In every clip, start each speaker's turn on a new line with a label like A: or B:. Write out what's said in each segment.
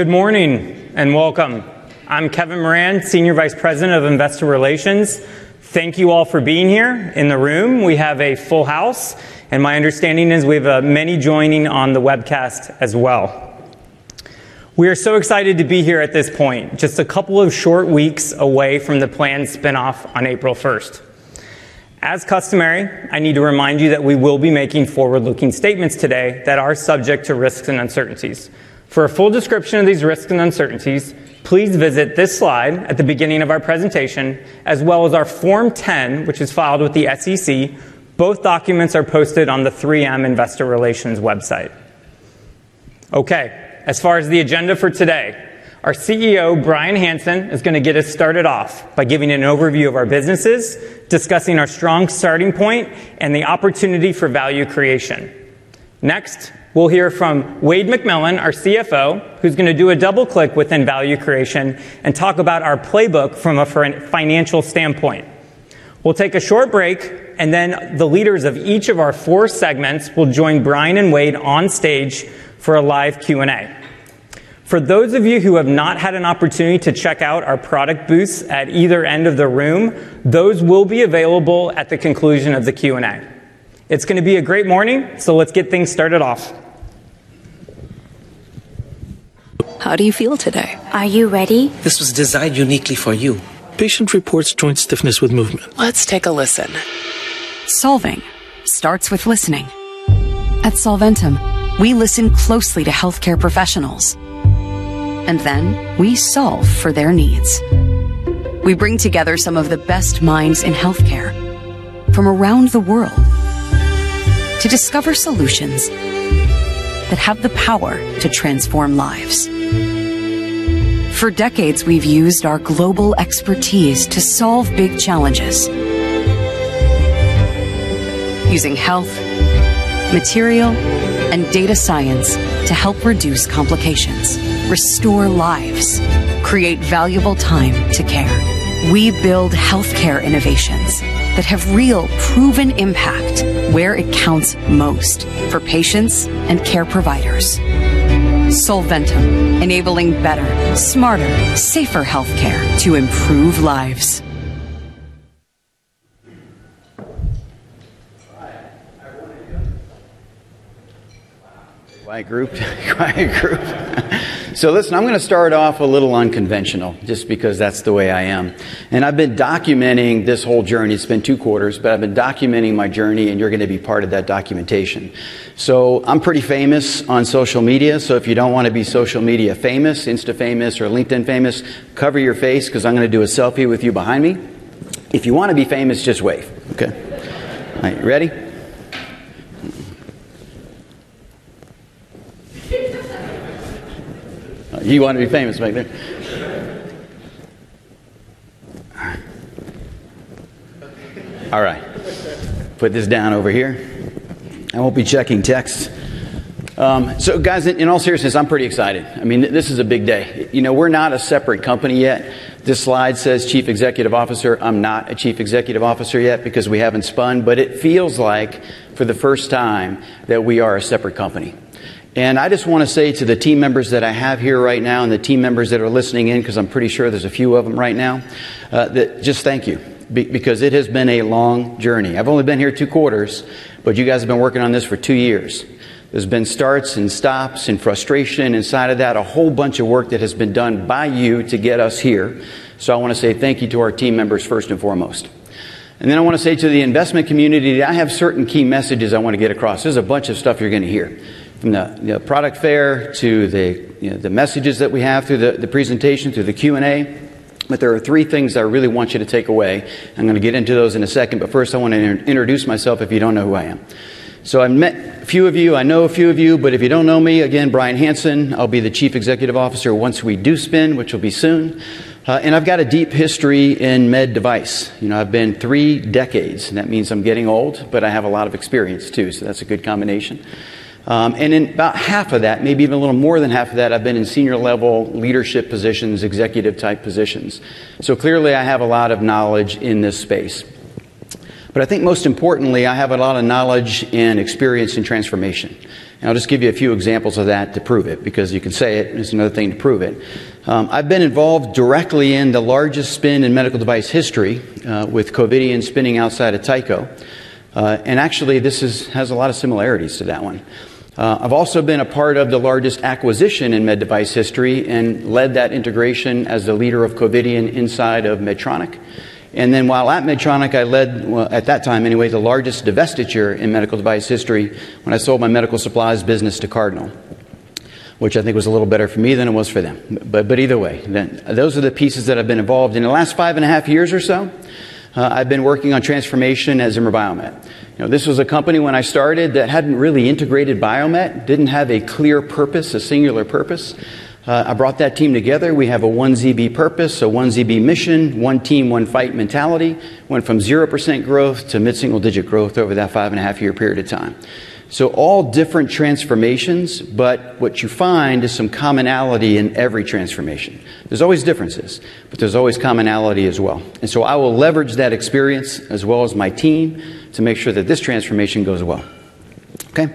A: Good morning and welcome. I'm Kevin Moran, Senior Vice President of Investor Relations. Thank you all for being here in the room. We have a full house, and my understanding is we have many joining on the webcast as well. We are so excited to be here at this point, just a couple of short weeks away from the planned spinoff on April 1st. As customary, I need to remind you that we will be making forward-looking statements today that are subject to risks and uncertainties. For a full description of these risks and uncertainties, please visit this slide at the beginning of our presentation, as well as our Form 10, which is filed with the SEC. Both documents are posted on the 3M Investor Relations website. Okay, as far as the agenda for today, our CEO, Bryan Hanson, is going to get us started off by giving an overview of our businesses, discussing our strong starting point, and the opportunity for value creation. Next, we'll hear from Wayde McMillan, our CFO, who's going to do a double-click within value creation and talk about our playbook from a financial standpoint. We'll take a short break, and then the leaders of each of our four segments will join Bryan and Wayde on stage for a live Q&A. For those of you who have not had an opportunity to check out our product booths at either end of the room, those will be available at the conclusion of the Q&A. It's going to be a great morning, so let's get things started off. How do you feel today? Are you ready? This was designed uniquely for you. Patient reports joint stiffness with movement. Let's take a listen. Solving starts with listening. At Solventum, we listen closely to healthcare professionals, and then we solve for their needs. We bring together some of the best minds in healthcare from around the world to discover solutions that have the power to transform lives. For decades, we've used our global expertise to solve big challenges, using health, material, and data science to help reduce complications, restore lives, create valuable time to care. We build healthcare innovations that have real, proven impact where it counts most for patients and care providers. Solventum, enabling better, smarter, safer healthcare to improve lives.
B: All right. Everyone in here? Wow. Quiet group. Quiet group. So listen, I'm going to start off a little unconventional, just because that's the way I am. And I've been documenting this whole journey (it's been two quarters) but I've been documenting my journey, and you're going to be part of that documentation. So I'm pretty famous on social media, so if you don't want to be social media famous, Insta-famous, or LinkedIn-famous, cover your face because I'm going to do a selfie with you behind me. If you want to be famous, just wave. Okay? All right. You ready? You want to be famous, right there? All right. All right. Put this down over here. I won't be checking text. So guys, in all seriousness, I'm pretty excited. I mean, this is a big day. You know, we're not a separate company yet. This slide says, "Chief Executive Officer." I'm not a Chief Executive Officer yet because we haven't spun, but it feels like, for the first time, that we are a separate company. I just want to say to the team members that I have here right now and the team members that are listening in because I'm pretty sure there's a few of them right now that just thank you because it has been a long journey. I've only been here two quarters, but you guys have been working on this for two years. There's been starts and stops and frustration inside of that, a whole bunch of work that has been done by you to get us here. I want to say thank you to our team members, first and foremost. And then I want to say to the investment community that I have certain key messages I want to get across. There's a bunch of stuff you're going to hear, from the product fair to the messages that we have through the presentation, through the Q&A. But there are three things that I really want you to take away. I'm going to get into those in a second, but first I want to introduce myself if you don't know who I am. So I've met a few of you. I know a few of you, but if you don't know me, again, Bryan Hanson. I'll be the Chief Executive Officer once we do spin, which will be soon. And I've got a deep history in med device. You know, I've been three decades, and that means I'm getting old, but I have a lot of experience too, so that's a good combination. And in about half of that, maybe even a little more than half of that, I've been in senior-level leadership positions, executive-type positions. So clearly, I have a lot of knowledge in this space. But I think most importantly, I have a lot of knowledge and experience in transformation. And I'll just give you a few examples of that to prove it because you can say it, and it's another thing to prove it. I've been involved directly in the largest spinoff in medical device history with Covidien spinning off from Tyco. And actually, this has a lot of similarities to that one. I've also been a part of the largest acquisition in med device history and led that integration as the leader of Covidien inside of Medtronic. Then while at Medtronic, I led, at that time anyway, the largest divestiture in medical device history when I sold my medical supplies business to Cardinal, which I think was a little better for me than it was for them. But either way, those are the pieces that I've been involved in. In the last 5.5 years or so, I've been working on transformation at Zimmer Biomet. This was a company when I started that hadn't really integrated Biomet, didn't have a clear purpose, a singular purpose. I brought that team together. We have a one ZB purpose, a one ZB mission, one team, one fight mentality. Went from 0% growth to mid-single-digit growth over that 5.5-year period of time. So all different transformations, but what you find is some commonality in every transformation. There's always differences, but there's always commonality as well. And so I will leverage that experience as well as my team to make sure that this transformation goes well. Okay?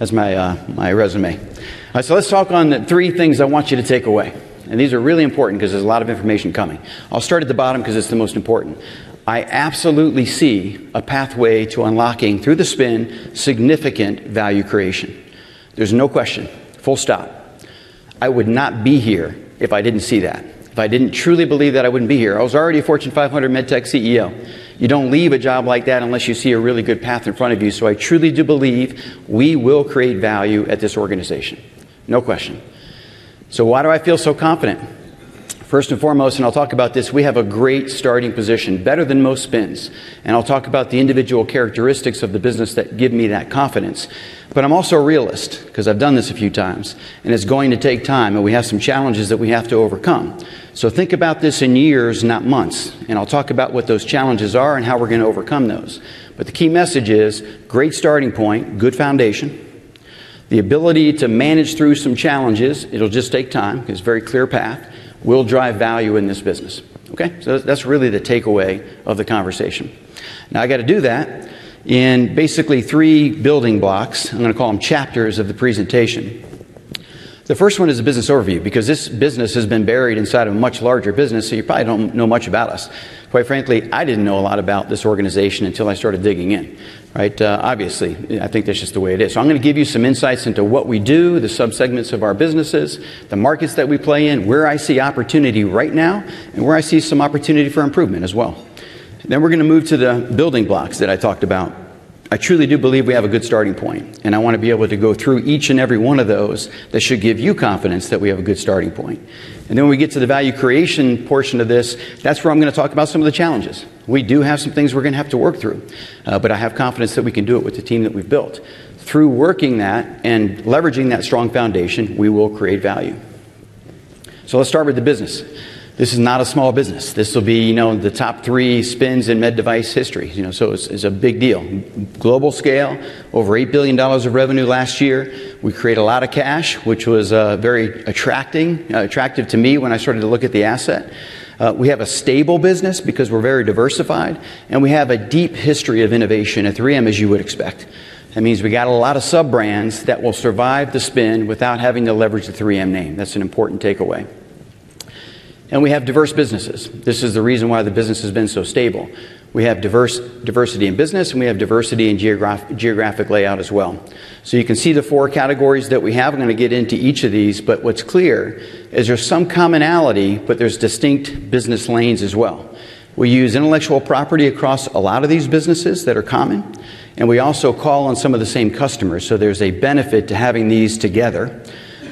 B: That's my resume. All right, so let's talk on the 3 things I want you to take away. And these are really important because there's a lot of information coming. I'll start at the bottom because it's the most important. I absolutely see a pathway to unlocking, through the spin, significant value creation. There's no question. Full stop. I would not be here if I didn't see that, if I didn't truly believe that I wouldn't be here. I was already a Fortune 500 MedTech CEO. You don't leave a job like that unless you see a really good path in front of you. So I truly do believe we will create value at this organization. No question. So why do I feel so confident? First and foremost, and I'll talk about this, we have a great starting position, better than most spins. And I'll talk about the individual characteristics of the business that give me that confidence. But I'm also a realist because I've done this a few times, and it's going to take time, and we have some challenges that we have to overcome. So think about this in years, not months. And I'll talk about what those challenges are and how we're going to overcome those. But the key message is great starting point, good foundation, the ability to manage through some challenges (it'll just take time because it's a very clear path) will drive value in this business. Okay? So that's really the takeaway of the conversation. Now, I've got to do that in basically three building blocks. I'm going to call them chapters of the presentation. The first one is a business overview because this business has been buried inside of a much larger business, so you probably don't know much about us. Quite frankly, I didn't know a lot about this organization until I started digging in. All right? Obviously, I think that's just the way it is. So I'm going to give you some insights into what we do, the sub-segments of our businesses, the markets that we play in, where I see opportunity right now, and where I see some opportunity for improvement as well. Then we're going to move to the building blocks that I talked about. I truly do believe we have a good starting point, and I want to be able to go through each and every one of those that should give you confidence that we have a good starting point. And then when we get to the value creation portion of this, that's where I'm going to talk about some of the challenges. We do have some things we're going to have to work through, but I have confidence that we can do it with the team that we've built. Through working that and leveraging that strong foundation, we will create value. So let's start with the business. This is not a small business. This will be the top three spins in med device history. So it's a big deal. Global scale, over $8 billion of revenue last year. We create a lot of cash, which was very attractive to me when I started to look at the asset. We have a stable business because we're very diversified, and we have a deep history of innovation at 3M, as you would expect. That means we've got a lot of sub-brands that will survive the spin without having to leverage the 3M name. That's an important takeaway. And we have diverse businesses. This is the reason why the business has been so stable. We have diversity in business, and we have diversity in geographic layout as well. So you can see the four categories that we have. I'm going to get into each of these, but what's clear is there's some commonality, but there's distinct business lanes as well. We use intellectual property across a lot of these businesses that are common, and we also call on some of the same customers. So there's a benefit to having these together.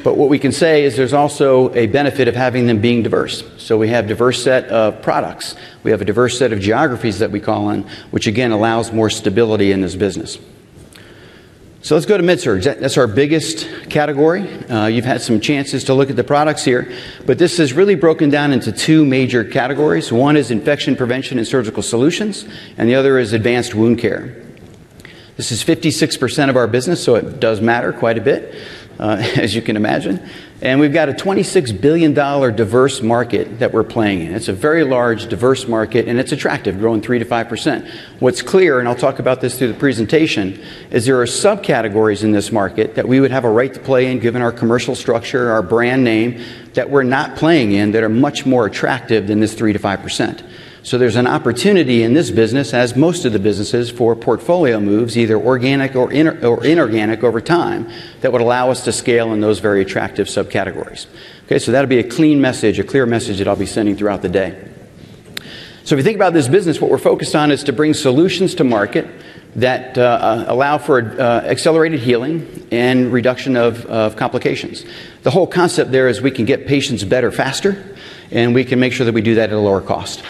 B: But what we can say is there's also a benefit of having them being diverse. So we have a diverse set of products. We have a diverse set of geographies that we call on, which again allows more stability in this business. So let's go to MedSurg. That's our biggest category. You've had some chances to look at the products here, but this is really broken down into two major categories. One is infection prevention and surgical solutions, and the other is advanced wound care. This is 56% of our business, so it does matter quite a bit, as you can imagine. And we've got a $26 billion diverse market that we're playing in. It's a very large, diverse market, and it's attractive, growing 3%-5%. What's clear, and I'll talk about this through the presentation, is there are sub-categories in this market that we would have a right to play in given our commercial structure, our brand name that we're not playing in that are much more attractive than this 3%-5%. So there's an opportunity in this business, as most of the businesses, for portfolio moves, either organic or inorganic, over time, that would allow us to scale in those very attractive sub-categories. Okay? So that'll be a clean message, a clear message that I'll be sending throughout the day. So if you think about this business, what we're focused on is to bring solutions to market that allow for accelerated healing and reduction of complications. The whole concept there is we can get patients better faster, and we can make sure that we do that at a lower cost.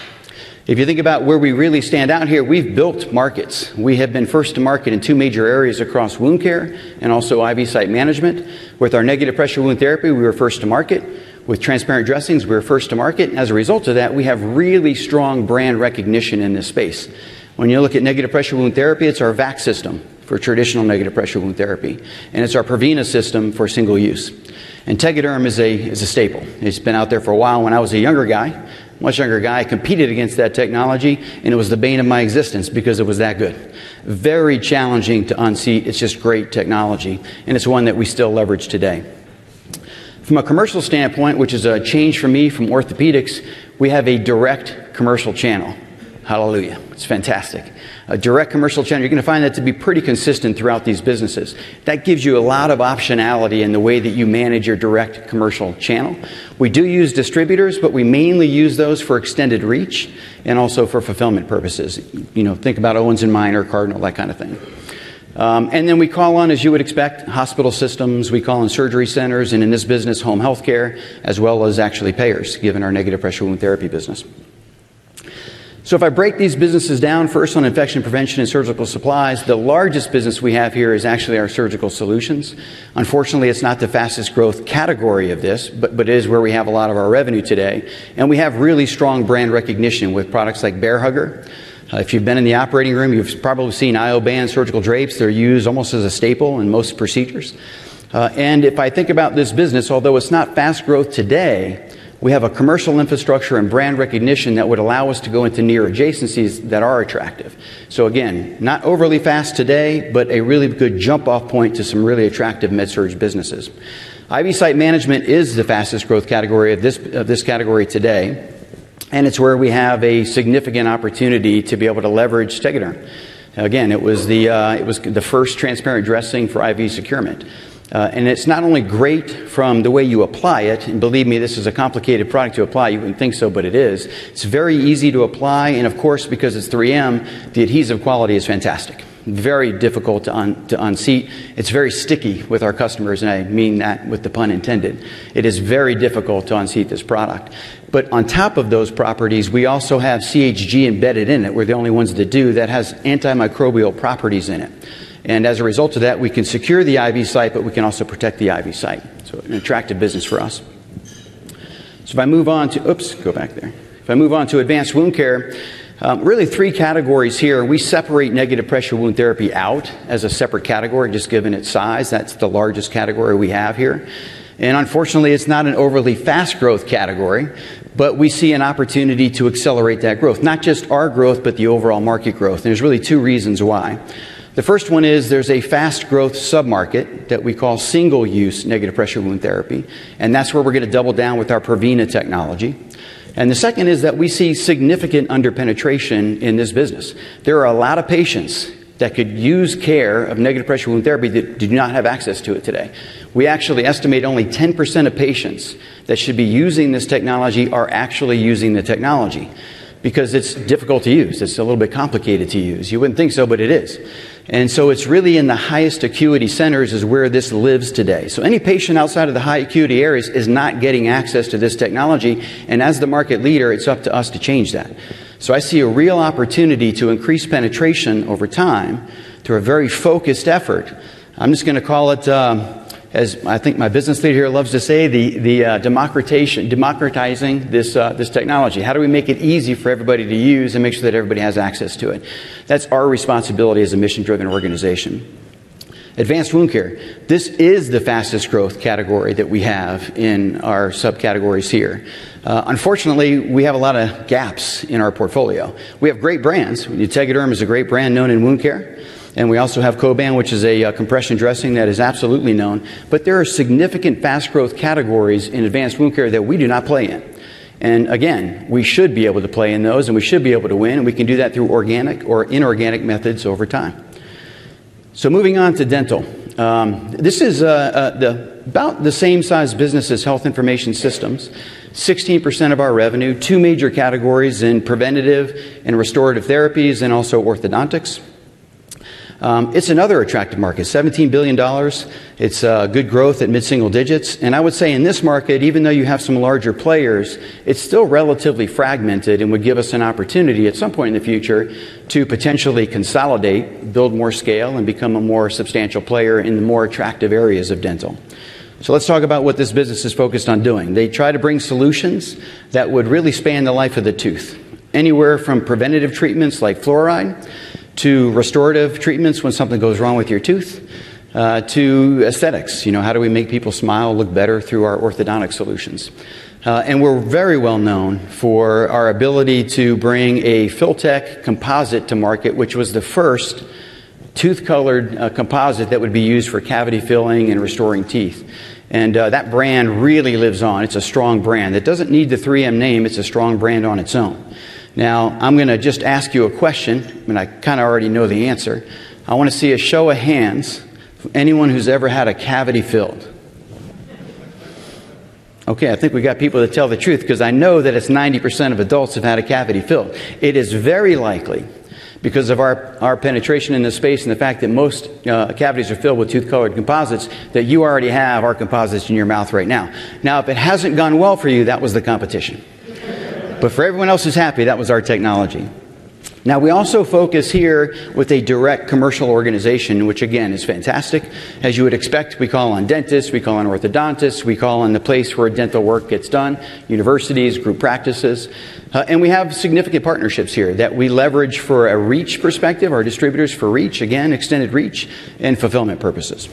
B: If you think about where we really stand out here, we've built markets. We have been first to market in two major areas across wound care and also IV site management. With our negative pressure wound therapy, we were first to market. With transparent dressings, we were first to market. And as a result of that, we have really strong brand recognition in this space. When you look at negative pressure wound therapy, it's our V.A.C. system for traditional negative pressure wound therapy, and it's our Prevena system for single use. And Tegaderm is a staple. It's been out there for a while. When I was a younger guy, much younger guy, I competed against that technology, and it was the bane of my existence because it was that good. Very challenging to unseat. It's just great technology, and it's one that we still leverage today. From a commercial standpoint, which is a change for me from orthopedics, we have a direct commercial channel. Hallelujah. It's fantastic. A direct commercial channel. You're going to find that to be pretty consistent throughout these businesses. That gives you a lot of optionality in the way that you manage your direct commercial channel. We do use distributors, but we mainly use those for extended reach and also for fulfillment purposes. You know, think about Owens & Minor, Cardinal Health, that kind of thing. And then we call on, as you would expect, hospital systems. We call on surgery centers, and in this business, home healthcare, as well as actually payers given our negative pressure wound therapy business. So if I break these businesses down, first on infection prevention and surgical supplies, the largest business we have here is actually our surgical solutions. Unfortunately, it's not the fastest growth category of this, but it is where we have a lot of our revenue today. And we have really strong brand recognition with products like Bair Hugger. If you've been in the operating room, you've probably seen Ioban surgical drapes. They're used almost as a staple in most procedures. And if I think about this business, although it's not fast growth today, we have a commercial infrastructure and brand recognition that would allow us to go into near adjacencies that are attractive. So again, not overly fast today, but a really good jump-off point to some really attractive MedSurg businesses. IV site management is the fastest growth category of this category today, and it's where we have a significant opportunity to be able to leverage Tegaderm. Again, it was the first transparent dressing for IV securement. And it's not only great from the way you apply it (and believe me, this is a complicated product to apply). You wouldn't think so, but it is. It's very easy to apply. And of course, because it's 3M, the adhesive quality is fantastic. Very difficult to unseat. It's very sticky with our customers, and I mean that with the pun intended. It is very difficult to unseat this product. But on top of those properties, we also have CHG embedded in it, where the only ones to do that has antimicrobial properties in it. And as a result of that, we can secure the IV site, but we can also protect the IV site. So an attractive business for us. So if I move on to advanced wound care, really three categories here. We separate negative pressure wound therapy out as a separate category just given its size. That's the largest category we have here. And unfortunately, it's not an overly fast growth category, but we see an opportunity to accelerate that growth, not just our growth, but the overall market growth. And there's really two reasons why. The first one is there's a fast growth sub-market that we call single-use negative pressure wound therapy, and that's where we're going to double down with our Prevena technology. And the second is that we see significant under-penetration in this business. There are a lot of patients that could use care of Negative Pressure Wound Therapy that do not have access to it today. We actually estimate only 10% of patients that should be using this technology are actually using the technology because it's difficult to use. It's a little bit complicated to use. You wouldn't think so, but it is. And so it's really in the highest acuity centers is where this lives today. So any patient outside of the high acuity areas is not getting access to this technology. And as the market leader, it's up to us to change that. So I see a real opportunity to increase penetration over time through a very focused effort. I'm just going to call it, as I think my business lead here loves to say, the democratizing this technology. How do we make it easy for everybody to use and make sure that everybody has access to it? That's our responsibility as a mission-driven organization. Advanced wound care, this is the fastest growth category that we have in our sub-categories here. Unfortunately, we have a lot of gaps in our portfolio. We have great brands. Tegaderm is a great brand known in wound care, and we also have Coban, which is a compression dressing that is absolutely known. But there are significant fast growth categories in advanced wound care that we do not play in. And again, we should be able to play in those, and we should be able to win. And we can do that through organic or inorganic methods over time. So moving on to dental. This is about the same size business as health information systems, 16% of our revenue, two major categories in preventative and restorative therapies, and also orthodontics. It's another attractive market, $17 billion. It's good growth at mid-single digits. And I would say in this market, even though you have some larger players, it's still relatively fragmented and would give us an opportunity at some point in the future to potentially consolidate, build more scale, and become a more substantial player in the more attractive areas of dental. So let's talk about what this business is focused on doing. They try to bring solutions that would really span the life of the tooth, anywhere from preventative treatments like fluoride to restorative treatments when something goes wrong with your tooth, to aesthetics. You know, how do we make people smile, look better through our orthodontic solutions? We're very well known for our ability to bring a Filtek composite to market, which was the first tooth-colored composite that would be used for cavity filling and restoring teeth. That brand really lives on. It's a strong brand. It doesn't need the 3M name. It's a strong brand on its own. Now, I'm going to just ask you a question, and I kind of already know the answer. I want to see a show of hands for anyone who's ever had a cavity filled. Okay, I think we've got people to tell the truth because I know that it's 90% of adults who've had a cavity filled. It is very likely because of our penetration in this space and the fact that most cavities are filled with tooth-colored composites that you already have our composites in your mouth right now. Now, if it hasn't gone well for you, that was the competition. But for everyone else who's happy, that was our technology. Now, we also focus here with a direct commercial organization, which again is fantastic. As you would expect, we call on dentists, we call on orthodontists, we call on the place where dental work gets done, universities, group practices. We have significant partnerships here that we leverage for a reach perspective, our distributors for reach, again extended reach and fulfillment purposes.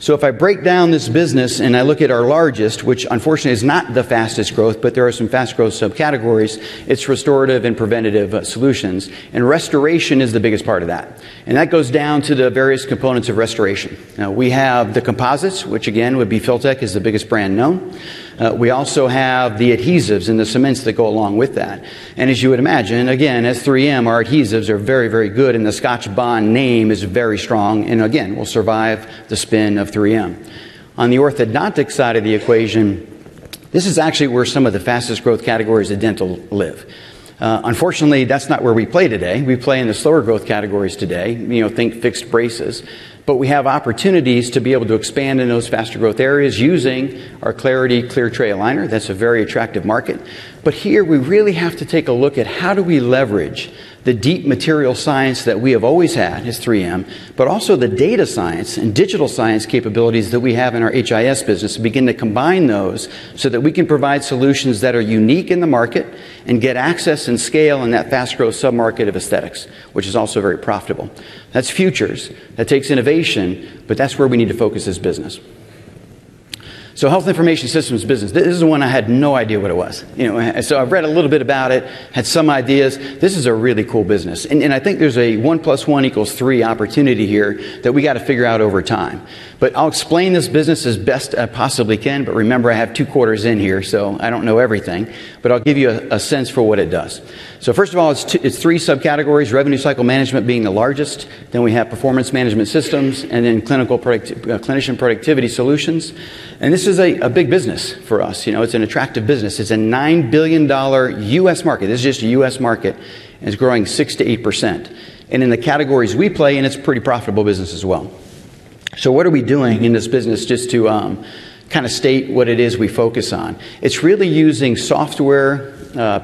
B: So if I break down this business and I look at our largest, which unfortunately is not the fastest growth, but there are some fast growth sub-categories, it's restorative and preventative solutions. Restoration is the biggest part of that. That goes down to the various components of restoration. Now, we have the composites, which again would be Filtek as the biggest brand known. We also have the adhesives and the cements that go along with that. And as you would imagine, again, as 3M, our adhesives are very, very good, and the Scotchbond name is very strong. And again, we'll survive the spin of 3M. On the orthodontic side of the equation, this is actually where some of the fastest growth categories of dental live. Unfortunately, that's not where we play today. We play in the slower growth categories today. You know, think fixed braces. But we have opportunities to be able to expand in those faster growth areas using our Clarity clear tray aligner. That's a very attractive market. But here we really have to take a look at how do we leverage the deep material science that we have always had as 3M, but also the data science and digital science capabilities that we have in our HIS business to begin to combine those so that we can provide solutions that are unique in the market and get access and scale in that fast growth sub-market of aesthetics, which is also very profitable. That's futures. That takes innovation, but that's where we need to focus as business. So health information systems business, this is the one I had no idea what it was. You know, so I've read a little bit about it, had some ideas. This is a really cool business. And I think there's a 1 + 1 = 3 opportunity here that we've got to figure out over time. But I'll explain this business as best I possibly can. But remember, I have two quarters in here, so I don't know everything. But I'll give you a sense for what it does. So first of all, it's three sub-categories, revenue cycle management being the largest. Then we have performance management systems, and then clinician productivity solutions. And this is a big business for us. You know, it's an attractive business. It's a $9 billion U.S. market. This is just a U.S. market, and it's growing 6%-8%. And in the categories we play, and it's a pretty profitable business as well. So what are we doing in this business just to kind of state what it is we focus on? It's really using software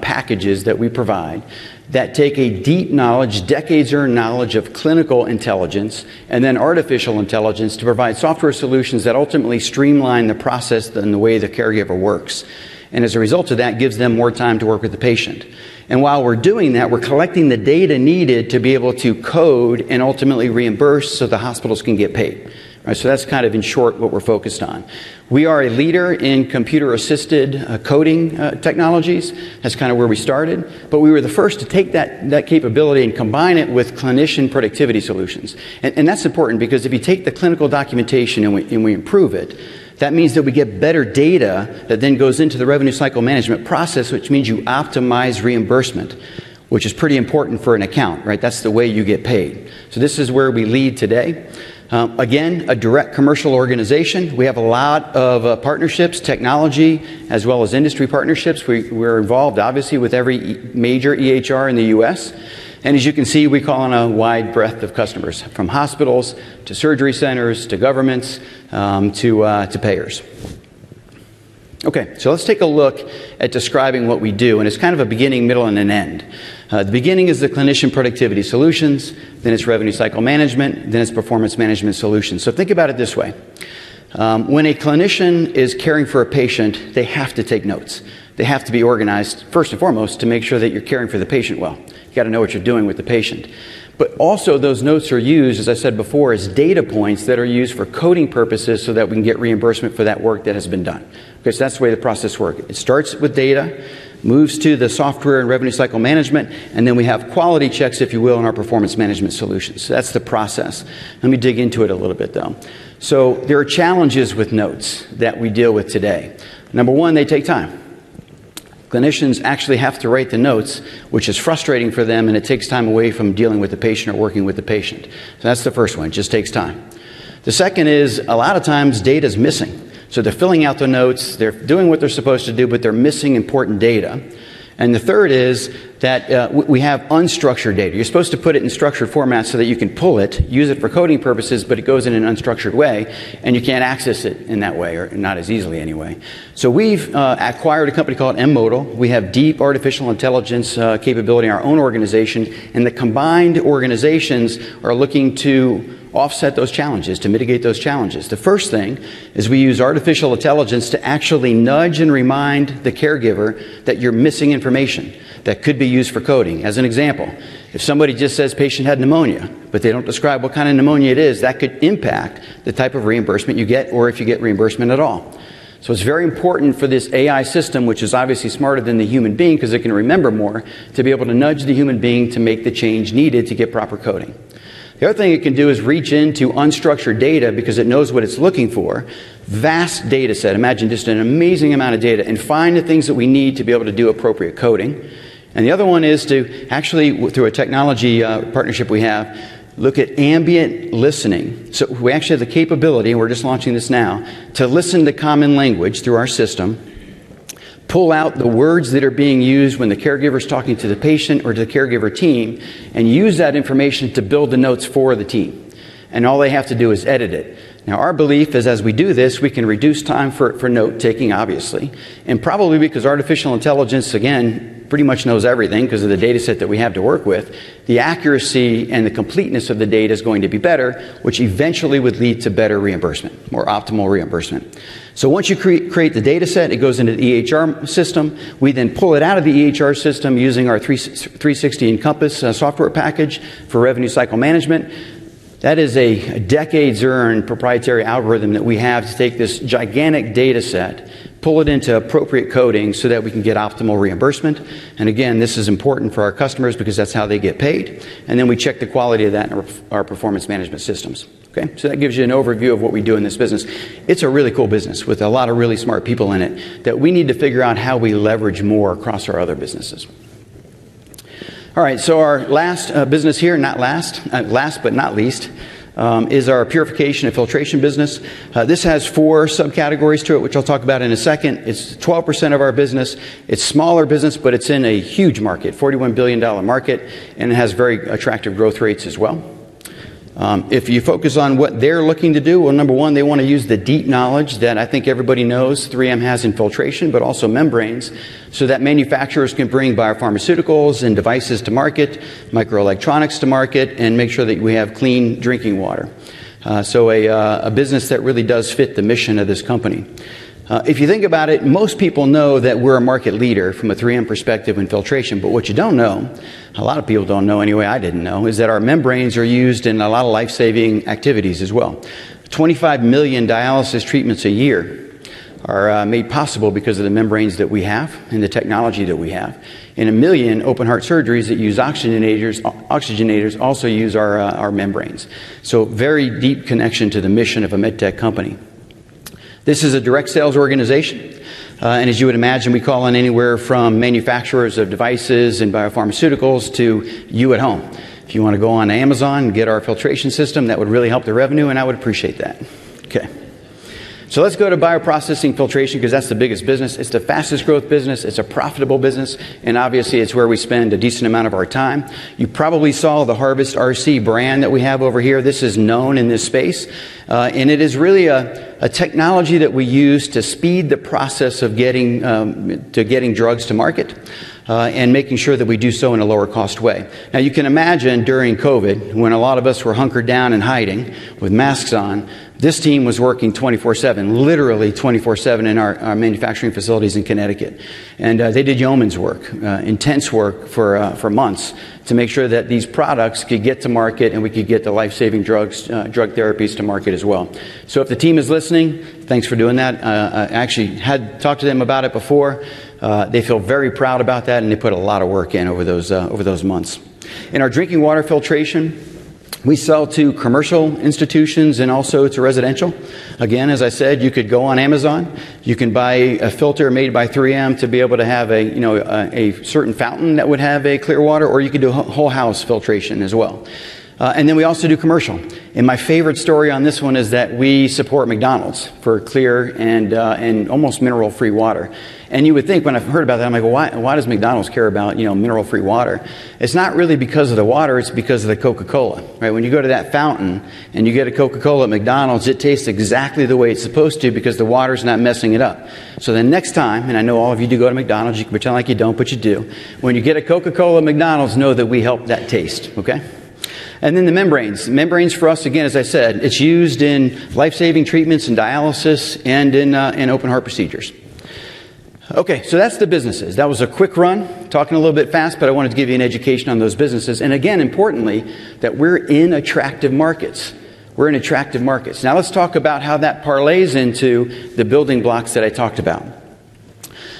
B: packages that we provide that take a deep knowledge, decades-earned knowledge of clinical intelligence, and then artificial intelligence to provide software solutions that ultimately streamline the process and the way the caregiver works. As a result of that, it gives them more time to work with the patient. While we're doing that, we're collecting the data needed to be able to code and ultimately reimburse so the hospitals can get paid. That's kind of in short what we're focused on. We are a leader in computer-assisted coding technologies. That's kind of where we started. We were the first to take that capability and combine it with clinician productivity solutions. And that's important because if you take the clinical documentation and we improve it, that means that we get better data that then goes into the revenue cycle management process, which means you optimize reimbursement, which is pretty important for an account. That's the way you get paid. So this is where we lead today. Again, a direct commercial organization. We have a lot of partnerships, technology, as well as industry partnerships. We're involved obviously with every major EHR in the U.S. And as you can see, we call on a wide breadth of customers from hospitals to surgery centers to governments to payers. Okay, so let's take a look at describing what we do. And it's kind of a beginning, middle, and an end. The beginning is the clinician productivity solutions. Then it's revenue cycle management. Then it's performance management solutions. So think about it this way. When a clinician is caring for a patient, they have to take notes. They have to be organized first and foremost to make sure that you're caring for the patient well. You've got to know what you're doing with the patient. But also those notes are used, as I said before, as data points that are used for coding purposes so that we can get reimbursement for that work that has been done. Because that's the way the process works. It starts with data, moves to the software and revenue cycle management, and then we have quality checks, if you will, in our performance management solutions. So that's the process. Let me dig into it a little bit though. So there are challenges with notes that we deal with today. Number one, they take time. Clinicians actually have to write the notes, which is frustrating for them, and it takes time away from dealing with the patient or working with the patient. That's the first one. It just takes time. The second is a lot of times data is missing. They're filling out the notes. They're doing what they're supposed to do, but they're missing important data. The third is that we have unstructured data. You're supposed to put it in structured formats so that you can pull it, use it for coding purposes, but it goes in an unstructured way, and you can't access it in that way or not as easily anyway. We've acquired a company called M*Modal. We have deep artificial intelligence capability in our own organization, and the combined organizations are looking to offset those challenges, to mitigate those challenges. The first thing is we use artificial intelligence to actually nudge and remind the caregiver that you're missing information that could be used for coding. As an example, if somebody just says patient had pneumonia, but they don't describe what kind of pneumonia it is, that could impact the type of reimbursement you get or if you get reimbursement at all. So it's very important for this AI system, which is obviously smarter than the human being because it can remember more, to be able to nudge the human being to make the change needed to get proper coding. The other thing it can do is reach into unstructured data because it knows what it's looking for, vast data set - imagine just an amazing amount of data - and find the things that we need to be able to do appropriate coding. The other one is to actually, through a technology partnership we have, look at ambient listening. So we actually have the capability - and we're just launching this now - to listen to common language through our system, pull out the words that are being used when the caregiver is talking to the patient or to the caregiver team, and use that information to build the notes for the team. And all they have to do is edit it. Now, our belief is as we do this, we can reduce time for note-taking, obviously. And probably because artificial intelligence, again, pretty much knows everything because of the data set that we have to work with, the accuracy and the completeness of the data is going to be better, which eventually would lead to better reimbursement, more optimal reimbursement. Once you create the data set, it goes into the EHR system. We then pull it out of the EHR system using our 360 Encompass software package for revenue cycle management. That is a decades-earned proprietary algorithm that we have to take this gigantic data set, pull it into appropriate coding so that we can get optimal reimbursement. Again, this is important for our customers because that's how they get paid. Then we check the quality of that in our performance management systems. Okay, so that gives you an overview of what we do in this business. It's a really cool business with a lot of really smart people in it that we need to figure out how we leverage more across our other businesses. All right, so our last business here - not last, last but not least - is our Purification and Filtration business. This has four sub-categories to it, which I'll talk about in a second. It's 12% of our business. It's a smaller business, but it's in a huge market, $41 billion market, and it has very attractive growth rates as well. If you focus on what they're looking to do, well, number one, they want to use the deep knowledge that I think everybody knows 3M has in filtration, but also membranes, so that manufacturers can bring biopharmaceuticals and devices to market, microelectronics to market, and make sure that we have clean drinking water. So a business that really does fit the mission of this company. If you think about it, most people know that we're a market leader from a 3M perspective in filtration. But what you don't know, a lot of people don't know anyway, I didn't know, is that our membranes are used in a lot of life-saving activities as well. 25 million dialysis treatments a year are made possible because of the membranes that we have and the technology that we have. And 1 million open-heart surgeries that use oxygenators also use our membranes. So very deep connection to the mission of a MedTech company. This is a direct sales organization. And as you would imagine, we call on anywhere from manufacturers of devices and biopharmaceuticals to you at home. If you want to go on Amazon and get our filtration system, that would really help the revenue, and I would appreciate that. Okay, so let's go to bioprocessing filtration because that's the biggest business. It's the fastest growth business. It's a profitable business. Obviously, it's where we spend a decent amount of our time. You probably saw the Harvest RC brand that we have over here. This is known in this space. It is really a technology that we use to speed the process of getting drugs to market and making sure that we do so in a lower-cost way. Now, you can imagine during COVID, when a lot of us were hunkered down and hiding with masks on, this team was working 24/7, literally 24/7, in our manufacturing facilities in Connecticut. They did yeoman's work, intense work for months, to make sure that these products could get to market and we could get the life-saving drug therapies to market as well. If the team is listening, thanks for doing that. I actually had talked to them about it before. They feel very proud about that, and they put a lot of work in over those months. In our drinking water filtration, we sell to commercial institutions, and also it's residential. Again, as I said, you could go on Amazon. You can buy a filter made by 3M to be able to have a certain fountain that would have clear water, or you could do whole-house filtration as well. And then we also do commercial. And my favorite story on this one is that we support McDonald's for clear and almost mineral-free water. And you would think when I've heard about that, I'm like, "Why does McDonald's care about mineral-free water?" It's not really because of the water. It's because of the Coca-Cola. When you go to that fountain and you get a Coca-Cola at McDonald's, it tastes exactly the way it's supposed to because the water is not messing it up. So the next time - and I know all of you do go to McDonald's, you can pretend like you don't, but you do - when you get a Coca-Cola at McDonald's, know that we help that taste. Okay, and then the membranes. Membranes for us, again, as I said, it's used in life-saving treatments and dialysis and in open-heart procedures. Okay, so that's the businesses. That was a quick run talking a little bit fast, but I wanted to give you an education on those businesses. And again, importantly, that we're in attractive markets. We're in attractive markets. Now let's talk about how that parlays into the building blocks that I talked about.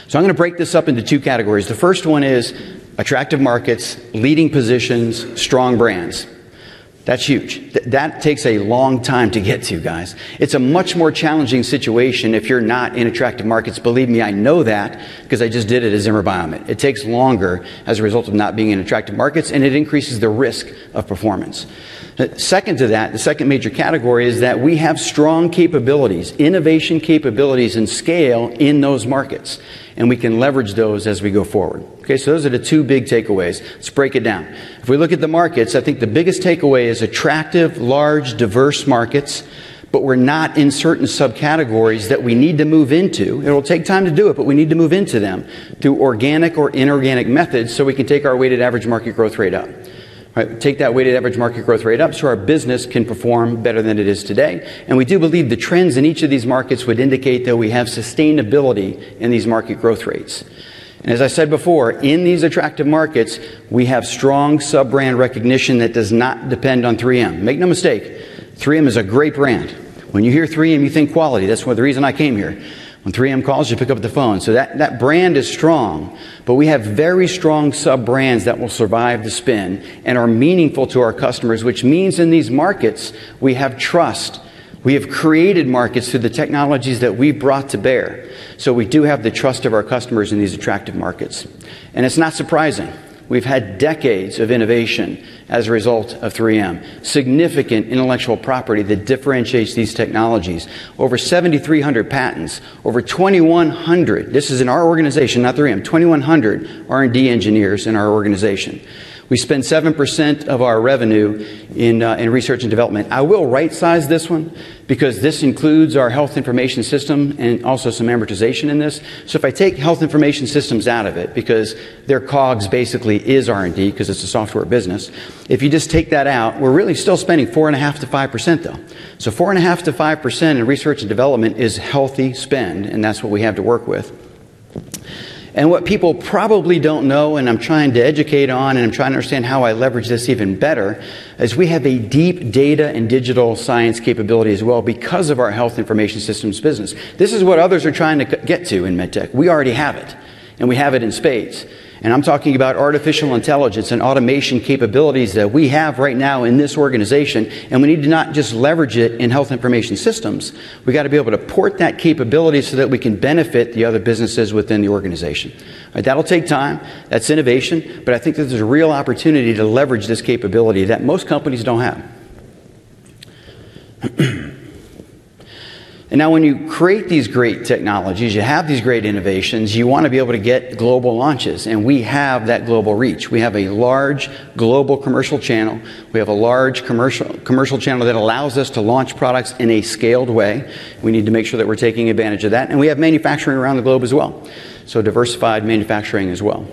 B: So I'm going to break this up into two categories. The first one is attractive markets, leading positions, strong brands. That's huge. That takes a long time to get to, guys. It's a much more challenging situation if you're not in attractive markets. Believe me, I know that because I just did it as Zimmer Biomet. It takes longer as a result of not being in attractive markets, and it increases the risk of performance. Second to that, the second major category is that we have strong capabilities, innovation capabilities, and scale in those markets, and we can leverage those as we go forward. Okay, so those are the two big takeaways. Let's break it down. If we look at the markets, I think the biggest takeaway is attractive, large, diverse markets, but we're not in certain sub-categories that we need to move into. It will take time to do it, but we need to move into them through organic or inorganic methods so we can take our weighted average market growth rate up. Take that weighted average market growth rate up so our business can perform better than it is today. And we do believe the trends in each of these markets would indicate that we have sustainability in these market growth rates. And as I said before, in these attractive markets, we have strong sub-brand recognition that does not depend on 3M. Make no mistake, 3M is a great brand. When you hear 3M, you think quality. That's one of the reasons I came here. When 3M calls, you pick up the phone. So that brand is strong, but we have very strong sub-brands that will survive the spin and are meaningful to our customers, which means in these markets we have trust. We have created markets through the technologies that we brought to bear. So we do have the trust of our customers in these attractive markets. And it's not surprising. We've had decades of innovation as a result of 3M, significant intellectual property that differentiates these technologies, over 7,300 patents, over 2,100 - this is in our organization, not 3M - 2,100 R&D engineers in our organization. We spend 7% of our revenue in research and development. I will right-size this one because this includes our health information system and also some amortization in this. So if I take health information systems out of it because their COGS basically is R&D because it's a software business, if you just take that out, we're really still spending 4.5%-5% though. So 4.5%-5% in research and development is healthy spend, and that's what we have to work with. And what people probably don't know, and I'm trying to educate on, and I'm trying to understand how I leverage this even better, is we have a deep data and digital science capability as well because of our health information systems business. This is what others are trying to get to in MedTech. We already have it, and we have it in spades. And I'm talking about artificial intelligence and automation capabilities that we have right now in this organization. And we need to not just leverage it in health information systems. We've got to be able to port that capability so that we can benefit the other businesses within the organization. That'll take time. That's innovation. But I think that there's a real opportunity to leverage this capability that most companies don't have. And now when you create these great technologies, you have these great innovations, you want to be able to get global launches. And we have that global reach. We have a large global commercial channel. We have a large commercial channel that allows us to launch products in a scaled way. We need to make sure that we're taking advantage of that. And we have manufacturing around the globe as well, so diversified manufacturing as well.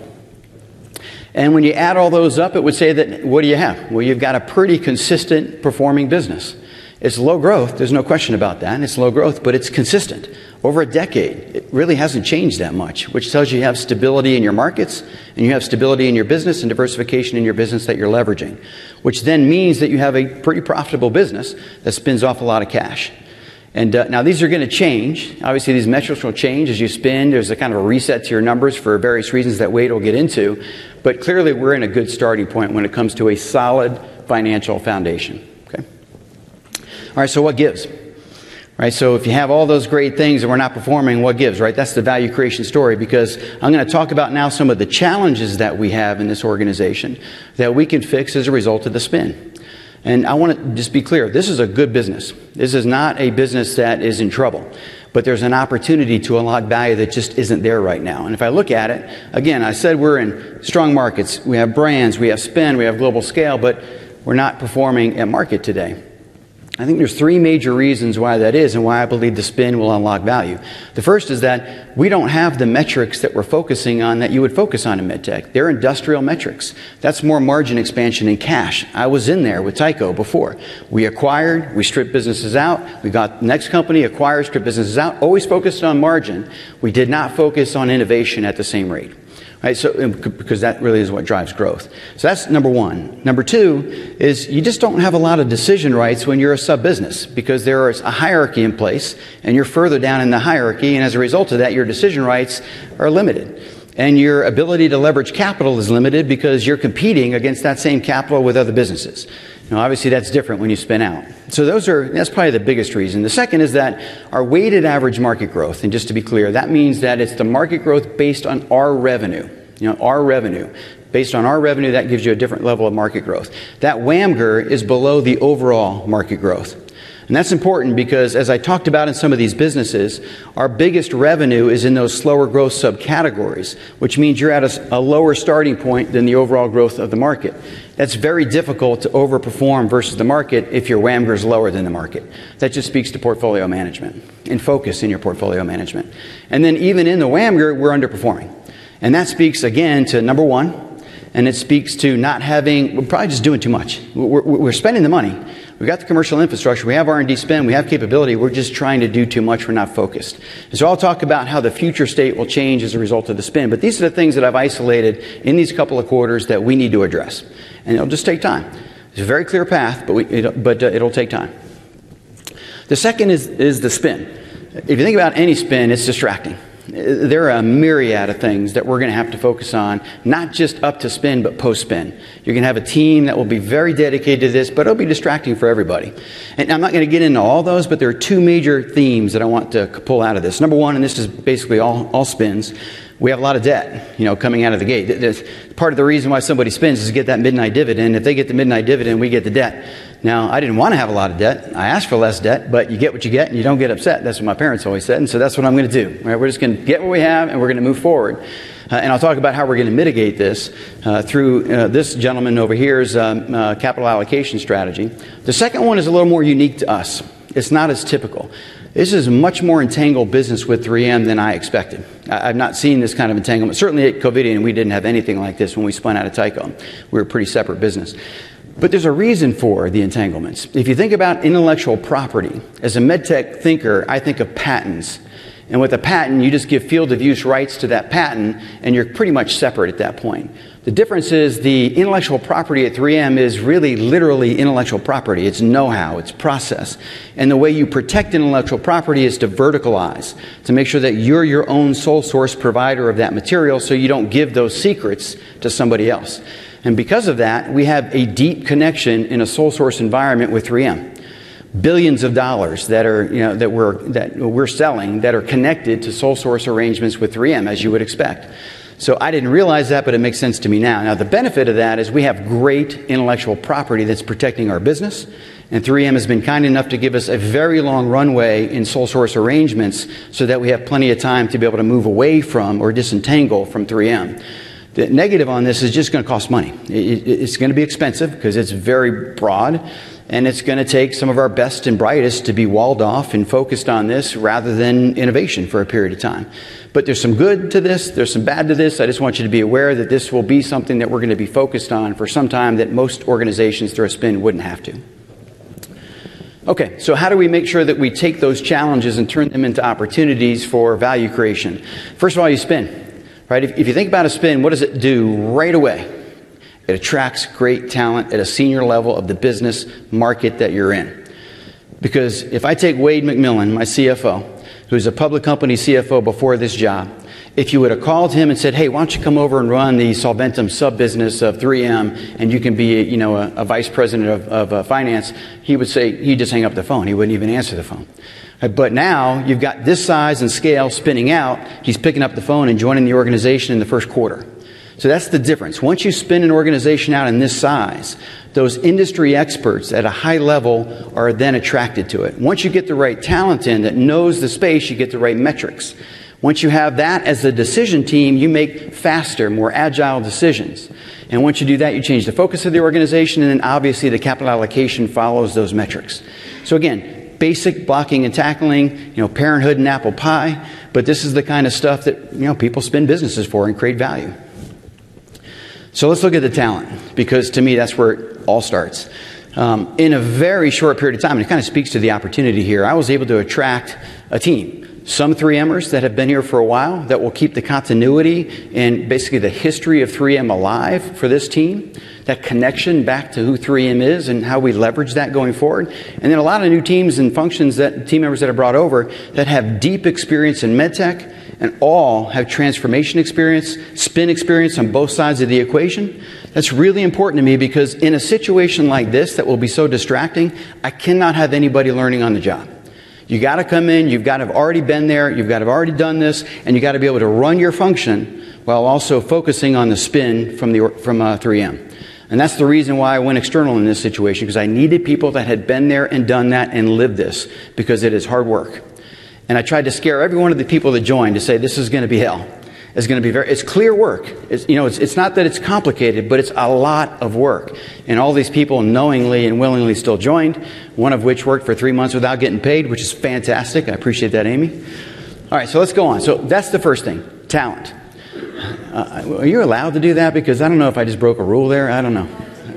B: And when you add all those up, it would say that what do you have? Well, you've got a pretty consistent performing business. It's low growth. There's no question about that. It's low growth, but it's consistent. Over a decade, it really hasn't changed that much, which tells you you have stability in your markets, and you have stability in your business, and diversification in your business that you're leveraging, which then means that you have a pretty profitable business that spins off a lot of cash. Now these are going to change. Obviously, these metrics will change as you spend. There's a kind of a reset to your numbers for various reasons that Wayde will get into. Clearly, we're in a good starting point when it comes to a solid financial foundation. Okay, all right, so what gives? All right, so if you have all those great things and we're not performing, what gives? That's the value creation story because I'm going to talk about now some of the challenges that we have in this organization that we can fix as a result of the spin. I want to just be clear, this is a good business. This is not a business that is in trouble, but there's an opportunity to unlock value that just isn't there right now. If I look at it, again, I said we're in strong markets. We have brands. We have spin. We have global scale, but we're not performing at market today. I think there's three major reasons why that is and why I believe the spin will unlock value. The first is that we don't have the metrics that we're focusing on that you would focus on in MedTech. They're industrial metrics. That's more margin expansion and cash. I was in there with Tyco before. We acquired. We stripped businesses out. We got the next company, acquired, stripped businesses out, always focused on margin. We did not focus on innovation at the same rate because that really is what drives growth. So that's number one. Number two is you just don't have a lot of decision rights when you're a sub-business because there is a hierarchy in place, and you're further down in the hierarchy. As a result of that, your decision rights are limited, and your ability to leverage capital is limited because you're competing against that same capital with other businesses. Obviously, that's different when you spin out. So that's probably the biggest reason. The second is that our weighted average market growth—and just to be clear, that means that it's the market growth based on our revenue. Our revenue, based on our revenue, that gives you a different level of market growth. That WAMGR is below the overall market growth. That's important because, as I talked about in some of these businesses, our biggest revenue is in those slower growth sub-categories, which means you're at a lower starting point than the overall growth of the market. That's very difficult to overperform versus the market if your WAMGR is lower than the market. That just speaks to portfolio management and focus in your portfolio management. Then even in the WAMGR, we're underperforming. That speaks again to number one, and it speaks to not having - we're probably just doing too much. We're spending the money. We've got the commercial infrastructure. We have R&D spend. We have capability. We're just trying to do too much. We're not focused. So I'll talk about how the future state will change as a result of the spin. But these are the things that I've isolated in these couple of quarters that we need to address, and it'll just take time. It's a very clear path, but it'll take time. The second is the spin. If you think about any spin, it's distracting. There are a myriad of things that we're going to have to focus on, not just up to spin, but post-spin. You're going to have a team that will be very dedicated to this, but it'll be distracting for everybody. I'm not going to get into all those, but there are two major themes that I want to pull out of this. Number one - and this is basically all spins - we have a lot of debt coming out of the gate. Part of the reason why somebody spins is to get that midnight dividend. If they get the midnight dividend, we get the debt. Now, I didn't want to have a lot of debt. I asked for less debt, but you get what you get, and you don't get upset. That's what my parents always said. And so that's what I'm going to do. We're just going to get what we have, and we're going to move forward. And I'll talk about how we're going to mitigate this through this gentleman over here's capital allocation strategy. The second one is a little more unique to us. It's not as typical. This is a much more entangled business with 3M than I expected. I've not seen this kind of entanglement. Certainly at Covidien, we didn't have anything like this when we spun out of Tyco. We were a pretty separate business. But there's a reason for the entanglements. If you think about intellectual property, as a MedTech thinker, I think of patents. And with a patent, you just give field-of-use rights to that patent, and you're pretty much separate at that point. The difference is the intellectual property at 3M is really literally intellectual property. It's know-how. It's process. And the way you protect intellectual property is to verticalize, to make sure that you're your own sole source provider of that material so you don't give those secrets to somebody else. And because of that, we have a deep connection in a sole source environment with 3M, billions of dollars that we're selling that are connected to sole source arrangements with 3M, as you would expect. So I didn't realize that, but it makes sense to me now. Now, the benefit of that is we have great intellectual property that's protecting our business. And 3M has been kind enough to give us a very long runway in sole source arrangements so that we have plenty of time to be able to move away from or disentangle from 3M. The negative on this is it's just going to cost money. It's going to be expensive because it's very broad, and it's going to take some of our best and brightest to be walled off and focused on this rather than innovation for a period of time. But there's some good to this. There's some bad to this. I just want you to be aware that this will be something that we're going to be focused on for some time that most organizations through a spin wouldn't have to. Okay, so how do we make sure that we take those challenges and turn them into opportunities for value creation? First of all, you spin. If you think about a spin, what does it do right away? It attracts great talent at a senior level of the business market that you're in. Because if I take Wayde McMillan, my CFO, who's a public company CFO before this job, if you would have called him and said, "Hey, why don't you come over and run the Solventum sub-business of 3M, and you can be a Vice President of Finance," he would say he'd just hang up the phone. He wouldn't even answer the phone. But now you've got this size and scale spinning out. He's picking up the phone and joining the organization in the first quarter. So that's the difference. Once you spin an organization out in this size, those industry experts at a high level are then attracted to it. Once you get the right talent in that knows the space, you get the right metrics. Once you have that as the decision team, you make faster, more agile decisions. And once you do that, you change the focus of the organization, and then obviously the capital allocation follows those metrics. So again, basic blocking and tackling, parenthood and apple pie. But this is the kind of stuff that people spin businesses for and create value. So let's look at the talent because to me that's where it all starts. In a very short period of time, and it kind of speaks to the opportunity here, I was able to attract a team, some 3Mers that have been here for a while that will keep the continuity and basically the history of 3M alive for this team, that connection back to who 3M is and how we leverage that going forward. And then a lot of new teams and functions that team members that are brought over that have deep experience in MedTech and all have transformation experience, spin experience on both sides of the equation. That's really important to me because in a situation like this that will be so distracting, I cannot have anybody learning on the job. You've got to come in. You've got to have already been there. You've got to have already done this. And you've got to be able to run your function while also focusing on the spin from 3M. And that's the reason why I went external in this situation because I needed people that had been there and done that and lived this because it is hard work. And I tried to scare every one of the people that joined to say, "This is going to be hell. It's going to be very - it's clear work. It's not that it's complicated, but it's a lot of work." And all these people knowingly and willingly still joined, one of which worked for three months without getting paid, which is fantastic. I appreciate that, Amy. All right, so let's go on. So that's the first thing - talent. Are you allowed to do that because I don't know if I just broke a rule there? I don't know.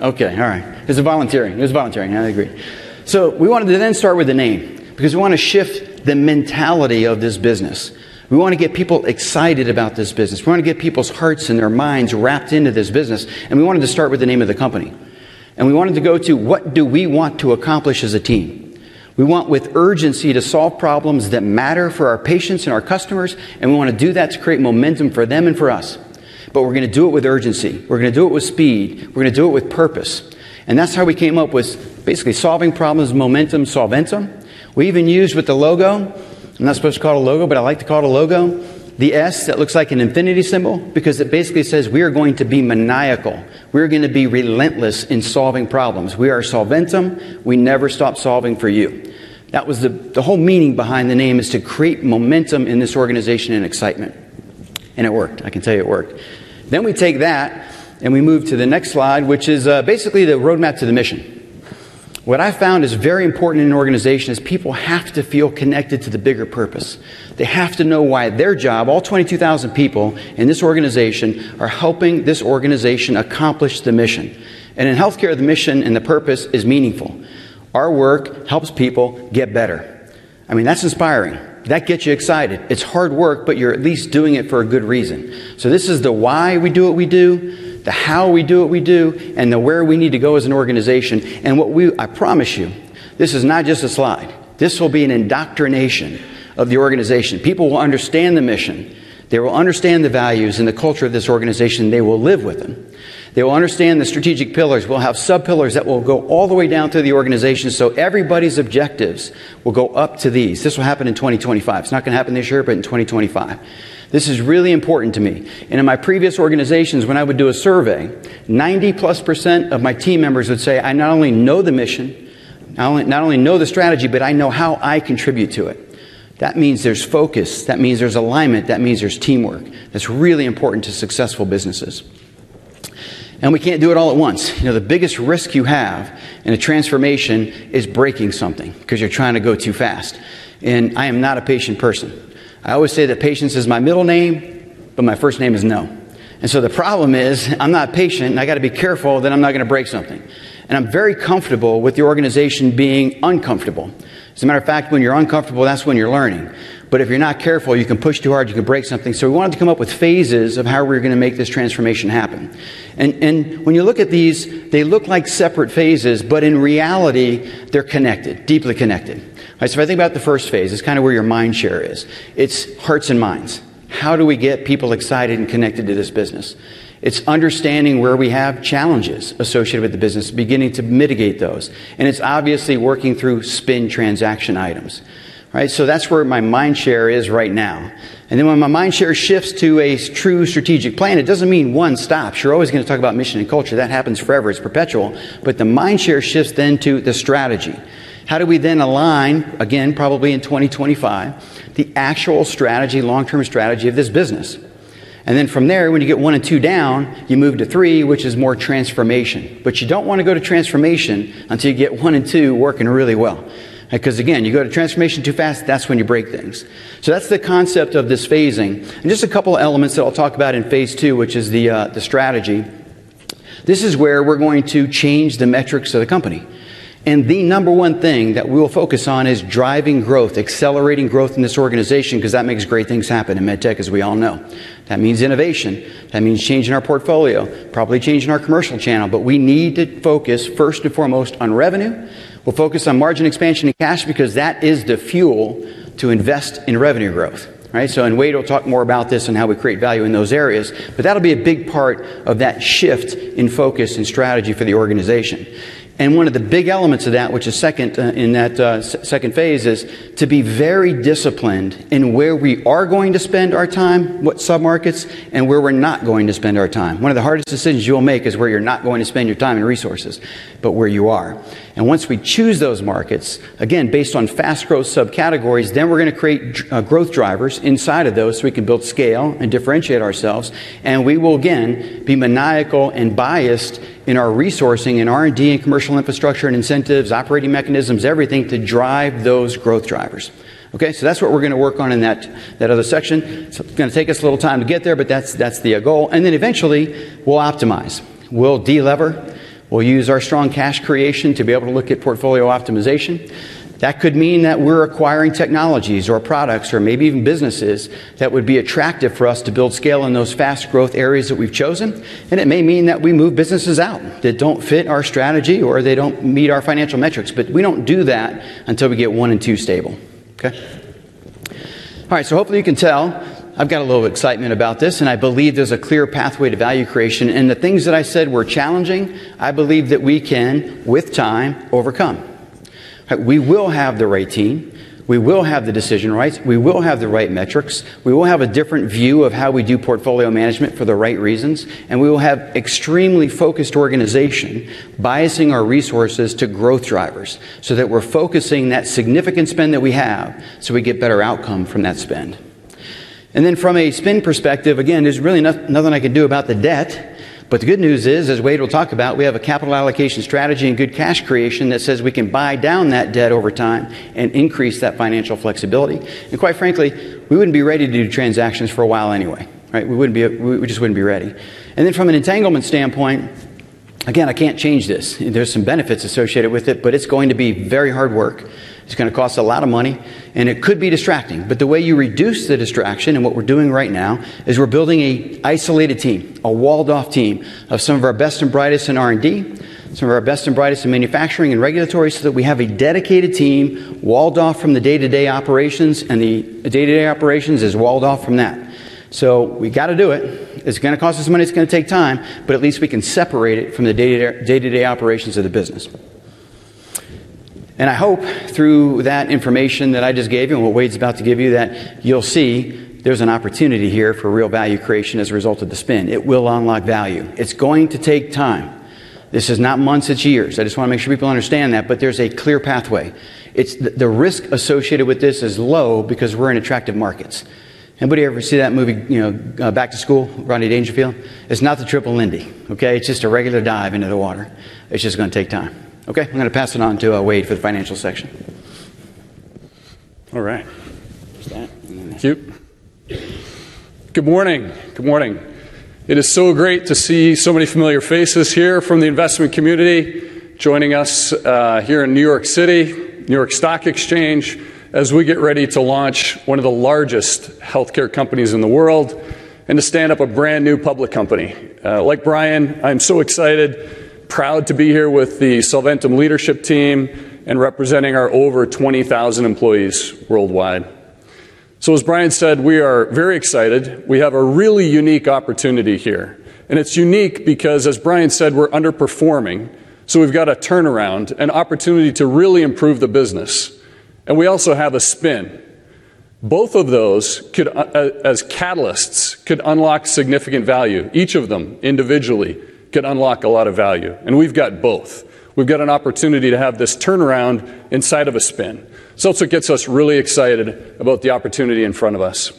B: Okay, all right. It was a volunteering. It was a volunteering. I agree. So we wanted to then start with the name because we want to shift the mentality of this business. We want to get people excited about this business. We want to get people's hearts and their minds wrapped into this business. And we wanted to start with the name of the company. And we wanted to go to what do we want to accomplish as a team? We want with urgency to solve problems that matter for our patients and our customers. And we want to do that to create momentum for them and for us. But we're going to do it with urgency. We're going to do it with speed. We're going to do it with purpose. And that's how we came up with basically solving problems, momentum, Solventum. We even used with the logo - I'm not supposed to call it a logo, but I like to call it a logo - the "S" that looks like an infinity symbol because it basically says we are going to be maniacal. We are going to be relentless in solving problems. We are Solventum. We never stop solving for you. That was the whole meaning behind the name is to create momentum in this organization and excitement. And it worked. I can tell you it worked. Then we take that and we move to the next slide, which is basically the roadmap to the mission. What I found is very important in an organization is people have to feel connected to the bigger purpose. They have to know why their job - all 22,000 people in this organization - are helping this organization accomplish the mission. And in healthcare, the mission and the purpose is meaningful. Our work helps people get better. I mean, that's inspiring. That gets you excited. It's hard work, but you're at least doing it for a good reason. So this is the why we do what we do, the how we do what we do, and the where we need to go as an organization. And what we - I promise you - this is not just a slide. This will be an indoctrination of the organization. People will understand the mission. They will understand the values and the culture of this organization. They will live with them. They will understand the strategic pillars. We'll have sub-pillars that will go all the way down through the organization so everybody's objectives will go up to these. This will happen in 2025. It's not going to happen this year, but in 2025. This is really important to me. In my previous organizations, when I would do a survey, 90%+ of my team members would say, "I not only know the mission, I not only know the strategy, but I know how I contribute to it." That means there's focus. That means there's alignment. That means there's teamwork. That's really important to successful businesses. We can't do it all at once. The biggest risk you have in a transformation is breaking something because you're trying to go too fast. I am not a patient person. I always say that patience is my middle name, but my first name is no. The problem is I'm not patient, and I've got to be careful that I'm not going to break something. I'm very comfortable with the organization being uncomfortable. As a matter of fact, when you're uncomfortable, that's when you're learning. But if you're not careful, you can push too hard. You can break something. So we wanted to come up with phases of how we're going to make this transformation happen. And when you look at these, they look like separate phases, but in reality, they're connected - deeply connected. So if I think about the first phase, it's kind of where your mind share is. It's hearts and minds. How do we get people excited and connected to this business? It's understanding where we have challenges associated with the business, beginning to mitigate those. And it's obviously working through spin transaction items. So that's where my mind share is right now. And then when my mind share shifts to a true strategic plan, it doesn't mean one stop. You're always going to talk about mission and culture. That happens forever. It's perpetual. But the mind share shifts then to the strategy. How do we then align - again, probably in 2025 - the actual strategy, long-term strategy of this business? And then from there, when you get one and two down, you move to three, which is more transformation. But you don't want to go to transformation until you get one and two working really well because again, you go to transformation too fast, that's when you break things. So that's the concept of this phasing. And just a couple of elements that I'll talk about in phase two, which is the strategy. This is where we're going to change the metrics of the company. And the number one thing that we will focus on is driving growth, accelerating growth in this organization because that makes great things happen in MedTech, as we all know. That means innovation. That means changing our portfolio, probably changing our commercial channel. But we need to focus first and foremost on revenue. We'll focus on margin expansion and cash because that is the fuel to invest in revenue growth. So in Wayde, we'll talk more about this and how we create value in those areas. But that'll be a big part of that shift in focus and strategy for the organization. And one of the big elements of that, which is second in that second phase, is to be very disciplined in where we are going to spend our time, what sub-markets, and where we're not going to spend our time. One of the hardest decisions you will make is where you're not going to spend your time and resources, but where you are. And once we choose those markets, again, based on fast growth sub-categories, then we're going to create growth drivers inside of those so we can build scale and differentiate ourselves. And we will again be maniacal and biased in our resourcing and R&D and commercial infrastructure and incentives, operating mechanisms, everything to drive those growth drivers. Okay, so that's what we're going to work on in that other section. It's going to take us a little time to get there, but that's the goal. And then eventually, we'll optimize. We'll de-lever. We'll use our strong cash creation to be able to look at portfolio optimization. That could mean that we're acquiring technologies or products or maybe even businesses that would be attractive for us to build scale in those fast growth areas that we've chosen. And it may mean that we move businesses out that don't fit our strategy or they don't meet our financial metrics. But we don't do that until we get one and two stable. Okay? All right, so hopefully you can tell I've got a little excitement about this, and I believe there's a clear pathway to value creation. And the things that I said were challenging, I believe that we can with time overcome. We will have the right team. We will have the decision rights. We will have the right metrics. We will have a different view of how we do portfolio management for the right reasons. And we will have extremely focused organization biasing our resources to growth drivers so that we're focusing that significant spend that we have so we get better outcome from that spend. And then from a spin perspective, again, there's really nothing I can do about the debt. But the good news is, as Wayde will talk about, we have a capital allocation strategy and good cash creation that says we can buy down that debt over time and increase that financial flexibility. And quite frankly, we wouldn't be ready to do transactions for a while anyway. We wouldn't be - we just wouldn't be ready. And then from an entanglement standpoint, again, I can't change this. There's some benefits associated with it, but it's going to be very hard work. It's going to cost a lot of money, and it could be distracting. But the way you reduce the distraction and what we're doing right now is we're building an isolated team, a walled-off team of some of our best and brightest in R&D, some of our best and brightest in manufacturing and regulatory so that we have a dedicated team walled off from the day-to-day operations, and the day-to-day operations is walled off from that. So we've got to do it. It's going to cost us money. It's going to take time, but at least we can separate it from the day-to-day operations of the business. And I hope through that information that I just gave you and what Wayde is about to give you, that you'll see there's an opportunity here for real value creation as a result of the spin. It will unlock value. It's going to take time. This is not months. It's years. I just want to make sure people understand that, but there's a clear pathway. The risk associated with this is low because we're in attractive markets. Anybody ever see that movie "Back to School" by Rodney Dangerfield? It's not the Triple Lindy. It's just a regular dive into the water. It's just going to take time. Okay, I'm going to pass it on to Wayde for the financial section. All right, there's that. Cute. Good morning. Good morning. It is so great to see so many familiar faces here from the investment community joining us here in New York City, New York Stock Exchange, as we get ready to launch one of the largest healthcare companies in the world and to stand up a brand new public company. Like Bryan, I'm so excited, proud to be here with the Solventum leadership team and representing our over 20,000 employees worldwide. As Bryan said, we are very excited. We have a really unique opportunity here. It's unique because, as Bryan said, we're underperforming, so we've got a turnaround, an opportunity to really improve the business. We also have a spin. Both of those, as catalysts, could unlock significant value. Each of them individually could unlock a lot of value. We've got both. We've got an opportunity to have this turnaround inside of a spin. That's what gets us really excited about the opportunity in front of us.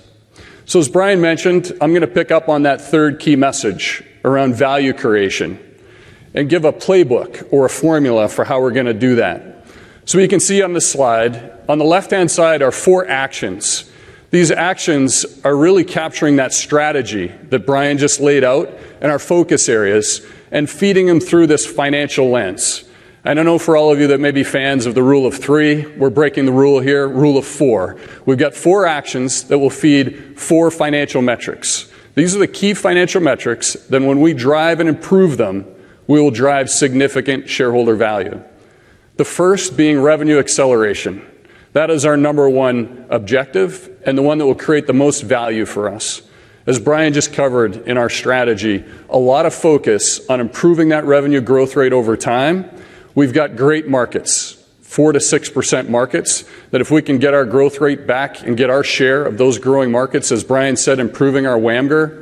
B: As Bryan mentioned, I'm going to pick up on that third key message around value creation and give a playbook or a formula for how we're going to do that. You can see on the slide, on the left-hand side are four actions. These actions are really capturing that strategy that Bryan just laid out and our focus areas and feeding them through this financial lens. I don't know for all of you that may be fans of the rule of three. We're breaking the rule here. Rule of four. We've got four actions that will feed four financial metrics. These are the key financial metrics that when we drive and improve them, we will drive significant shareholder value. The first being revenue acceleration. That is our number one objective and the one that will create the most value for us. As Bryan just covered in our strategy, a lot of focus on improving that revenue growth rate over time. We've got great markets, 4%-6% markets, that if we can get our growth rate back and get our share of those growing markets, as Bryan said, improving our WAMGR,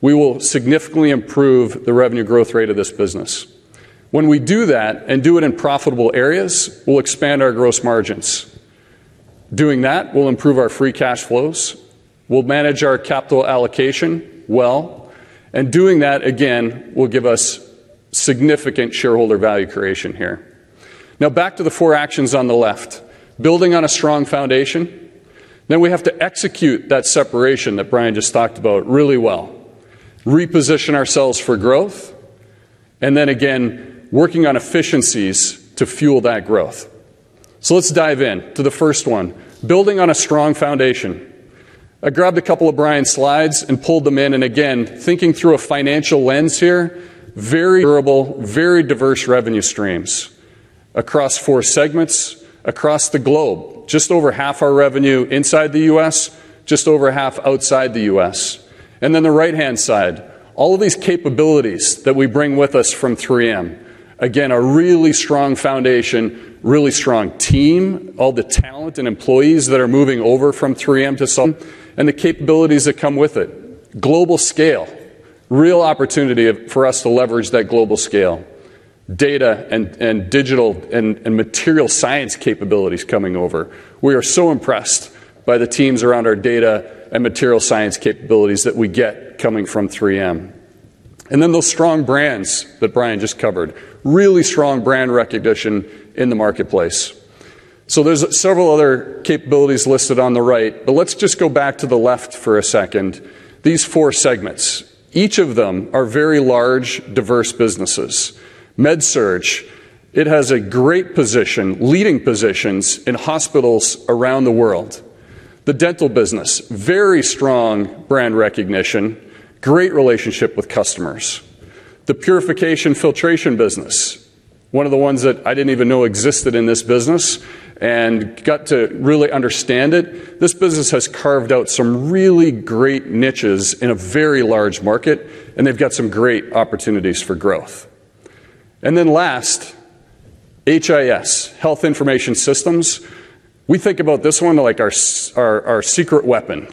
B: we will significantly improve the revenue growth rate of this business. When we do that and do it in profitable areas, we'll expand our gross margins. Doing that will improve our free cash flows. We'll manage our capital allocation well. And doing that, again, will give us significant shareholder value creation here. Now, back to the four actions on the left. Building on a strong foundation. Then we have to execute that separation that Bryan just talked about really well. Reposition ourselves for growth. And then again, working on efficiencies to fuel that growth. So let's dive in to the first one. Building on a strong foundation. I grabbed a couple of Bryan's slides and pulled them in. Again, thinking through a financial lens here, very durable, very diverse revenue streams across four segments, across the globe. Just over half our revenue inside the U.S., just over half outside the U.S. Then the right-hand side, all of these capabilities that we bring with us from 3M. Again, a really strong foundation, really strong team, all the talent and employees that are moving over from 3M to Solventum and the capabilities that come with it. Global scale, real opportunity for us to leverage that global scale. Data and digital and material science capabilities coming over. We are so impressed by the teams around our data and material science capabilities that we get coming from 3M. Then those strong brands that Bryan just covered. Really strong brand recognition in the marketplace. So there's several other capabilities listed on the right, but let's just go back to the left for a second. These four segments, each of them are very large, diverse businesses. MedSurg, it has a great position, leading positions in hospitals around the world. The dental business, very strong brand recognition, great relationship with customers. The purification filtration business, one of the ones that I didn't even know existed in this business and got to really understand it. This business has carved out some really great niches in a very large market, and they've got some great opportunities for growth. And then last, HIS, Health Information Systems. We think about this one like our secret weapon.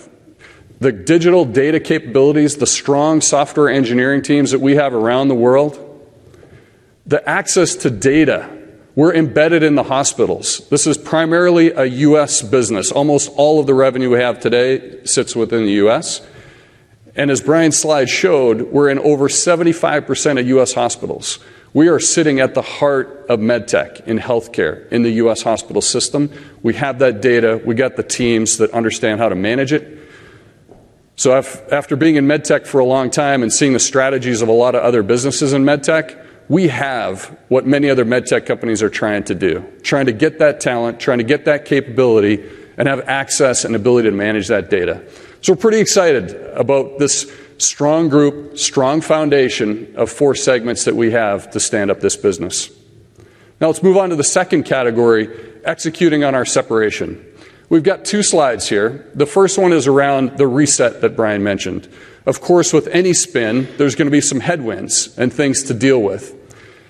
B: The digital data capabilities, the strong software engineering teams that we have around the world. The access to data. We're embedded in the hospitals. This is primarily a U.S. business. Almost all of the revenue we have today sits within the U.S. As Bryan's slide showed, we're in over 75% of U.S. hospitals. We are sitting at the heart of MedTech in healthcare in the U.S. hospital system. We have that data. We've got the teams that understand how to manage it. So after being in MedTech for a long time and seeing the strategies of a lot of other businesses in MedTech, we have what many other MedTech companies are trying to do, trying to get that talent, trying to get that capability, and have access and ability to manage that data. So we're pretty excited about this strong group, strong foundation of four segments that we have to stand up this business. Now, let's move on to the second category, executing on our separation. We've got two slides here. The first one is around the reset that Bryan mentioned. Of course, with any spin, there's going to be some headwinds and things to deal with.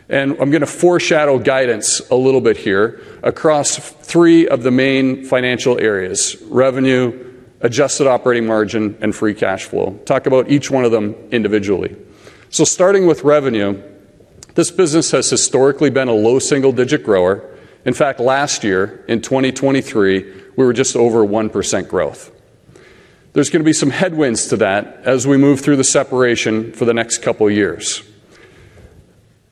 B: I'm going to foreshadow guidance a little bit here across three of the main financial areas: revenue, adjusted operating margin, and free cash flow. Talk about each one of them individually. Starting with revenue, this business has historically been a low single-digit grower. In fact, last year in 2023, we were just over 1% growth. There's going to be some headwinds to that as we move through the separation for the next couple of years.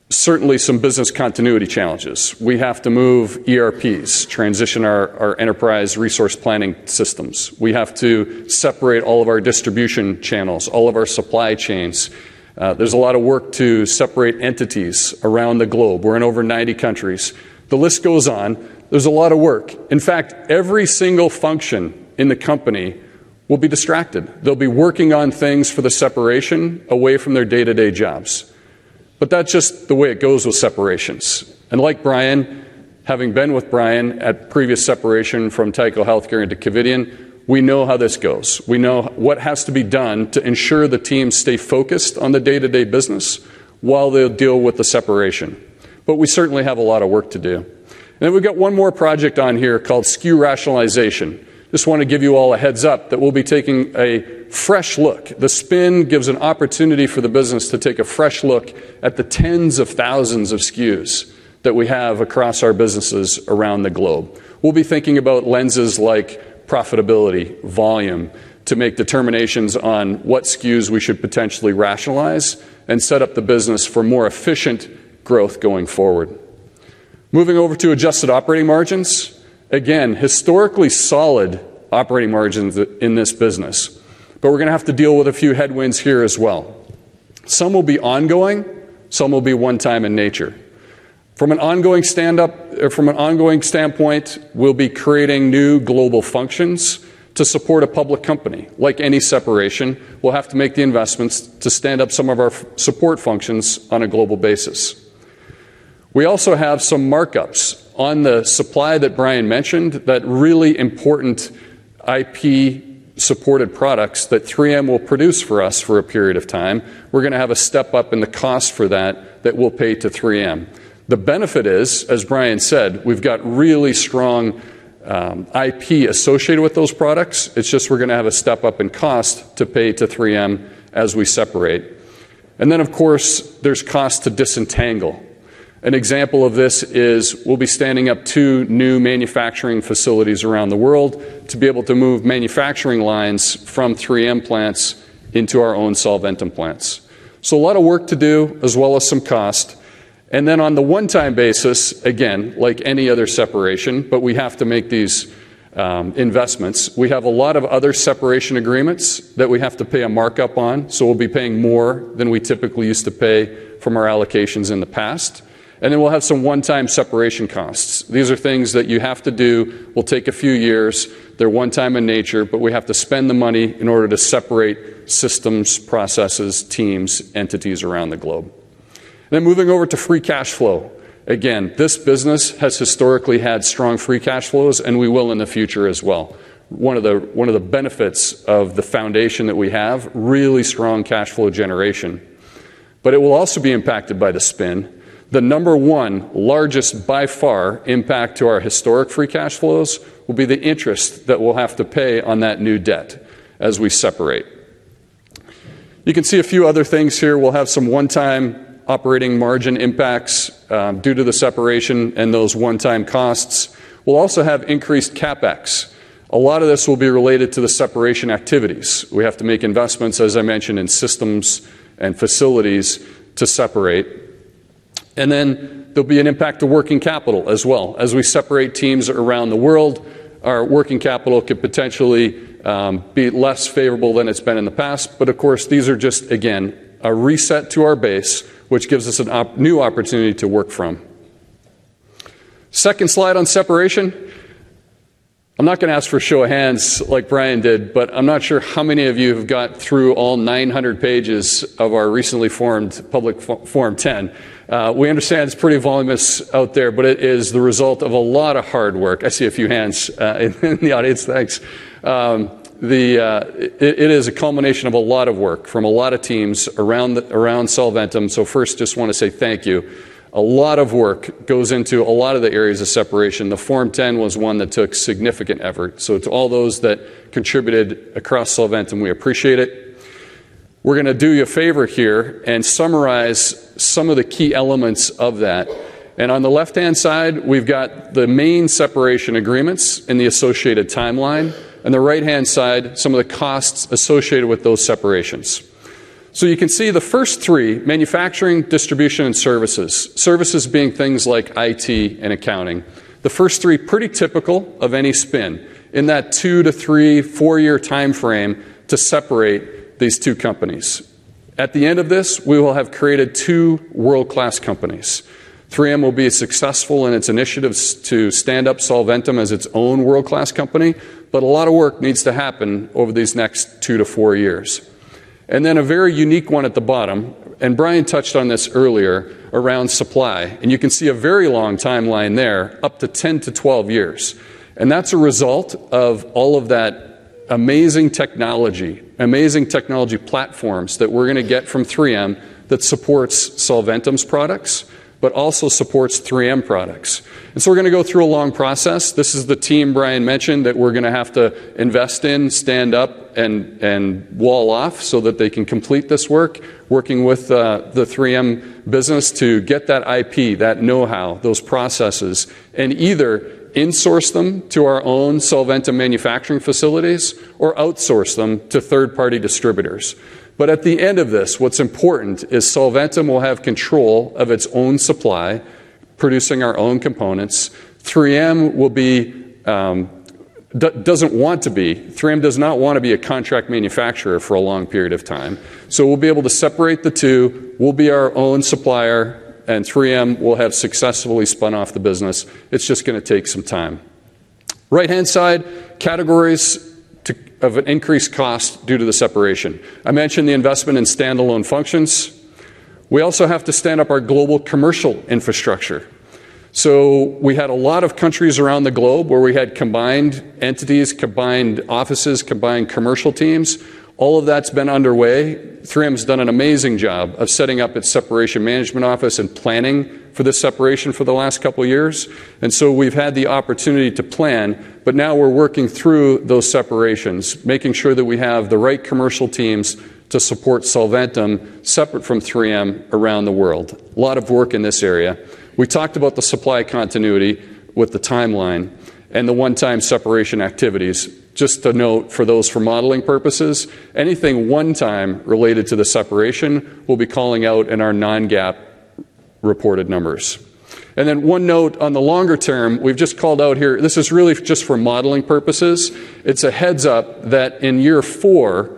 B: Certainly, some business continuity challenges. We have to move ERPs, transition our enterprise resource planning systems. We have to separate all of our distribution channels, all of our supply chains. There's a lot of work to separate entities around the globe. We're in over 90 countries. The list goes on. There's a lot of work. In fact, every single function in the company will be distracted. They'll be working on things for the separation away from their day-to-day jobs. But that's just the way it goes with separations. Like Bryan, having been with Bryan at previous separation from Tyco Healthcare into Covidien, we know how this goes. We know what has to be done to ensure the teams stay focused on the day-to-day business while they'll deal with the separation. But we certainly have a lot of work to do. We've got one more project on here called SKU rationalization. Just want to give you all a heads up that we'll be taking a fresh look. The spin gives an opportunity for the business to take a fresh look at the tens of thousands of SKUs that we have across our businesses around the globe. We'll be thinking about lenses like profitability, volume, to make determinations on what SKUs we should potentially rationalize and set up the business for more efficient growth going forward. Moving over to adjusted operating margins. Again, historically solid operating margins in this business. But we're going to have to deal with a few headwinds here as well. Some will be ongoing. Some will be one-time in nature. From an ongoing standpoint, we'll be creating new global functions to support a public company. Like any separation, we'll have to make the investments to stand up some of our support functions on a global basis. We also have some markups on the supply that Bryan mentioned, that really important IP-supported products that 3M will produce for us for a period of time. We're going to have a step up in the cost for that that we'll pay to 3M. The benefit is, as Bryan said, we've got really strong IP associated with those products. It's just we're going to have a step up in cost to pay to 3M as we separate. And then, of course, there's cost to disentangle. An example of this is we'll be standing up two new manufacturing facilities around the world to be able to move manufacturing lines from 3M plants into our own Solventum plants. So a lot of work to do as well as some cost. And then on the one-time basis, again, like any other separation, but we have to make these investments. We have a lot of other separation agreements that we have to pay a markup on. So we'll be paying more than we typically used to pay from our allocations in the past. And then we'll have some one-time separation costs. These are things that you have to do. We'll take a few years. They're one-time in nature, but we have to spend the money in order to separate systems, processes, teams, entities around the globe. And then moving over to free cash flow. Again, this business has historically had strong free cash flows, and we will in the future as well. One of the benefits of the foundation that we have, really strong cash flow generation. But it will also be impacted by the spin. The number one largest by far impact to our historic free cash flows will be the interest that we'll have to pay on that new debt as we separate. You can see a few other things here. We'll have some one-time operating margin impacts due to the separation and those one-time costs. We'll also have increased CapEx. A lot of this will be related to the separation activities. We have to make investments, as I mentioned, in systems and facilities to separate. And then there'll be an impact to working capital as well. As we separate teams around the world, our working capital could potentially be less favorable than it's been in the past. But of course, these are just, again, a reset to our base, which gives us a new opportunity to work from. Second slide on separation. I'm not going to ask for show of hands like Bryan did, but I'm not sure how many of you have got through all 900 pages of our recently formed public Form 10. We understand it's pretty voluminous out there, but it is the result of a lot of hard work. I see a few hands in the audience. Thanks. It is a culmination of a lot of work from a lot of teams around Solventum. First, just want to say thank you. A lot of work goes into a lot of the areas of separation. The Form 10 was one that took significant effort. It's all those that contributed across Solventum. We appreciate it. We're going to do you a favor here and summarize some of the key elements of that. On the left-hand side, we've got the main separation agreements and the associated timeline. On the right-hand side, some of the costs associated with those separations. So you can see the first three, manufacturing, distribution, and services. Services being things like IT and accounting. The first three, pretty typical of any spin, in that two to three to four year time frame to separate these two companies. At the end of this, we will have created two world-class companies. 3M will be successful in its initiatives to stand up Solventum as its own world-class company, but a lot of work needs to happen over these next twoto four years. And then a very unique one at the bottom, and Bryan touched on this earlier, around supply. And you can see a very long timeline there, up to 10- to 12 years. And that's a result of all of that amazing technology, amazing technology platforms that we're going to get from 3M that supports Solventum's products but also supports 3M products. And so we're going to go through a long process. This is the team Bryan mentioned that we're going to have to invest in, stand up, and wall off so that they can complete this work, working with the 3M business to get that IP, that know-how, those processes, and either insource them to our own Solventum manufacturing facilities or outsource them to third-party distributors. But at the end of this, what's important is Solventum will have control of its own supply, producing our own components. 3M doesn't want to be. 3M does not want to be a contract manufacturer for a long period of time. So we'll be able to separate the two. We'll be our own supplier, and 3M will have successfully spun off the business. It's just going to take some time. Right-hand side, categories of an increased cost due to the separation. I mentioned the investment in standalone functions. We also have to stand up our global commercial infrastructure. So we had a lot of countries around the globe where we had combined entities, combined offices, combined commercial teams. All of that's been underway. 3M's done an amazing job of setting up its separation management office and planning for the separation for the last couple of years. And so we've had the opportunity to plan, but now we're working through those separations, making sure that we have the right commercial teams to support Solventum separate from 3M around the world. A lot of work in this area. We talked about the supply continuity with the timeline and the one-time separation activities. Just a note for those for modeling purposes, anything one-time related to the separation, we'll be calling out in our non-GAAP reported numbers. And then one note on the longer term, we've just called out here. This is really just for modeling purposes. It's a heads up that in year four,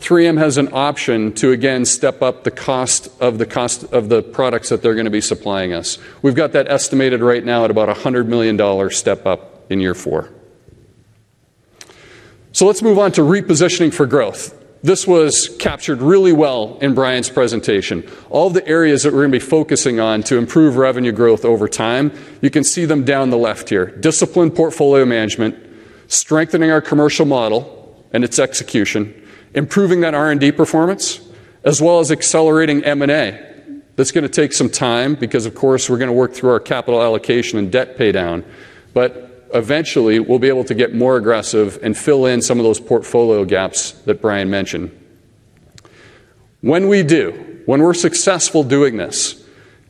B: 3M has an option to, again, step up the cost of the products that they're going to be supplying us. We've got that estimated right now at about a $100 million step up in year four. So let's move on to repositioning for growth. This was captured really well in Bryan's presentation. All the areas that we're going to be focusing on to improve revenue growth over time, you can see them down the left here. Disciplined portfolio management, strengthening our commercial model and its execution, improving that R&D performance, as well as accelerating M&A. That's going to take some time because, of course, we're going to work through our capital allocation and debt paydown. But eventually, we'll be able to get more aggressive and fill in some of those portfolio gaps that Bryan mentioned. When we do, when we're successful doing this,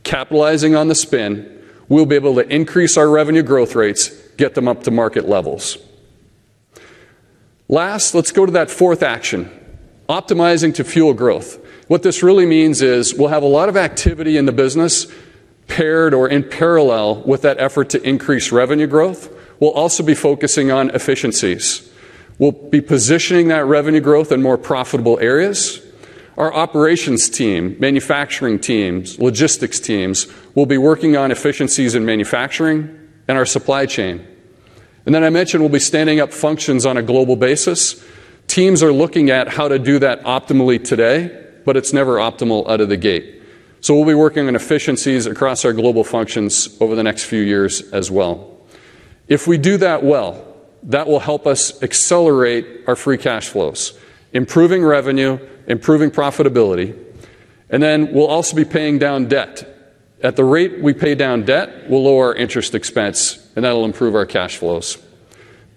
B: capitalizing on the spin, we'll be able to increase our revenue growth rates, get them up to market levels. Last, let's go to that fourth action, optimizing to fuel growth. What this really means is we'll have a lot of activity in the business paired or in parallel with that effort to increase revenue growth. We'll also be focusing on efficiencies. We'll be positioning that revenue growth in more profitable areas. Our operations team, manufacturing teams, logistics teams will be working on efficiencies in manufacturing and our supply chain. Then I mentioned we'll be standing up functions on a global basis. Teams are looking at how to do that optimally today, but it's never optimal out of the gate. We'll be working on efficiencies across our global functions over the next few years as well. If we do that well, that will help us accelerate our free cash flows, improving revenue, improving profitability. Then we'll also be paying down debt. At the rate we pay down debt, we'll lower our interest expense, and that'll improve our cash flows.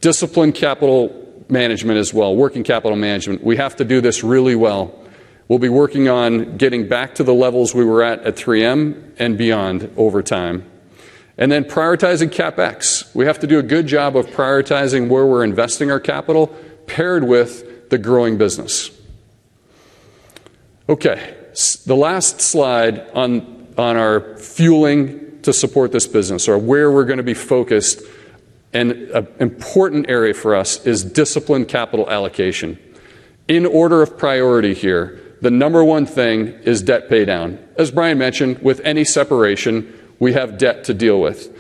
B: Disciplined capital management as well, working capital management. We have to do this really well. We'll be working on getting back to the levels we were at 3M and beyond over time. Then prioritizing CapEx. We have to do a good job of prioritizing where we're investing our capital paired with the growing business. Okay. The last slide on our fueling to support this business or where we're going to be focused, an important area for us, is discipline capital allocation. In order of priority here, the number one thing is debt paydown. As Bryan mentioned, with any separation, we have debt to deal with.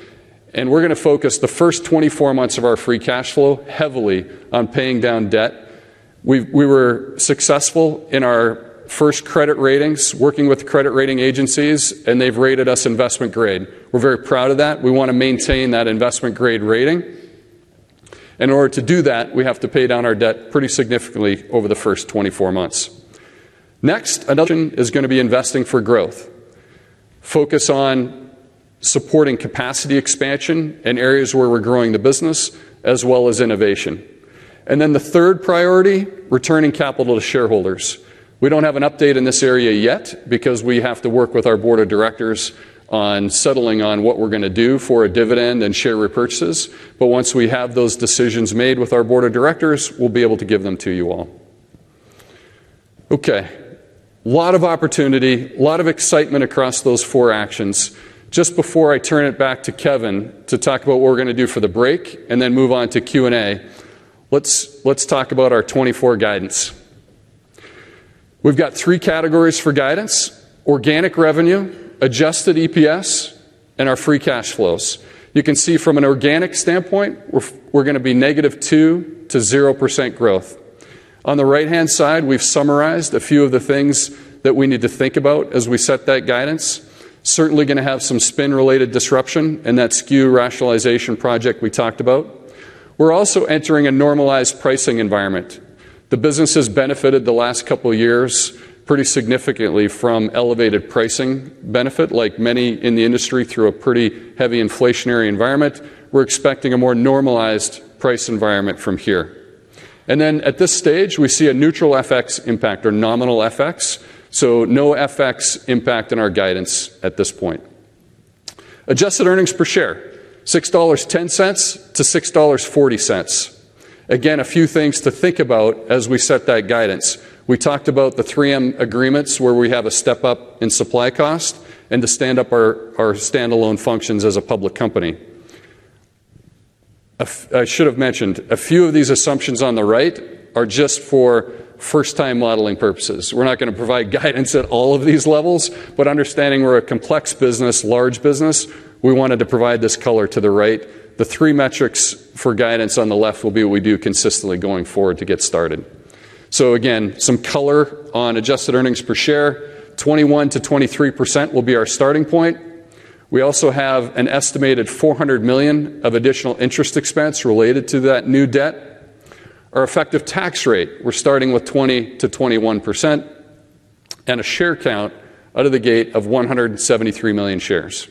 B: And we're going to focus the first 24 months of our free cash flow heavily on paying down debt. We were successful in our first credit ratings, working with credit rating agencies, and they've rated us investment grade. We're very proud of that. We want to maintain that investment grade rating. In order to do that, we have to pay down our debt pretty significantly over the first 24 months. Next, another is going to be investing for growth. Focus on supporting capacity expansion in areas where we're growing the business as well as innovation. And then the third priority, returning capital to shareholders. We don't have an update in this area yet because we have to work with our board of directors on settling on what we're going to do for a dividend and share repurchases. But once we have those decisions made with our board of directors, we'll be able to give them to you all. Okay. A lot of opportunity, a lot of excitement across those four actions. Just before I turn it back to Kevin to talk about what we're going to do for the break and then move on to Q&A, let's talk about our 2024 guidance. We've got three categories for guidance: organic revenue, adjusted EPS, and our free cash flows. You can see from an organic standpoint, we're going to be -2%-0% growth. On the right-hand side, we've summarized a few of the things that we need to think about as we set that guidance. Certainly going to have some spin-related disruption in that SKU Rationalization project we talked about. We're also entering a normalized pricing environment. The business has benefited the last couple of years pretty significantly from elevated pricing benefit, like many in the industry through a pretty heavy inflationary environment. We're expecting a more normalized price environment from here. And then at this stage, we see a neutral FX impact or nominal FX. So no FX impact in our guidance at this point. Adjusted earnings per share, $6.10-$6.40. Again, a few things to think about as we set that guidance. We talked about the 3M agreements where we have a step up in supply cost and to stand up our standalone functions as a public company. I should have mentioned, a few of these assumptions on the right are just for first-time modeling purposes. We're not going to provide guidance at all of these levels. But understanding we're a complex business, large business, we wanted to provide this color to the right. The three metrics for guidance on the left will be what we do consistently going forward to get started. So again, some color on adjusted earnings per share, 21%-23% will be our starting point. We also have an estimated $400 million of additional interest expense related to that new debt. Our effective tax rate, we're starting with 20%-21% and a share count out of the gate of 173 million shares.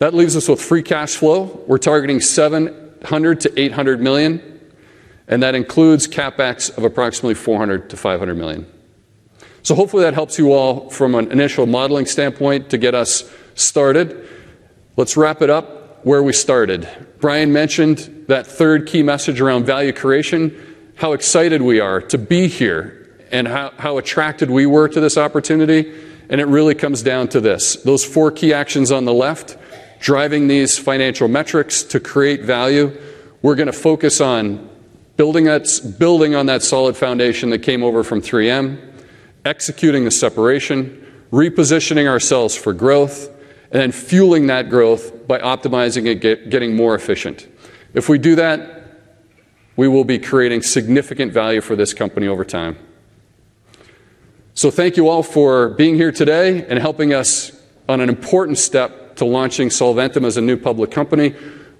B: That leaves us with free cash flow. We're targeting $700 million-$800 million, and that includes CapEx of approximately $400 million-$500 million. So hopefully, that helps you all from an initial modeling standpoint to get us started. Let's wrap it up where we started. Bryan mentioned that third key message around value creation, how excited we are to be here and how attracted we were to this opportunity. And it really comes down to this, those four key actions on the left, driving these financial metrics to create value. We're going to focus on building on that solid foundation that came over from 3M, executing the separation, repositioning ourselves for growth, and then fueling that growth by optimizing it, getting more efficient. If we do that, we will be creating significant value for this company over time. Thank you all for being here today and helping us on an important step to launching Solventum as a new public company.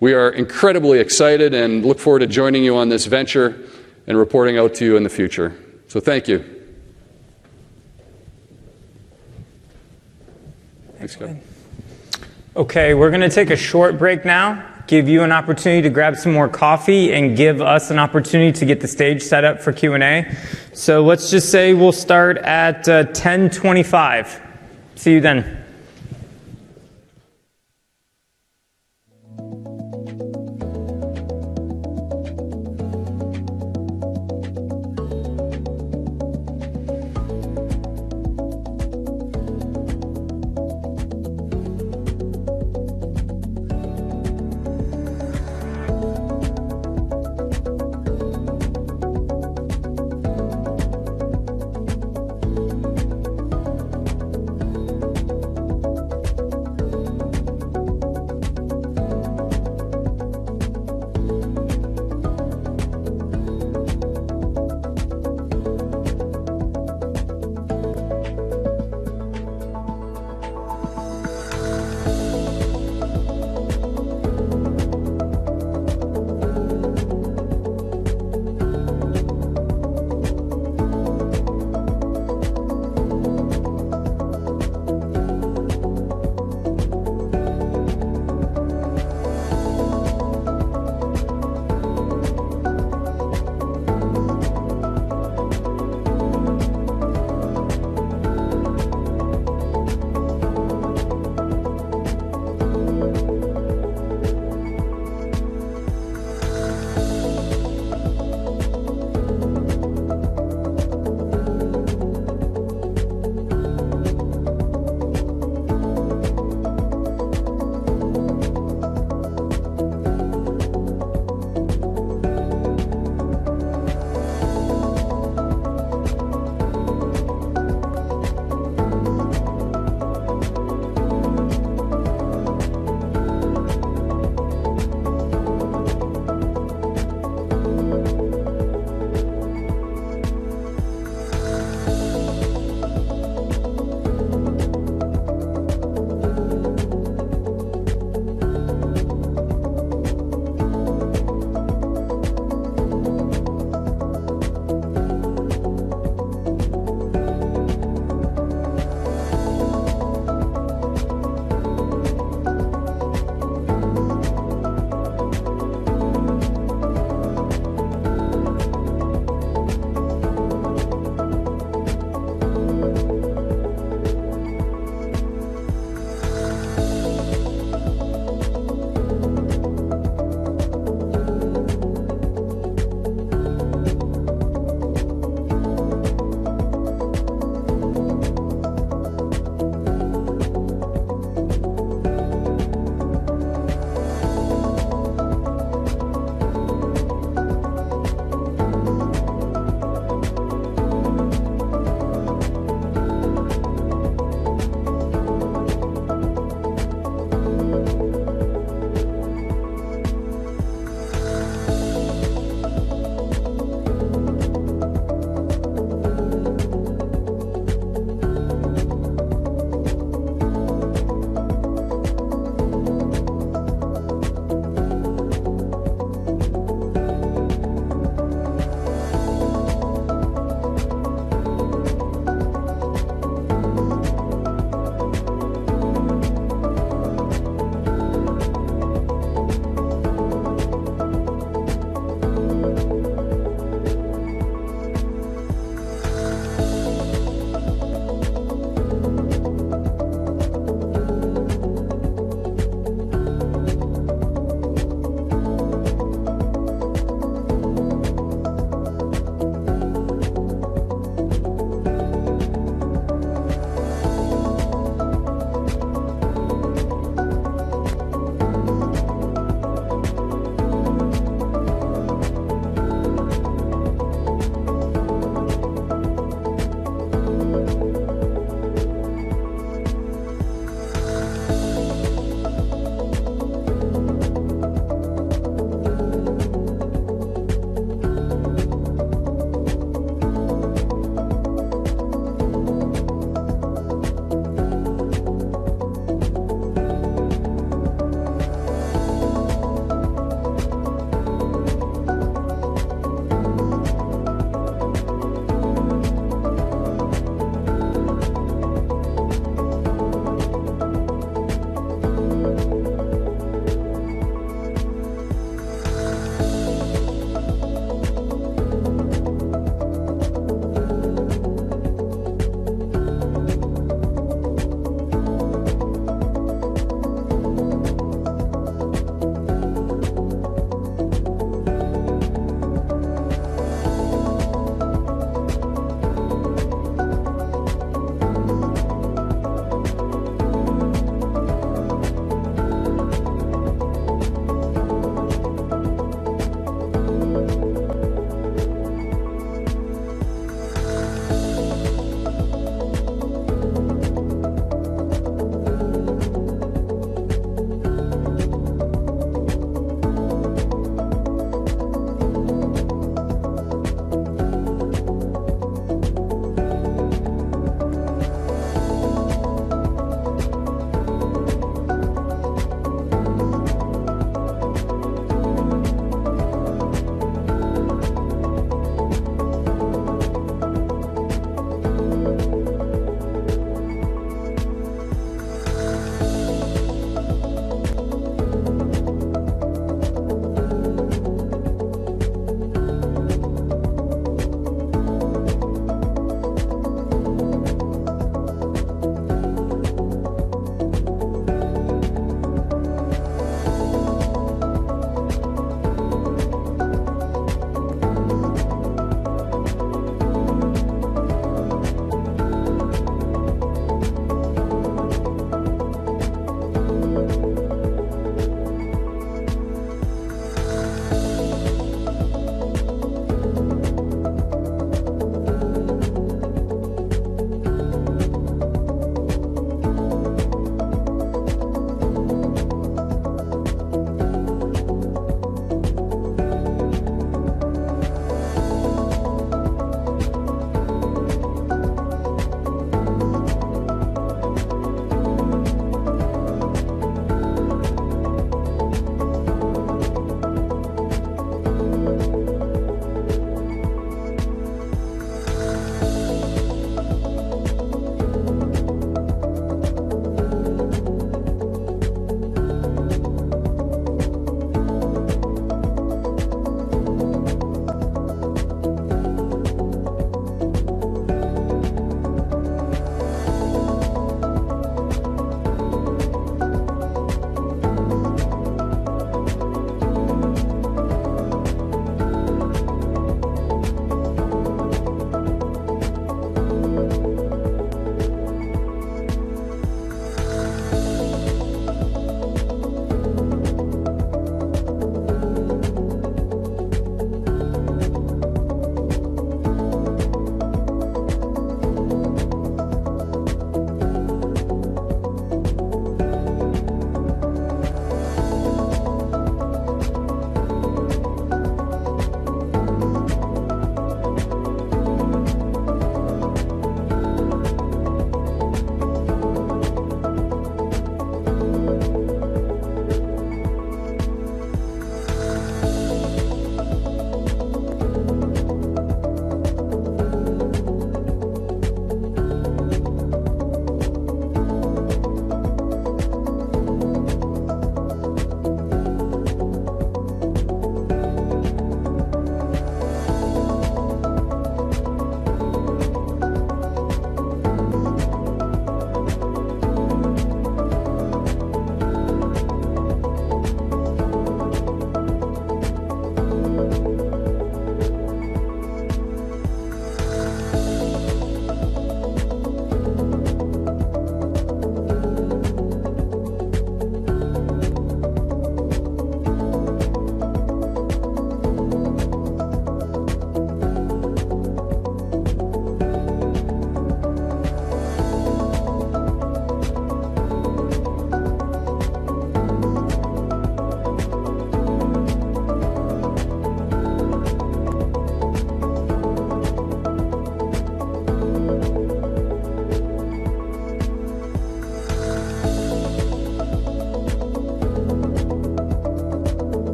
B: We are incredibly excited and look forward to joining you on this venture and reporting out to you in the future. Thank you. Thanks, Kevin.
A: Okay. We're going to take a short break now, give you an opportunity to grab some more coffee, and give us an opportunity to get the stage set up for Q&A. So let's just say we'll start at 10:25 A.M. See you then. OK,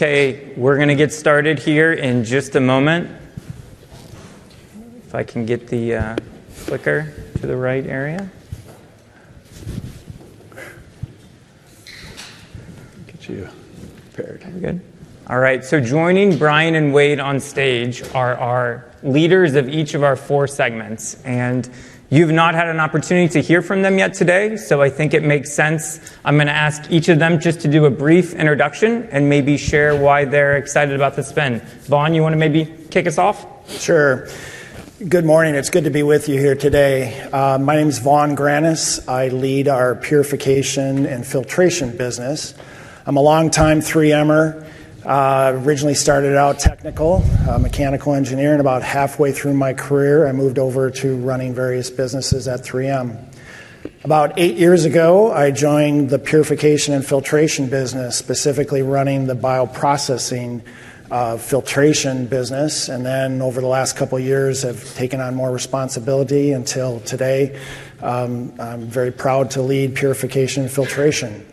A: we're going to get started here in just a moment. If I can get the clicker to the right area.
C: Get you paired.
A: All right, so joining Bryan and Wayde on stage are our leaders of each of our four segments, and you've not had an opportunity to hear from them yet today, so I think it makes sense. I'm going to ask each of them just to do a brief introduction and maybe share why they're excited about the spin. Vaughn, you want to maybe kick us off?
D: Sure. Good morning, it's good to be with you here today. My name is Vaughn Grannis, I lead our purification and filtration business. I'm a longtime 3M'er, originally started out technical mechanical engineer, and about halfway through my career I moved over to running various businesses at 3M. About eight years ago I joined the purification and filtration business, specifically running the bioprocessing filtration business, and then over the last couple of years have taken on more responsibility until today. I'm very proud to lead purification and filtration.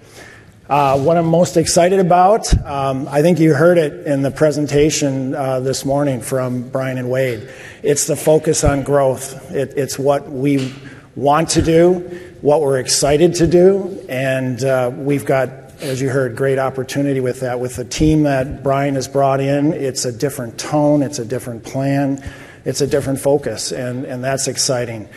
D: What I'm most excited about, I think you heard it in the presentation this morning from Bryan and Wayde, it's the focus on growth. It's what we want to do, what we're excited to do, and we've got, as you heard, great opportunity with that. With the team that Bryan has brought in, it's a different tone, it's a different plan, it's a different focus, and that's exciting.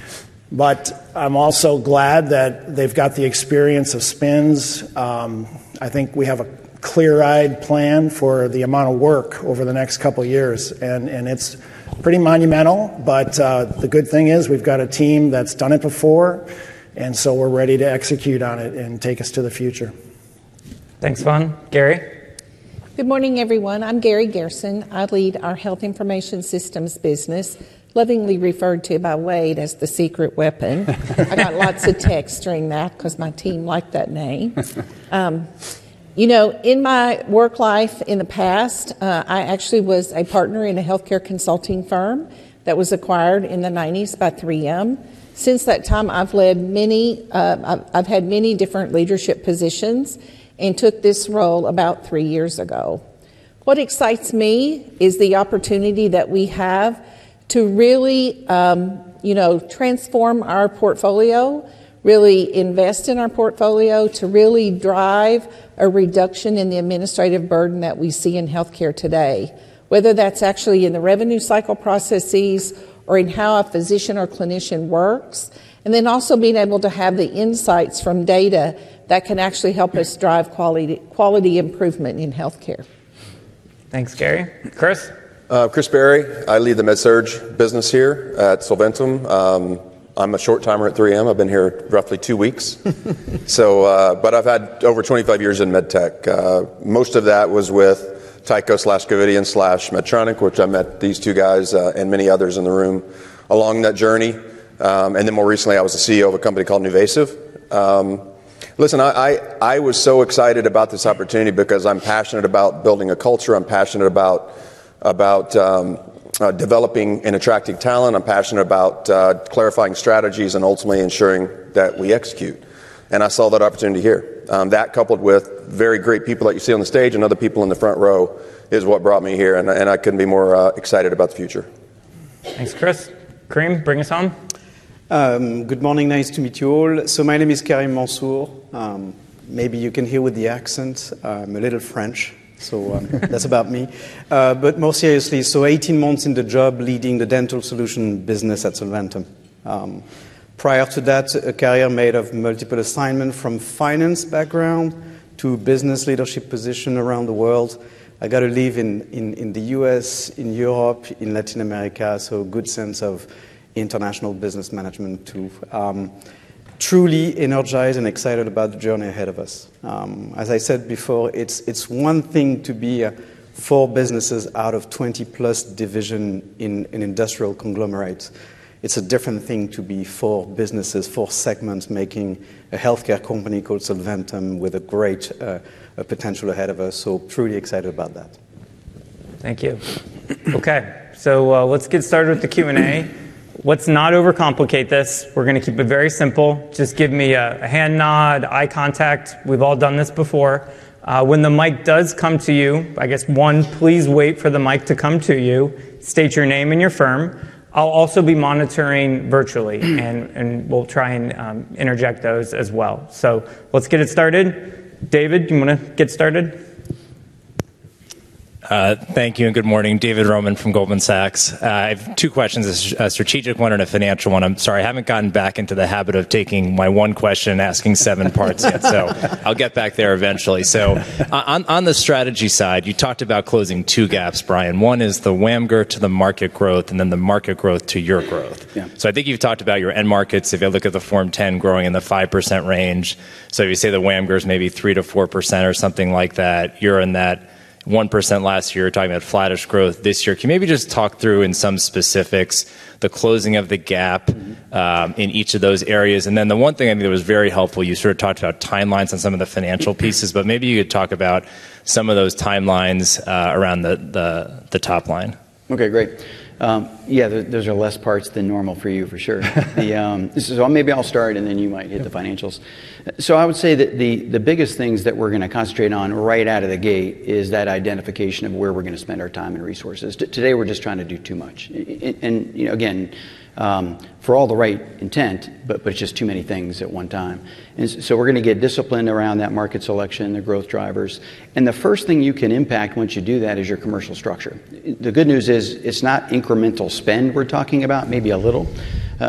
D: But I'm also glad that they've got the experience of spins. I think we have a clear-eyed plan for the amount of work over the next couple of years, and it's pretty monumental, but the good thing is we've got a team that's done it before, and so we're ready to execute on it and take us to the future.
A: Thanks, Vaughn. Garri?
E: Good morning, everyone. I'm Garri Garrison. I lead our health information systems business, lovingly referred to by Wayde as the secret weapon. I got lots of texts during that because my team liked that name. You know, in my work life in the past, I actually was a partner in a healthcare consulting firm that was acquired in the '90s by 3M. Since that time I've led many, I've had many different leadership positions and took this role about three years ago. What excites me is the opportunity that we have to really, you know, transform our portfolio, really invest in our portfolio, to really drive a reduction in the administrative burden that we see in healthcare today, whether that's actually in the revenue cycle processes or in how a physician or clinician works, and then also being able to have the insights from data that can actually help us drive quality improvement in healthcare.
A: Thanks, Garri. Chris?
F: Chris Barry, I lead the MedSurg business here at Solventum. I'm a short-timer at 3M. I've been here roughly two weeks, so, but I've had over 25 years in MedTech. Most of that was with Tyco's Covidien/Medtronic, which I met these two guys and many others in the room along that journey, and then more recently I was the CEO of a company called NuVasive. Listen, I was so excited about this opportunity because I'm passionate about building a culture, I'm passionate about developing and attracting talent, I'm passionate about clarifying strategies and ultimately ensuring that we execute, and I saw that opportunity here. That, coupled with very great people that you see on the stage and other people in the front row, is what brought me here, and I couldn't be more excited about the future.
A: Thanks, Chris. Karim, bring us on.
G: Good morning, nice to meet you all. So my name is Karim Mansour. Maybe you can hear with the accents, I'm a little French, so that's about me. But more seriously, so 18 months in the job leading the Dental Solutions business at Solventum. Prior to that, a career made of multiple assignments from finance background to business leadership position around the world. I got to live in the U.S., in Europe, in Latin America, so a good sense of international business management too. Truly energized and excited about the journey ahead of us. As I said before, it's one thing to be four businesses out of 20-plus divisions in industrial conglomerates. It's a different thing to be four businesses, four segments making a healthcare company called Solventum with a great potential ahead of us, so truly excited about that.
A: Thank you. OK, so let's get started with the Q&A. Let's not overcomplicate this. We're going to keep it very simple. Just give me a hand nod, eye contact. We've all done this before. When the mic does come to you, I guess one, please wait for the mic to come to you. State your name and your firm. I'll also be monitoring virtually, and we'll try and interject those as well. So let's get it started. David, do you want to get started?
H: Thank you and good morning. David Roman from Goldman Sachs. I have two questions, a strategic one and a financial one. I'm sorry, I haven't gotten back into the habit of taking my one question and asking seven parts yet, so I'll get back there eventually. So on the strategy side, you talked about closing two gaps, Bryan. One is the WAMGR to the market growth, and then the market growth to your growth. So I think you've talked about your end markets. If you look at the Form 10 growing in the 5% range, so if you say the WAMGR is maybe 3%-4% or something like that, you're in that 1% last year. You're talking about flattest growth this year. Can you maybe just talk through in some specifics the closing of the gap in each of those areas? The one thing I think that was very helpful, you sort of talked about timelines on some of the financial pieces, but maybe you could talk about some of those timelines around the top line?
B: OK, great. Yeah, those are less parts than normal for you, for sure. So maybe I'll start and then you might hit the financials. So I would say that the biggest things that we're going to concentrate on right out of the gate is that identification of where we're going to spend our time and resources. Today we're just trying to do too much. And again, for all the right intent, but it's just too many things at one time. And so we're going to get disciplined around that market selection, the growth drivers, and the first thing you can impact once you do that is your commercial structure. The good news is it's not incremental spend we're talking about, maybe a little,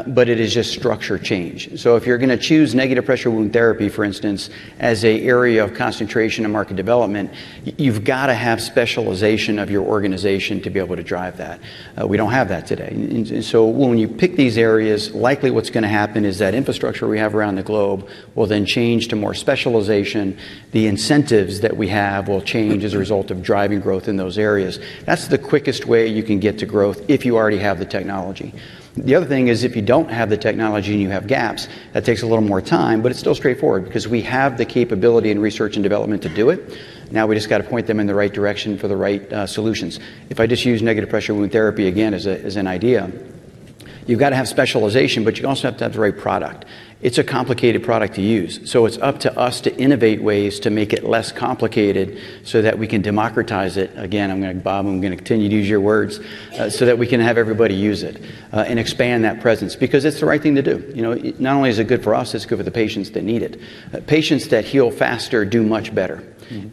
B: but it is just structure change. So if you're going to choose negative pressure wound therapy, for instance, as an area of concentration and market development, you've got to have specialization of your organization to be able to drive that. We don't have that today. And so when you pick these areas, likely what's going to happen is that infrastructure we have around the globe will then change to more specialization. The incentives that we have will change as a result of driving growth in those areas. That's the quickest way you can get to growth if you already have the technology. The other thing is if you don't have the technology and you have gaps, that takes a little more time, but it's still straightforward because we have the capability in research and development to do it. Now we just got to point them in the right direction for the right solutions. If I just use Negative Pressure Wound Therapy again as an idea, you've got to have specialization, but you also have to have the right product. It's a complicated product to use, so it's up to us to innovate ways to make it less complicated so that we can democratize it. Again, I'm going to, Bob, I'm going to continue to use your words, so that we can have everybody use it and expand that presence because it's the right thing to do. You know, not only is it good for us, it's good for the patients that need it. Patients that heal faster do much better.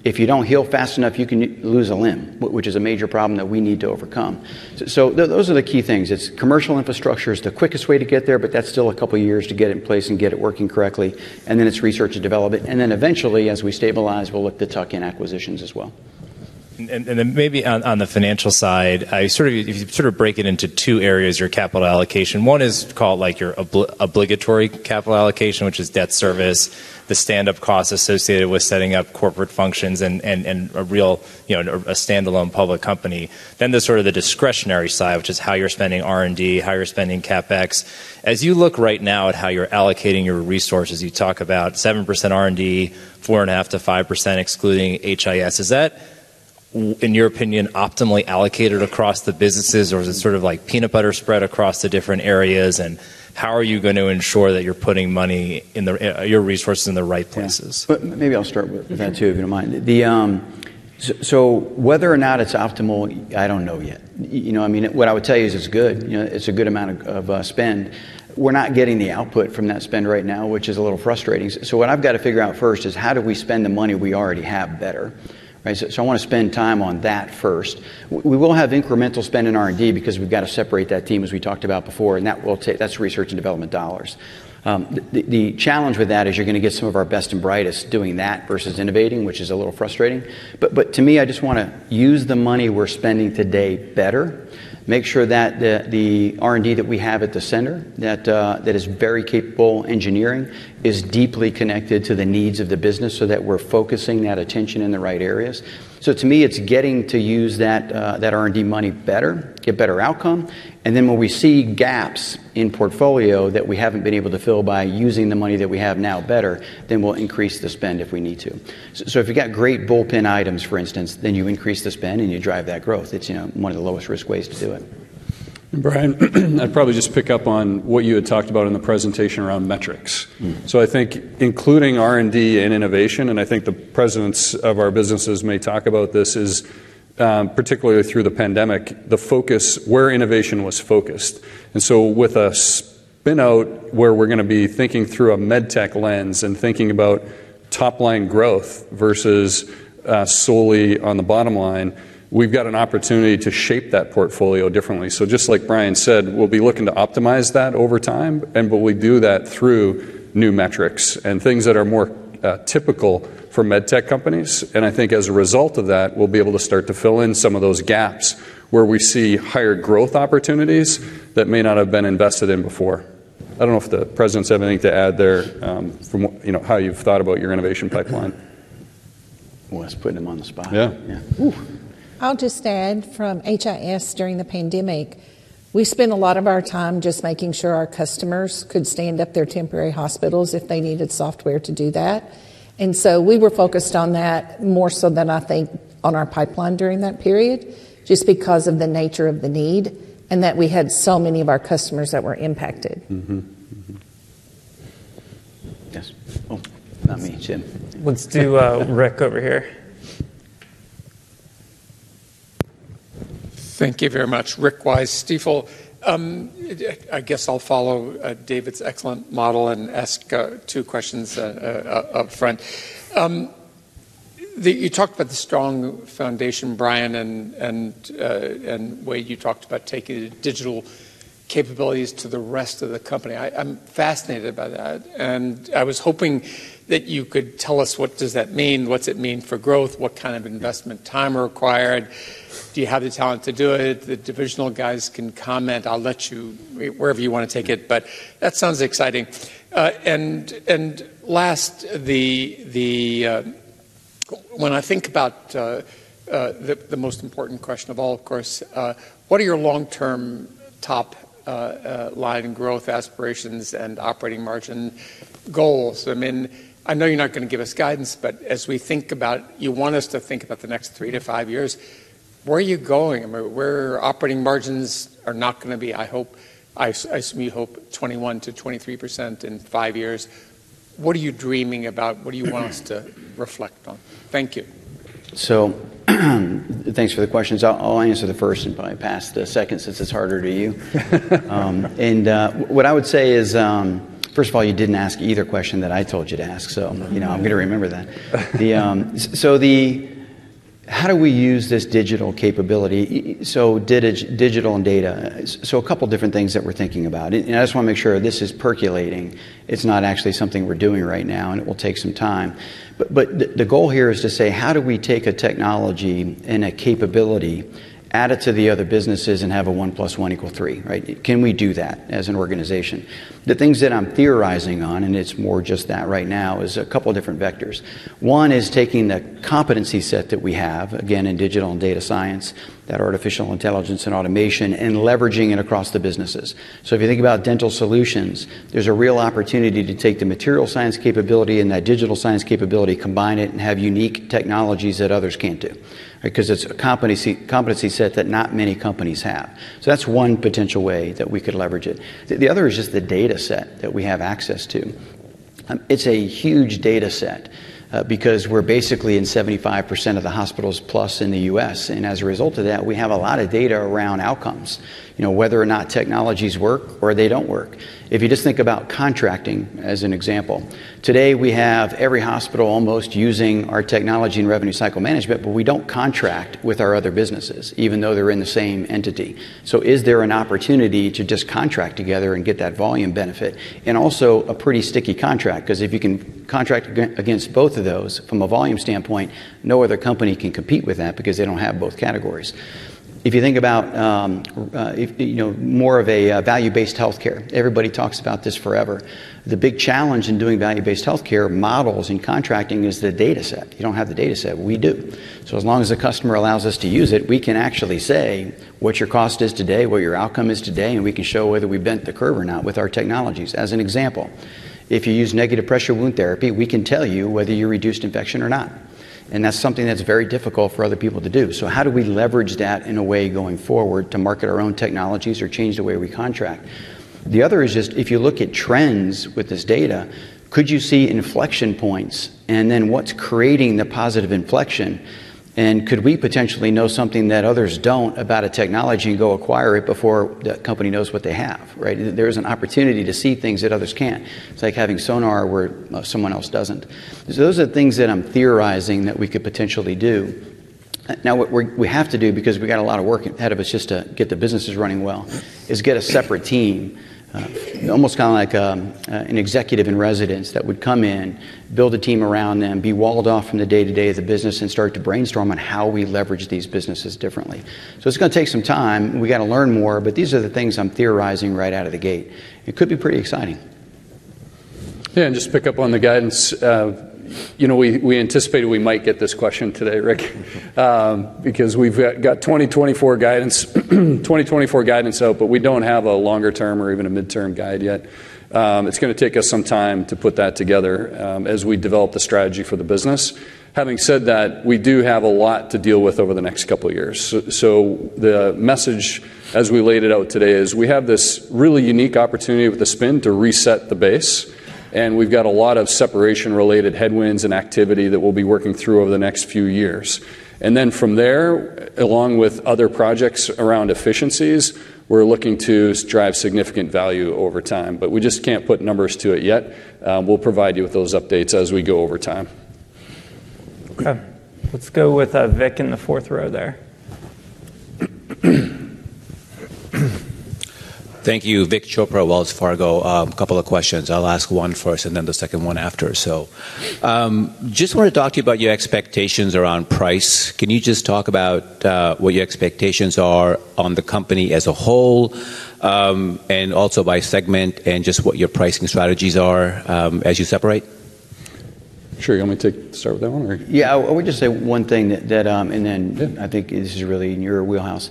B: If you don't heal fast enough, you can lose a limb, which is a major problem that we need to overcome. So those are the key things. Its commercial infrastructure is the quickest way to get there, but that's still a couple of years to get it in place and get it working correctly, and then it's research and development, and then eventually as we stabilize we'll look to tuck in acquisitions as well.
H: And then maybe on the financial side, if you sort of break it into two areas, your capital allocation, one is called like your obligatory capital allocation, which is debt service, the standup costs associated with setting up corporate functions and a real, you know, a standalone public company. Then there's sort of the discretionary side, which is how you're spending R&D, how you're spending CapEx. As you look right now at how you're allocating your resources, you talk about 7% R&D, 4.5%-5% excluding HIS. Is that, in your opinion, optimally allocated across the businesses, or is it sort of like peanut butter spread across the different areas, and how are you going to ensure that you're putting money, your resources in the right places?
B: Maybe I'll start with that too, if you don't mind. So whether or not it's optimal, I don't know yet. You know, I mean, what I would tell you is it's good. You know, it's a good amount of spend. We're not getting the output from that spend right now, which is a little frustrating. So what I've got to figure out first is how do we spend the money we already have better, right? So I want to spend time on that first. We will have incremental spend in R&D because we've got to separate that team, as we talked about before, and that's research and development dollars. The challenge with that is you're going to get some of our best and brightest doing that versus innovating, which is a little frustrating. But to me, I just want to use the money we're spending today better, make sure that the R&D that we have at the center, that is very capable engineering, is deeply connected to the needs of the business so that we're focusing that attention in the right areas. So to me, it's getting to use that R&D money better, get better outcome, and then when we see gaps in portfolio that we haven't been able to fill by using the money that we have now better, then we'll increase the spend if we need to. So if you've got great pipeline items, for instance, then you increase the spend and you drive that growth. It's, you know, one of the lowest risk ways to do it.
C: Bryan, I'd probably just pick up on what you had talked about in the presentation around metrics. So I think including R&D and innovation, and I think the presidents of our businesses may talk about this, is particularly through the pandemic, the focus where innovation was focused. And so with a spin-out where we're going to be thinking through a MedTech lens and thinking about top-line growth versus solely on the bottom line, we've got an opportunity to shape that portfolio differently. So just like Bryan said, we'll be looking to optimize that over time, but we do that through new metrics and things that are more typical for MedTech companies, and I think as a result of that we'll be able to start to fill in some of those gaps where we see higher growth opportunities that may not have been invested in before. I don't know if the presidents have anything to add there from, you know, how you've thought about your innovation pipeline.
H: Well, that's putting them on the spot.
C: Yeah.
E: I'll just add from HIS during the pandemic. We spent a lot of our time just making sure our customers could stand up their temporary hospitals if they needed software to do that, and so we were focused on that more so than I think on our pipeline during that period just because of the nature of the need and that we had so many of our customers that were impacted.
H: Yes. Well, not me, Jim.
A: Let's do Rick over here.
I: Thank you very much. Rick Wise, Stifel. I guess I'll follow David's excellent model and ask two questions up front. You talked about the strong foundation, Bryan, and the way you talked about taking digital capabilities to the rest of the company. I'm fascinated by that, and I was hoping that you could tell us what does that mean, what's it mean for growth, what kind of investment time are required. Do you have the talent to do it? The divisional guys can comment. I'll let you wherever you want to take it, but that sounds exciting. And last, when I think about the most important question of all, of course, what are your long-term top-line growth aspirations and operating margin goals? I mean, I know you're not going to give us guidance, but as we think about, you want us to think about the next three to five years. Where are you going? I mean, where operating margins are not going to be, I hope, I assume you hope 21%-23% in five years? What are you dreaming about? What do you want us to reflect on? Thank you.
B: Thanks for the questions. I'll answer the first and bypass the second since it's harder to you. What I would say is, first of all, you didn't ask either question that I told you to ask, so, you know, I'm going to remember that. How do we use this digital capability? Digital and data, so a couple of different things that we're thinking about, and I just want to make sure this is percolating. It's not actually something we're doing right now, and it will take some time. But the goal here is to say how do we take a technology and a capability, add it to the other businesses, and have a 1 + 1 = 3, right? Can we do that as an organization? The things that I'm theorizing on, and it's more just that right now, is a couple of different vectors. One is taking the competency set that we have, again, in digital and data science, that artificial intelligence and automation, and leveraging it across the businesses. So if you think about Dental Solutions, there's a real opportunity to take the material science capability and that digital science capability, combine it, and have unique technologies that others can't do, right, because it's a competency set that not many companies have. So that's one potential way that we could leverage it. The other is just the data set that we have access to. It's a huge data set because we're basically in 75% of the hospitals plus in the U.S., and as a result of that, we have a lot of data around outcomes, you know, whether or not technologies work or they don't work. If you just think about contracting as an example, today we have every hospital almost using our technology and Revenue Cycle Management, but we don't contract with our other businesses, even though they're in the same entity. So is there an opportunity to just contract together and get that volume benefit, and also a pretty sticky contract? Because if you can contract against both of those from a volume standpoint, no other company can compete with that because they don't have both categories. If you think about, you know, more of a value-based healthcare, everybody talks about this forever. The big challenge in doing value-based healthcare models and contracting is the data set. You don't have the data set. We do. So as long as the customer allows us to use it, we can actually say what your cost is today, what your outcome is today, and we can show whether we bent the curve or not with our technologies. As an example, if you use Negative Pressure Wound Therapy, we can tell you whether you reduced infection or not, and that's something that's very difficult for other people to do. So how do we leverage that in a way going forward to market our own technologies or change the way we contract? The other is just if you look at trends with this data, could you see inflection points, and then what's creating the positive inflection, and could we potentially know something that others don't about a technology and go acquire it before that company knows what they have, right? There is an opportunity to see things that others can't. It's like having sonar where someone else doesn't. So those are things that I'm theorizing that we could potentially do. Now what we have to do because we've got a lot of work ahead of us just to get the businesses running well is get a separate team, almost kind of like an executive in residence, that would come in, build a team around them, be walled off from the day-to-day of the business, and start to brainstorm on how we leverage these businesses differently. So it's going to take some time. We've got to learn more, but these are the things I'm theorizing right out of the gate. It could be pretty exciting.
C: Yeah, and just pick up on the guidance. You know, we anticipated we might get this question today, Rick, because we've got 2024 guidance, 2024 guidance out, but we don't have a longer-term or even a midterm guide yet. It's going to take us some time to put that together as we develop the strategy for the business. Having said that, we do have a lot to deal with over the next couple of years. So the message, as we laid it out today, is we have this really unique opportunity with the spin to reset the base, and we've got a lot of separation-related headwinds and activity that we'll be working through over the next few years. And then from there, along with other projects around efficiencies, we're looking to drive significant value over time, but we just can't put numbers to it yet. We'll provide you with those updates as we go over time.
A: OK. Let's go with Vik in the fourth row there.
J: Thank you, Vik Chopra, Wells Fargo. A couple of questions. I'll ask one first and then the second one after, so. Just want to talk to you about your expectations around price. Can you just talk about what your expectations are on the company as a whole and also by segment and just what your pricing strategies are as you separate?
C: Sure. You want me to start with that one, or?
B: Yeah, I want to just say one thing, and then I think this is really in your wheelhouse.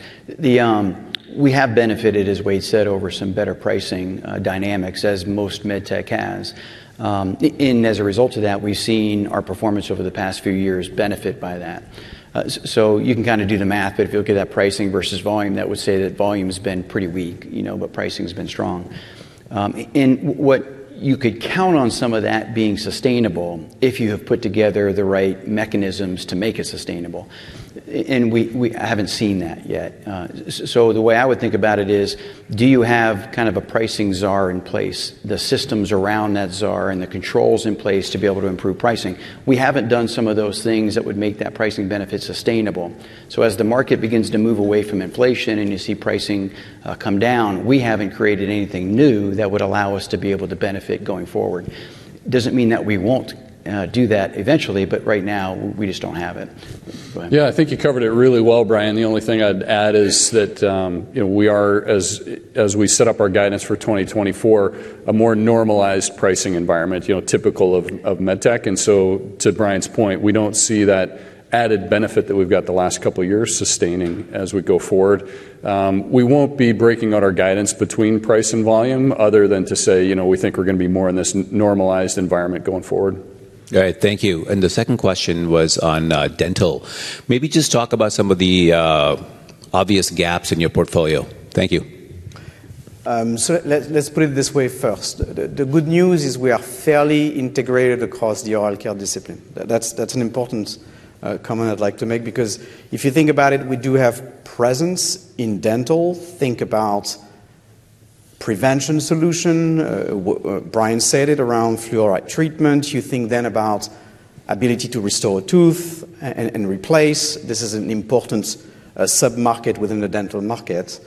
B: We have benefited, as Wayde said, over some better pricing dynamics, as most MedTech has. And as a result of that, we've seen our performance over the past few years benefit by that. So you can kind of do the math, but if you look at that pricing versus volume, that would say that volume has been pretty weak, you know, but pricing has been strong. And what you could count on some of that being sustainable if you have put together the right mechanisms to make it sustainable, and we haven't seen that yet. So the way I would think about it is, do you have kind of a pricing czar in place, the systems around that czar and the controls in place to be able to improve pricing? We haven't done some of those things that would make that pricing benefit sustainable. So as the market begins to move away from inflation and you see pricing come down, we haven't created anything new that would allow us to be able to benefit going forward. It doesn't mean that we won't do that eventually, but right now we just don't have it.
C: Yeah, I think you covered it really well, Bryan. The only thing I'd add is that, you know, we are, as we set up our guidance for 2024, a more normalized pricing environment, you know, typical of MedTech. And so to Bryan's point, we don't see that added benefit that we've got the last couple of years sustaining as we go forward. We won't be breaking out our guidance between price and volume other than to say, you know, we think we're going to be more in this normalized environment going forward.
J: All right. Thank you. And the second question was on dental. Maybe just talk about some of the obvious gaps in your portfolio. Thank you.
G: So let's put it this way first. The good news is we are fairly integrated across the oral care discipline. That's an important comment I'd like to make because if you think about it, we do have presence in dental. Think about prevention solution. Bryan said it around fluoride treatment. You think then about ability to restore a tooth and replace. This is an important submarket within the dental market.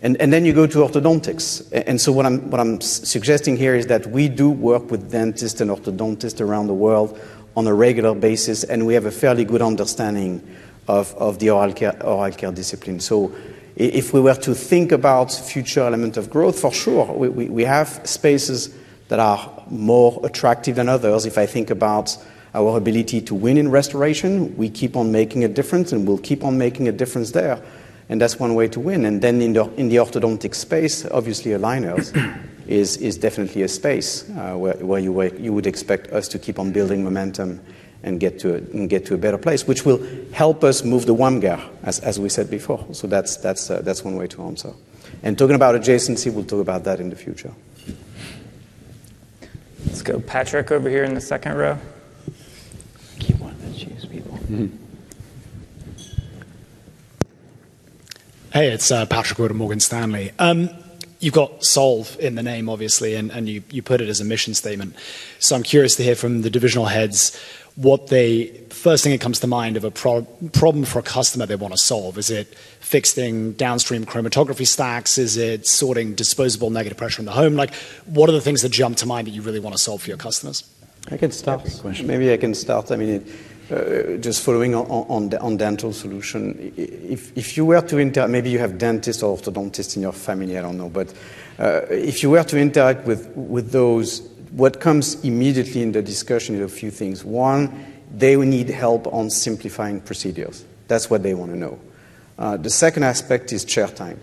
G: And then you go to orthodontics. And so what I'm suggesting here is that we do work with dentists and orthodontists around the world on a regular basis, and we have a fairly good understanding of the oral care discipline. So if we were to think about future elements of growth, for sure, we have spaces that are more attractive than others. If I think about our ability to win in restoration, we keep on making a difference, and we'll keep on making a difference there, and that's one way to win. And then in the orthodontic space, obviously aligners is definitely a space where you would expect us to keep on building momentum and get to a better place, which will help us move the WAMGR, as we said before. So that's one way to answer. And talking about adjacency, we'll talk about that in the future.
A: Let's go. Patrick over here in the second row.
B: Keep wanting to choose people.
H: Hey, it's Patrick over at Morgan Stanley. You've got solve in the name, obviously, and you put it as a mission statement. So I'm curious to hear from the divisional heads what they, first thing that comes to mind of a problem for a customer they want to solve. Is it fixing downstream chromatography stacks? Is it sorting disposable negative pressure in the home? Like, what are the things that jump to mind that you really want to solve for your customers?
G: I can start. I mean, just following on Dental Solutions, if you were to interact, maybe you have dentists or orthodontists in your family, I don't know, but if you were to interact with those, what comes immediately in the discussion is a few things. One, they need help on simplifying procedures. That's what they want to know. The second aspect is chair time.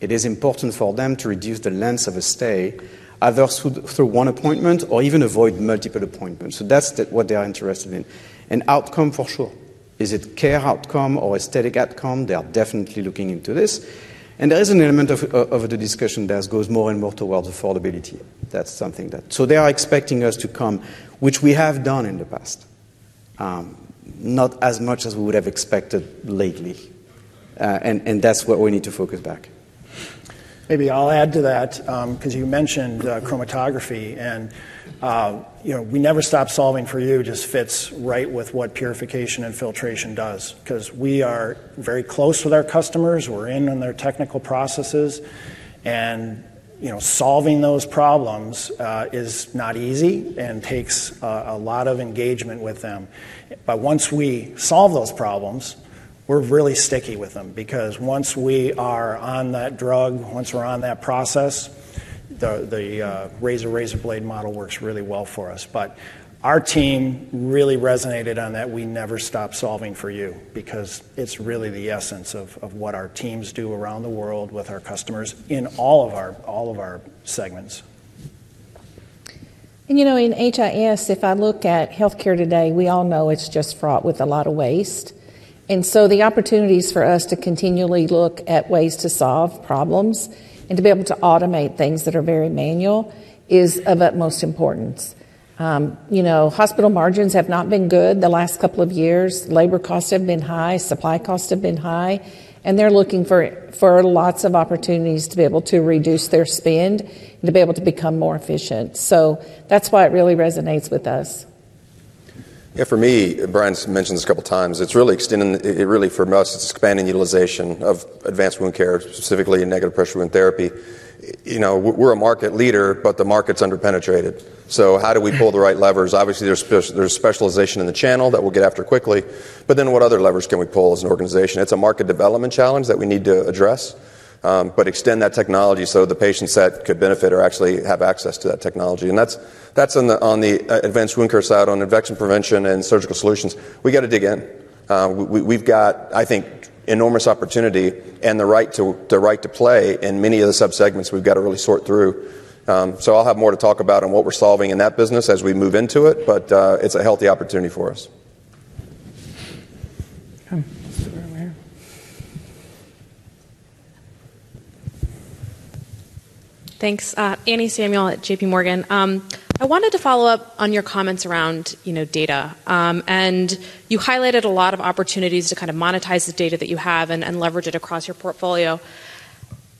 G: It is important for them to reduce the length of a stay, either through one appointment or even avoid multiple appointments. So that's what they are interested in. And outcome, for sure. Is it care outcome or aesthetic outcome? They are definitely looking into this. And there is an element of the discussion that goes more and more towards affordability. That's something that, so they are expecting us to come, which we have done in the past, not as much as we would have expected lately, and that's where we need to focus back.
D: Maybe I'll add to that because you mentioned chromatography, and, you know, we never stop solving for you. It just fits right with what purification and filtration does because we are very close with our customers. We're in on their technical processes, and, you know, solving those problems is not easy and takes a lot of engagement with them. But once we solve those problems, we're really sticky with them because once we are on that drug, once we're on that process, the razor-razor blade model works really well for us. But our team really resonated on that. We never stop solving for you because it's really the essence of what our teams do around the world with our customers in all of our segments.
E: You know, in HIS, if I look at healthcare today, we all know it's just fraught with a lot of waste. And so the opportunities for us to continually look at ways to solve problems and to be able to automate things that are very manual is of utmost importance. You know, hospital margins have not been good the last couple of years. Labor costs have been high. Supply costs have been high. And they're looking for lots of opportunities to be able to reduce their spend and to be able to become more efficient. So that's why it really resonates with us.
F: Yeah, for me, Bryan mentioned this a couple of times. It's really extending, it really, for most, it's expanding utilization of advanced wound care, specifically in negative pressure wound therapy. You know, we're a market leader, but the market's underpenetrated. So how do we pull the right levers? Obviously, there's specialization in the channel that we'll get after quickly, but then what other levers can we pull as an organization? It's a market development challenge that we need to address, but extend that technology so the patients that could benefit or actually have access to that technology. And that's on the advanced wound care side, on infection prevention and surgical solutions. We've got to dig in. We've got, I think, enormous opportunity and the right to play in many of the subsegments we've got to really sort through. I'll have more to talk about on what we're solving in that business as we move into it, but it's a healthy opportunity for us.
K: OK.
L: Thanks. Anne Samuel at J.P. Morgan. I wanted to follow up on your comments around, you know, data, and you highlighted a lot of opportunities to kind of monetize the data that you have and leverage it across your portfolio.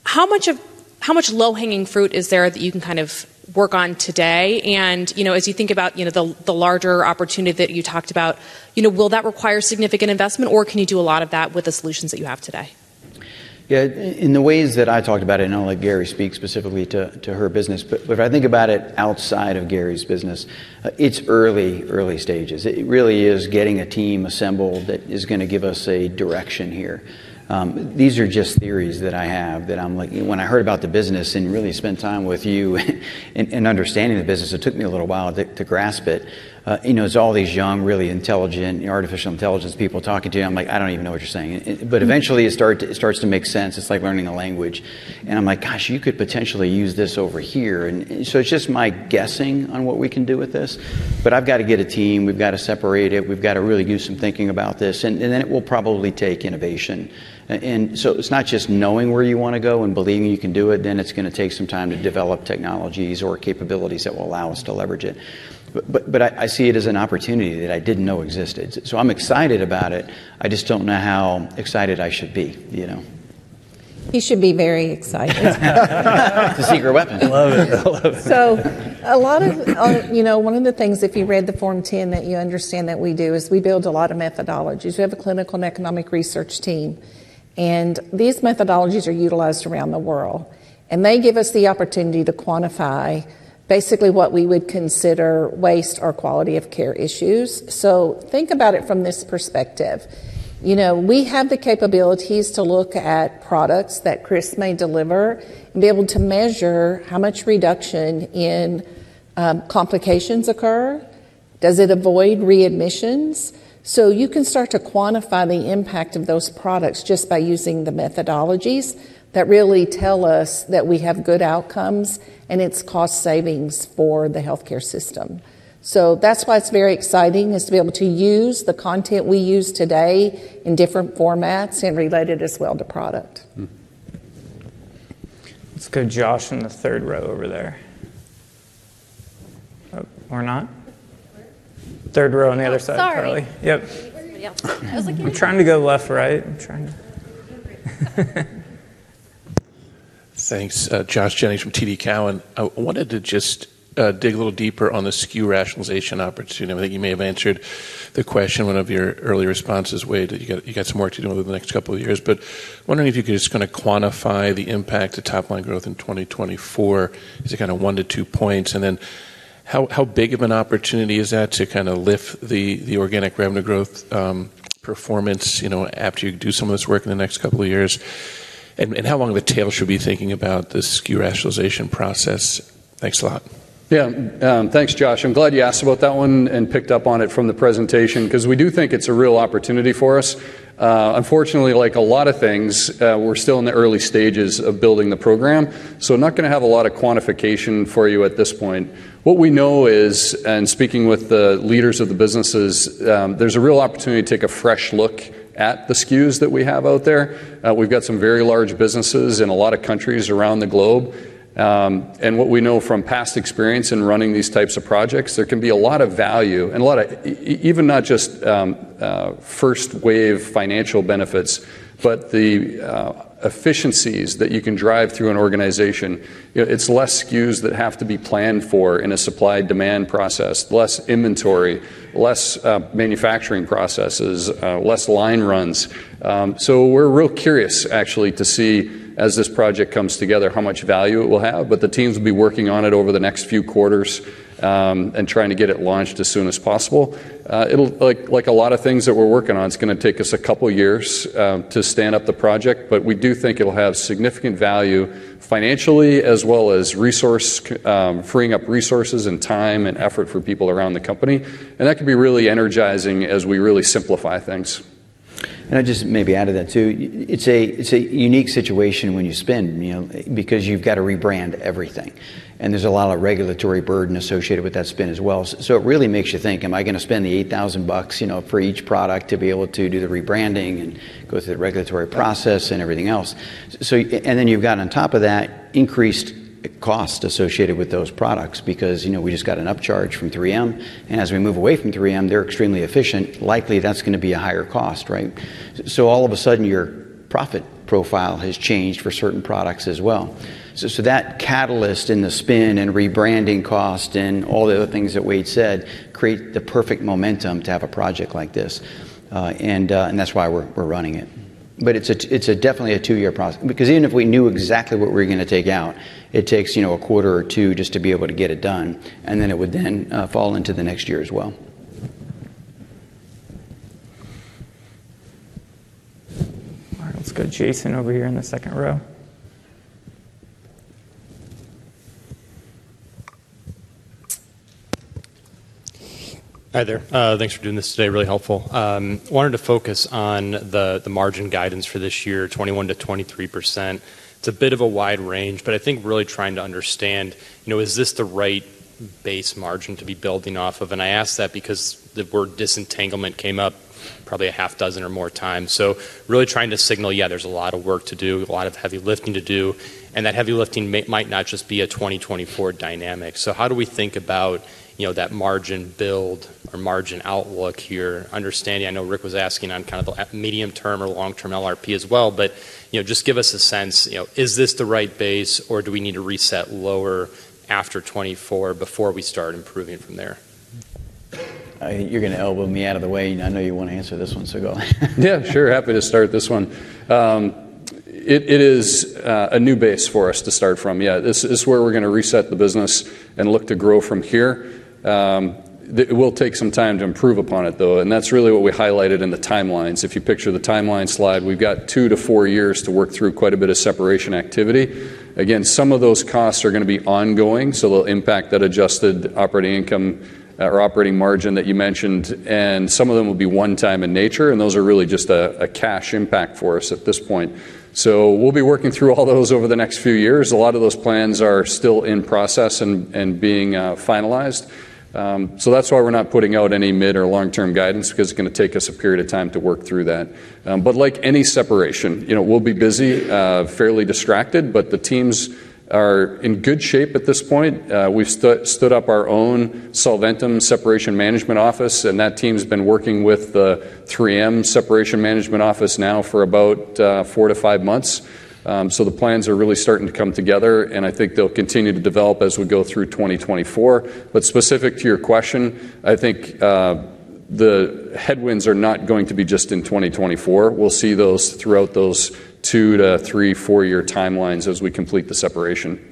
L: How much low-hanging fruit is there that you can kind of work on today? And, you know, as you think about, you know, the larger opportunity that you talked about, you know, will that require significant investment, or can you do a lot of that with the solutions that you have today?
B: Yeah, in the ways that I talked about it, and I'll let Garri speak specifically to her business, but if I think about it outside of Garri's business, it's early, early stages. It really is getting a team assembled that is going to give us a direction here. These are just theories that I have that I'm like, when I heard about the business and really spent time with you and understanding the business, it took me a little while to grasp it. You know, it's all these young, really intelligent, artificial intelligence people talking to you. I'm like, I don't even know what you're saying. But eventually, it starts to make sense. It's like learning the language. And I'm like, gosh, you could potentially use this over here. And so it's just my guessing on what we can do with this, but I've got to get a team. We've got to separate it. We've got to really do some thinking about this. And then it will probably take innovation. And so it's not just knowing where you want to go and believing you can do it. Then it's going to take some time to develop technologies or capabilities that will allow us to leverage it. But I see it as an opportunity that I didn't know existed. So I'm excited about it. I just don't know how excited I should be, you know?
E: He should be very excited.
F: It's a secret weapon.
L: I love it. I love it.
E: So a lot of, you know, one of the things, if you read the Form 10, that you understand that we do is we build a lot of methodologies. We have a clinical and economic research team, and these methodologies are utilized around the world, and they give us the opportunity to quantify basically what we would consider waste or quality of care issues. So think about it from this perspective. You know, we have the capabilities to look at products that Chris may deliver and be able to measure how much reduction in complications occur. Does it avoid readmissions? So you can start to quantify the impact of those products just by using the methodologies that really tell us that we have good outcomes, and it's cost savings for the healthcare system. So that's why it's very exciting is to be able to use the content we use today in different formats and relate it as well to product.
A: Let's go, Josh, in the third row over there. Or not? Third row on the other side, Charlie. Yep. We're trying to go left, right?
M: Thanks. Josh Jennings from TD Cowen. I wanted to just dig a little deeper on the SKU rationalization opportunity. I think you may have answered the question, one of your earlier responses, Wayde, that you got some work to do over the next couple of years, but wondering if you could just kind of quantify the impact of top-line growth in 2024 as a kind of 1-2 points, and then how big of an opportunity is that to kind of lift the organic revenue growth performance, you know, after you do some of this work in the next couple of years? And how long the tail should be thinking about the SKU rationalization process? Thanks a lot.
C: Yeah, thanks, Josh. I'm glad you asked about that one and picked up on it from the presentation because we do think it's a real opportunity for us. Unfortunately, like a lot of things, we're still in the early stages of building the program, so I'm not going to have a lot of quantification for you at this point. What we know is, and speaking with the leaders of the businesses, there's a real opportunity to take a fresh look at the SKUs that we have out there. We've got some very large businesses in a lot of countries around the globe. What we know from past experience in running these types of projects, there can be a lot of value and a lot of, even not just first-wave financial benefits, but the efficiencies that you can drive through an organization. It's less SKUs that have to be planned for in a supply-demand process, less inventory, less manufacturing processes, less line runs. So we're real curious, actually, to see, as this project comes together, how much value it will have. But the teams will be working on it over the next few quarters and trying to get it launched as soon as possible. Like a lot of things that we're working on, it's going to take us a couple of years to stand up the project, but we do think it'll have significant value financially as well as freeing up resources and time and effort for people around the company. And that can be really energizing as we really simplify things.
B: I'll just maybe add to that too. It's a unique situation when you spend, you know, because you've got to rebrand everything, and there's a lot of regulatory burden associated with that spend as well. So it really makes you think, am I going to spend the $8,000 for each product to be able to do the rebranding and go through the regulatory process and everything else? And then you've got, on top of that, increased cost associated with those products because, you know, we just got an upcharge from 3M. And as we move away from 3M, they're extremely efficient. Likely, that's going to be a higher cost, right? So all of a sudden, your profit profile has changed for certain products as well. So that catalyst in the spin and rebranding cost and all the other things that Wayde said create the perfect momentum to have a project like this. And that's why we're running it. But it's definitely a two-year process because even if we knew exactly what we were going to take out, it takes, you know, a quarter or two just to be able to get it done, and then it would then fall into the next year as well. All right. Let's go, Jason, over here in the second row.
M: Hi there. Thanks for doing this today. Really helpful. Wanted to focus on the margin guidance for this year, 21%-23%. It's a bit of a wide range, but I think really trying to understand, you know, is this the right base margin to be building off of? And I asked that because the word disentanglement came up probably a half dozen or more times. So really trying to signal, yeah, there's a lot of work to do, a lot of heavy lifting to do, and that heavy lifting might not just be a 2024 dynamic. So how do we think about, you know, that margin build or margin outlook here? Understanding, I know Rick was asking on kind of the medium-term or long-term LRP as well, but, you know, just give us a sense, you know, is this the right base, or do we need to reset lower after 2024 before we start improving from there?
B: You're going to elbow me out of the way. I know you want to answer this one, so go.
C: Yeah, sure. Happy to start this one. It is a new base for us to start from. Yeah, it's where we're going to reset the business and look to grow from here. It will take some time to improve upon it, though, and that's really what we highlighted in the timelines. If you picture the timeline slide, we've got 2-4 years to work through quite a bit of separation activity. Again, some of those costs are going to be ongoing, so they'll impact that adjusted operating income or operating margin that you mentioned, and some of them will be one-time in nature, and those are really just a cash impact for us at this point. So we'll be working through all those over the next few years. A lot of those plans are still in process and being finalized. So that's why we're not putting out any mid- or long-term guidance because it's going to take us a period of time to work through that. But like any separation, you know, we'll be busy, fairly distracted, but the teams are in good shape at this point. We've stood up our own Solventum Separation Management Office, and that team's been working with the 3M Separation Management Office now for about 4-5 months. So the plans are really starting to come together, and I think they'll continue to develop as we go through 2024. But specific to your question, I think the headwinds are not going to be just in 2024. We'll see those throughout those 2-3- or 4-year timelines as we complete the separation.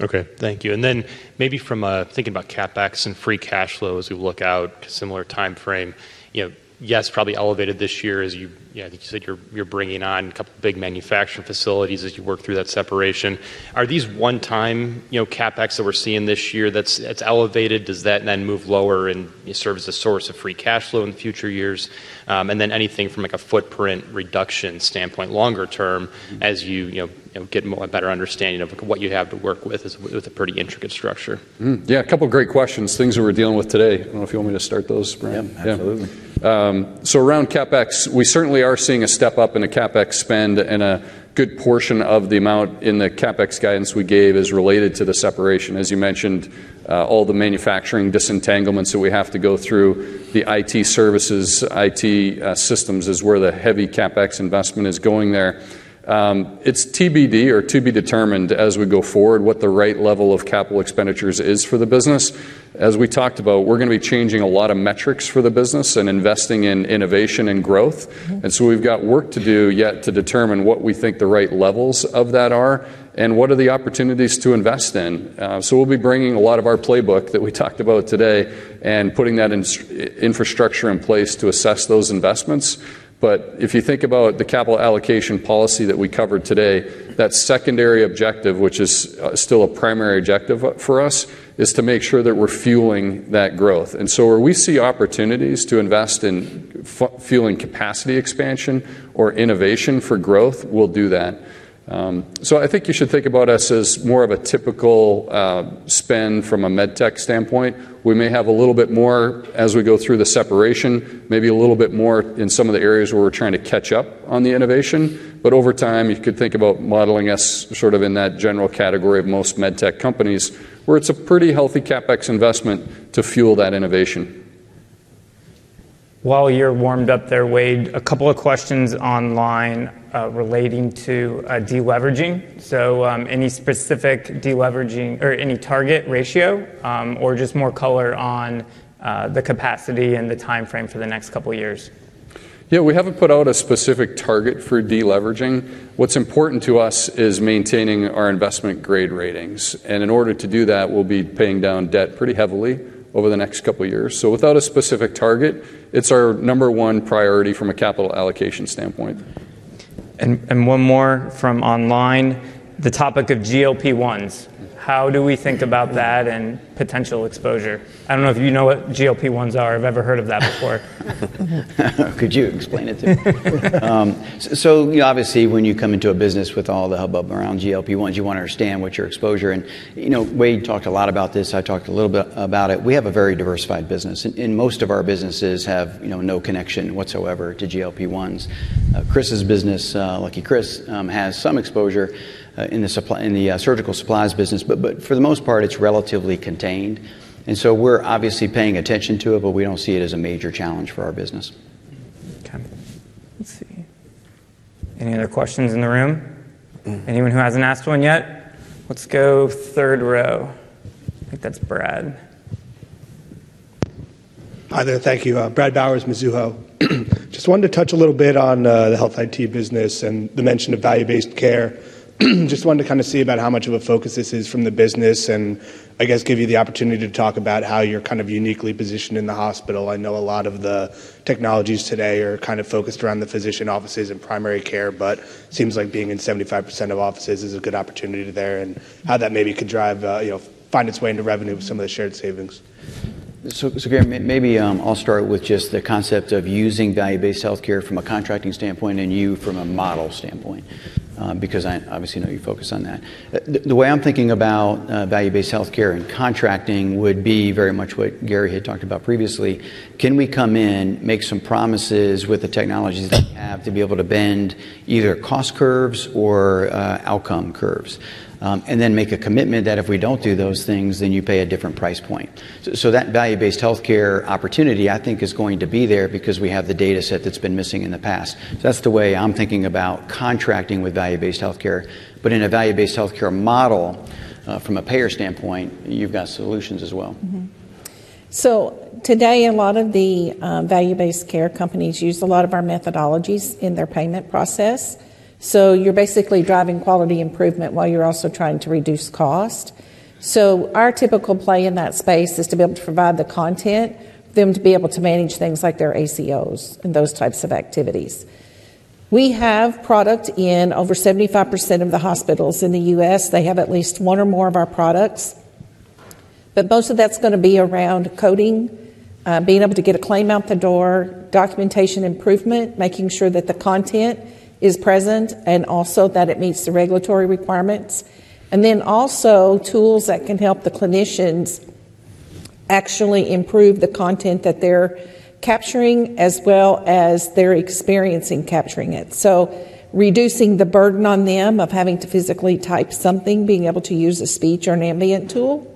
M: Okay. Thank you. And then maybe from thinking about CapEx and free cash flow as we look out to a similar timeframe, you know, yes, probably elevated this year as you, you know, I think you said you're bringing on a couple of big manufacturing facilities as you work through that separation. Are these one-time, you know, CapEx that we're seeing this year that's elevated? Does that then move lower and serve as a source of free cash flow in the future years? And then anything from like a footprint reduction standpoint longer term as you, you know, get a better understanding of what you have to work with with a pretty intricate structure?
C: Yeah, a couple of great questions, things that we're dealing with today. I don't know if you want me to start those, Bryan.
B: Yeah, absolutely.
C: So around CapEx, we certainly are seeing a step up in the CapEx spend, and a good portion of the amount in the CapEx guidance we gave is related to the separation. As you mentioned, all the manufacturing disentanglements that we have to go through, the IT services, IT systems is where the heavy CapEx investment is going there. It's TBD or to be determined as we go forward what the right level of capital expenditures is for the business. As we talked about, we're going to be changing a lot of metrics for the business and investing in innovation and growth. And so we've got work to do yet to determine what we think the right levels of that are and what are the opportunities to invest in. So we'll be bringing a lot of our playbook that we talked about today and putting that infrastructure in place to assess those investments. But if you think about the capital allocation policy that we covered today, that secondary objective, which is still a primary objective for us, is to make sure that we're fueling that growth. And so where we see opportunities to invest in fueling capacity expansion or innovation for growth, we'll do that. So I think you should think about us as more of a typical spend from a medtech standpoint. We may have a little bit more as we go through the separation, maybe a little bit more in some of the areas where we're trying to catch up on the innovation. Over time, you could think about modeling us sort of in that general category of most medtech companies where it's a pretty healthy CapEx investment to fuel that innovation.
M: While you're warmed up there, Wayde, a couple of questions online relating to deleveraging. So any specific deleveraging or any target ratio or just more color on the capacity and the timeframe for the next couple of years?
C: Yeah, we haven't put out a specific target for deleveraging. What's important to us is maintaining our investment-grade ratings. In order to do that, we'll be paying down debt pretty heavily over the next couple of years. Without a specific target, it's our number one priority from a capital allocation standpoint.
M: One more from online, the topic of GLP-1s. How do we think about that and potential exposure? I don't know if you know what GLP-1s are. I've never heard of that before.
B: Could you explain it to me? So obviously, when you come into a business with all the hubbub around GLP-1s, you want to understand what your exposure is. And you know, Wayde talked a lot about this. I talked a little bit about it. We have a very diversified business, and most of our businesses have, you know, no connection whatsoever to GLP-1s. Chris's business, Lucky Chris, has some exposure in the surgical supplies business, but for the most part, it's relatively contained. And so we're obviously paying attention to it, but we don't see it as a major challenge for our business.
A: Okay. Let's see. Any other questions in the room? Anyone who hasn't asked one yet? Let's go, third row. I think that's Brad.
N: Hi there. Thank you. Brad Bowers, Mizuho. Just wanted to touch a little bit on the health IT business and the mention of value-based care. Just wanted to kind of see about how much of a focus this is from the business and, I guess, give you the opportunity to talk about how you're kind of uniquely positioned in the hospital. I know a lot of the technologies today are kind of focused around the physician offices and primary care, but it seems like being in 75% of offices is a good opportunity there and how that maybe could drive, you know, find its way into revenue with some of the shared savings.
B: So Garri, maybe I'll start with just the concept of using value-based healthcare from a contracting standpoint and you from a model standpoint because I obviously know you focus on that. The way I'm thinking about value-based healthcare and contracting would be very much what Garri had talked about previously. Can we come in, make some promises with the technologies that we have to be able to bend either cost curves or outcome curves, and then make a commitment that if we don't do those things, then you pay a different price point? So that value-based healthcare opportunity, I think, is going to be there because we have the data set that's been missing in the past. So that's the way I'm thinking about contracting with value-based healthcare. But in a value-based healthcare model from a payer standpoint, you've got solutions as well.
E: Today, a lot of the value-based care companies use a lot of our methodologies in their payment process. You're basically driving quality improvement while you're also trying to reduce cost. Our typical play in that space is to be able to provide the content for them to be able to manage things like their ACOs and those types of activities. We have product in over 75% of the hospitals in the U.S. They have at least one or more of our products. But most of that's going to be around coding, being able to get a claim out the door, documentation improvement, making sure that the content is present and also that it meets the regulatory requirements, and then also tools that can help the clinicians actually improve the content that they're capturing as well as they're experiencing capturing it. So, reducing the burden on them of having to physically type something, being able to use a speech or an ambient tool.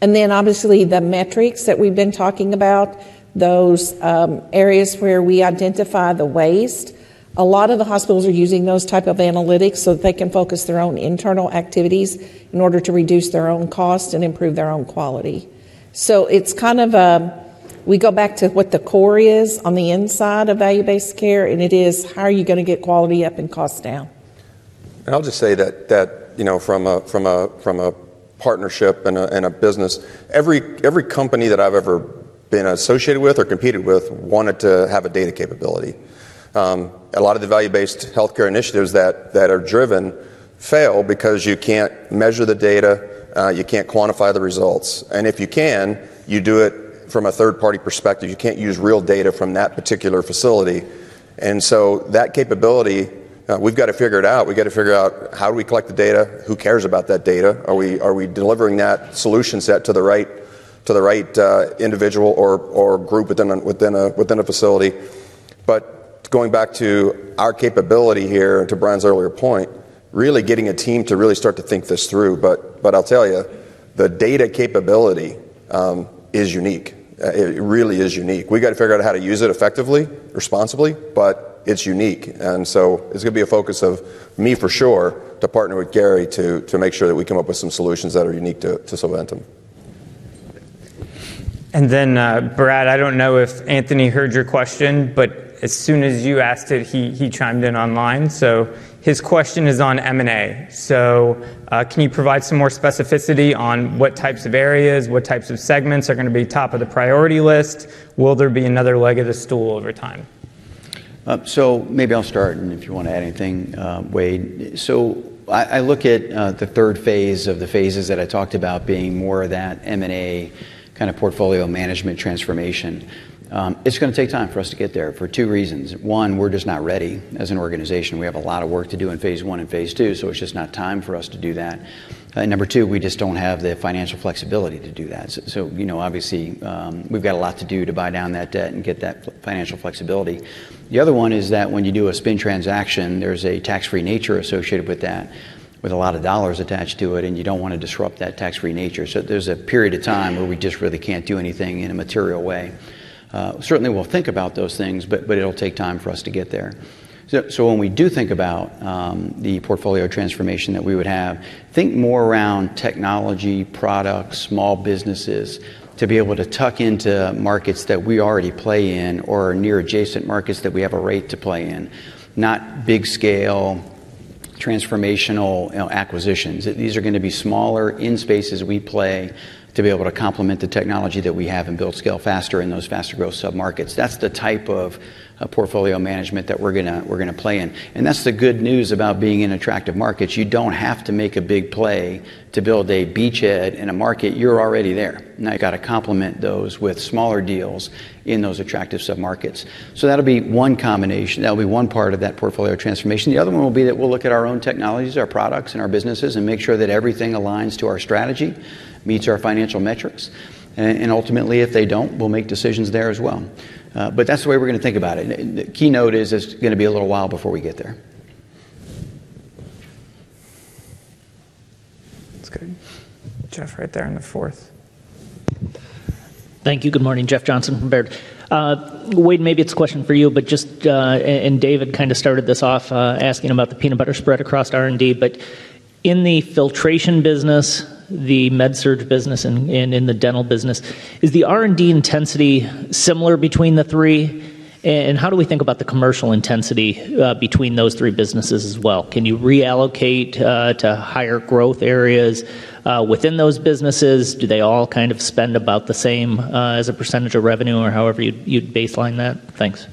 E: And then obviously, the metrics that we've been talking about, those areas where we identify the waste. A lot of the hospitals are using those types of analytics so that they can focus their own internal activities in order to reduce their own cost and improve their own quality. So it's kind of a we go back to what the core is on the inside of value-based care, and it is how are you going to get quality up and cost down?
C: And I'll just say that, you know, from a partnership and a business, every company that I've ever been associated with or competed with wanted to have a data capability. A lot of the value-based healthcare initiatives that are driven fail because you can't measure the data. You can't quantify the results. And if you can, you do it from a third-party perspective. You can't use real data from that particular facility. And so that capability, we've got to figure it out. We've got to figure out how do we collect the data? Who cares about that data? Are we delivering that solution set to the right individual or group within a facility? But going back to our capability here and to Bryan's earlier point, really getting a team to really start to think this through. But I'll tell you, the data capability is unique. It really is unique. We've got to figure out how to use it effectively, responsibly, but it's unique. And so it's going to be a focus of me, for sure, to partner with Garri to make sure that we come up with some solutions that are unique to Solventum.
A: And then, Brad, I don't know if Anthony heard your question, but as soon as you asked it, he chimed in online. So his question is on M&A. So can you provide some more specificity on what types of areas, what types of segments are going to be top of the priority list? Will there be another leg of the stool over time?
F: So maybe I'll start, and if you want to add anything, Wayde. So I look at the third phase of the phases that I talked about being more of that M&A kind of portfolio management transformation. It's going to take time for us to get there for two reasons. One, we're just not ready as an organization. We have a lot of work to do in phase one and phase two, so it's just not time for us to do that. And number two, we just don't have the financial flexibility to do that. So, you know, obviously, we've got a lot to do to buy down that debt and get that financial flexibility. The other one is that when you do a spin transaction, there's a tax-free nature associated with that, with a lot of dollars attached to it, and you don't want to disrupt that tax-free nature. There's a period of time where we just really can't do anything in a material way. Certainly, we'll think about those things, but it'll take time for us to get there. When we do think about the portfolio transformation that we would have, think more around technology, products, small businesses to be able to tuck into markets that we already play in or near-adjacent markets that we have a right to play in, not big-scale transformational acquisitions. These are going to be smaller in spaces we play to be able to complement the technology that we have and build scale faster in those faster-growth submarkets. That's the type of portfolio management that we're going to play in. That's the good news about being in attractive markets. You don't have to make a big play to build a beachhead in a market. You're already there. Now, you've got to complement those with smaller deals in those attractive submarkets. So that'll be one combination. That'll be one part of that portfolio transformation. The other one will be that we'll look at our own technologies, our products, and our businesses, and make sure that everything aligns to our strategy, meets our financial metrics. And ultimately, if they don't, we'll make decisions there as well. But that's the way we're going to think about it. The key note is it's going to be a little while before we get there.
A: That's good. Jeff right there in the fourth.
O: Thank you. Good morning, Jeff Johnson from Baird. Wayde, maybe it's a question for you, but just and David kind of started this off asking about the peanut butter spread across R&D. But in the filtration business, the MedSurg business, and in the dental business, is the R&D intensity similar between the three? And how do we think about the commercial intensity between those three businesses as well? Can you reallocate to higher growth areas within those businesses? Do they all kind of spend about the same as a percentage of revenue or however you'd baseline that? Thanks.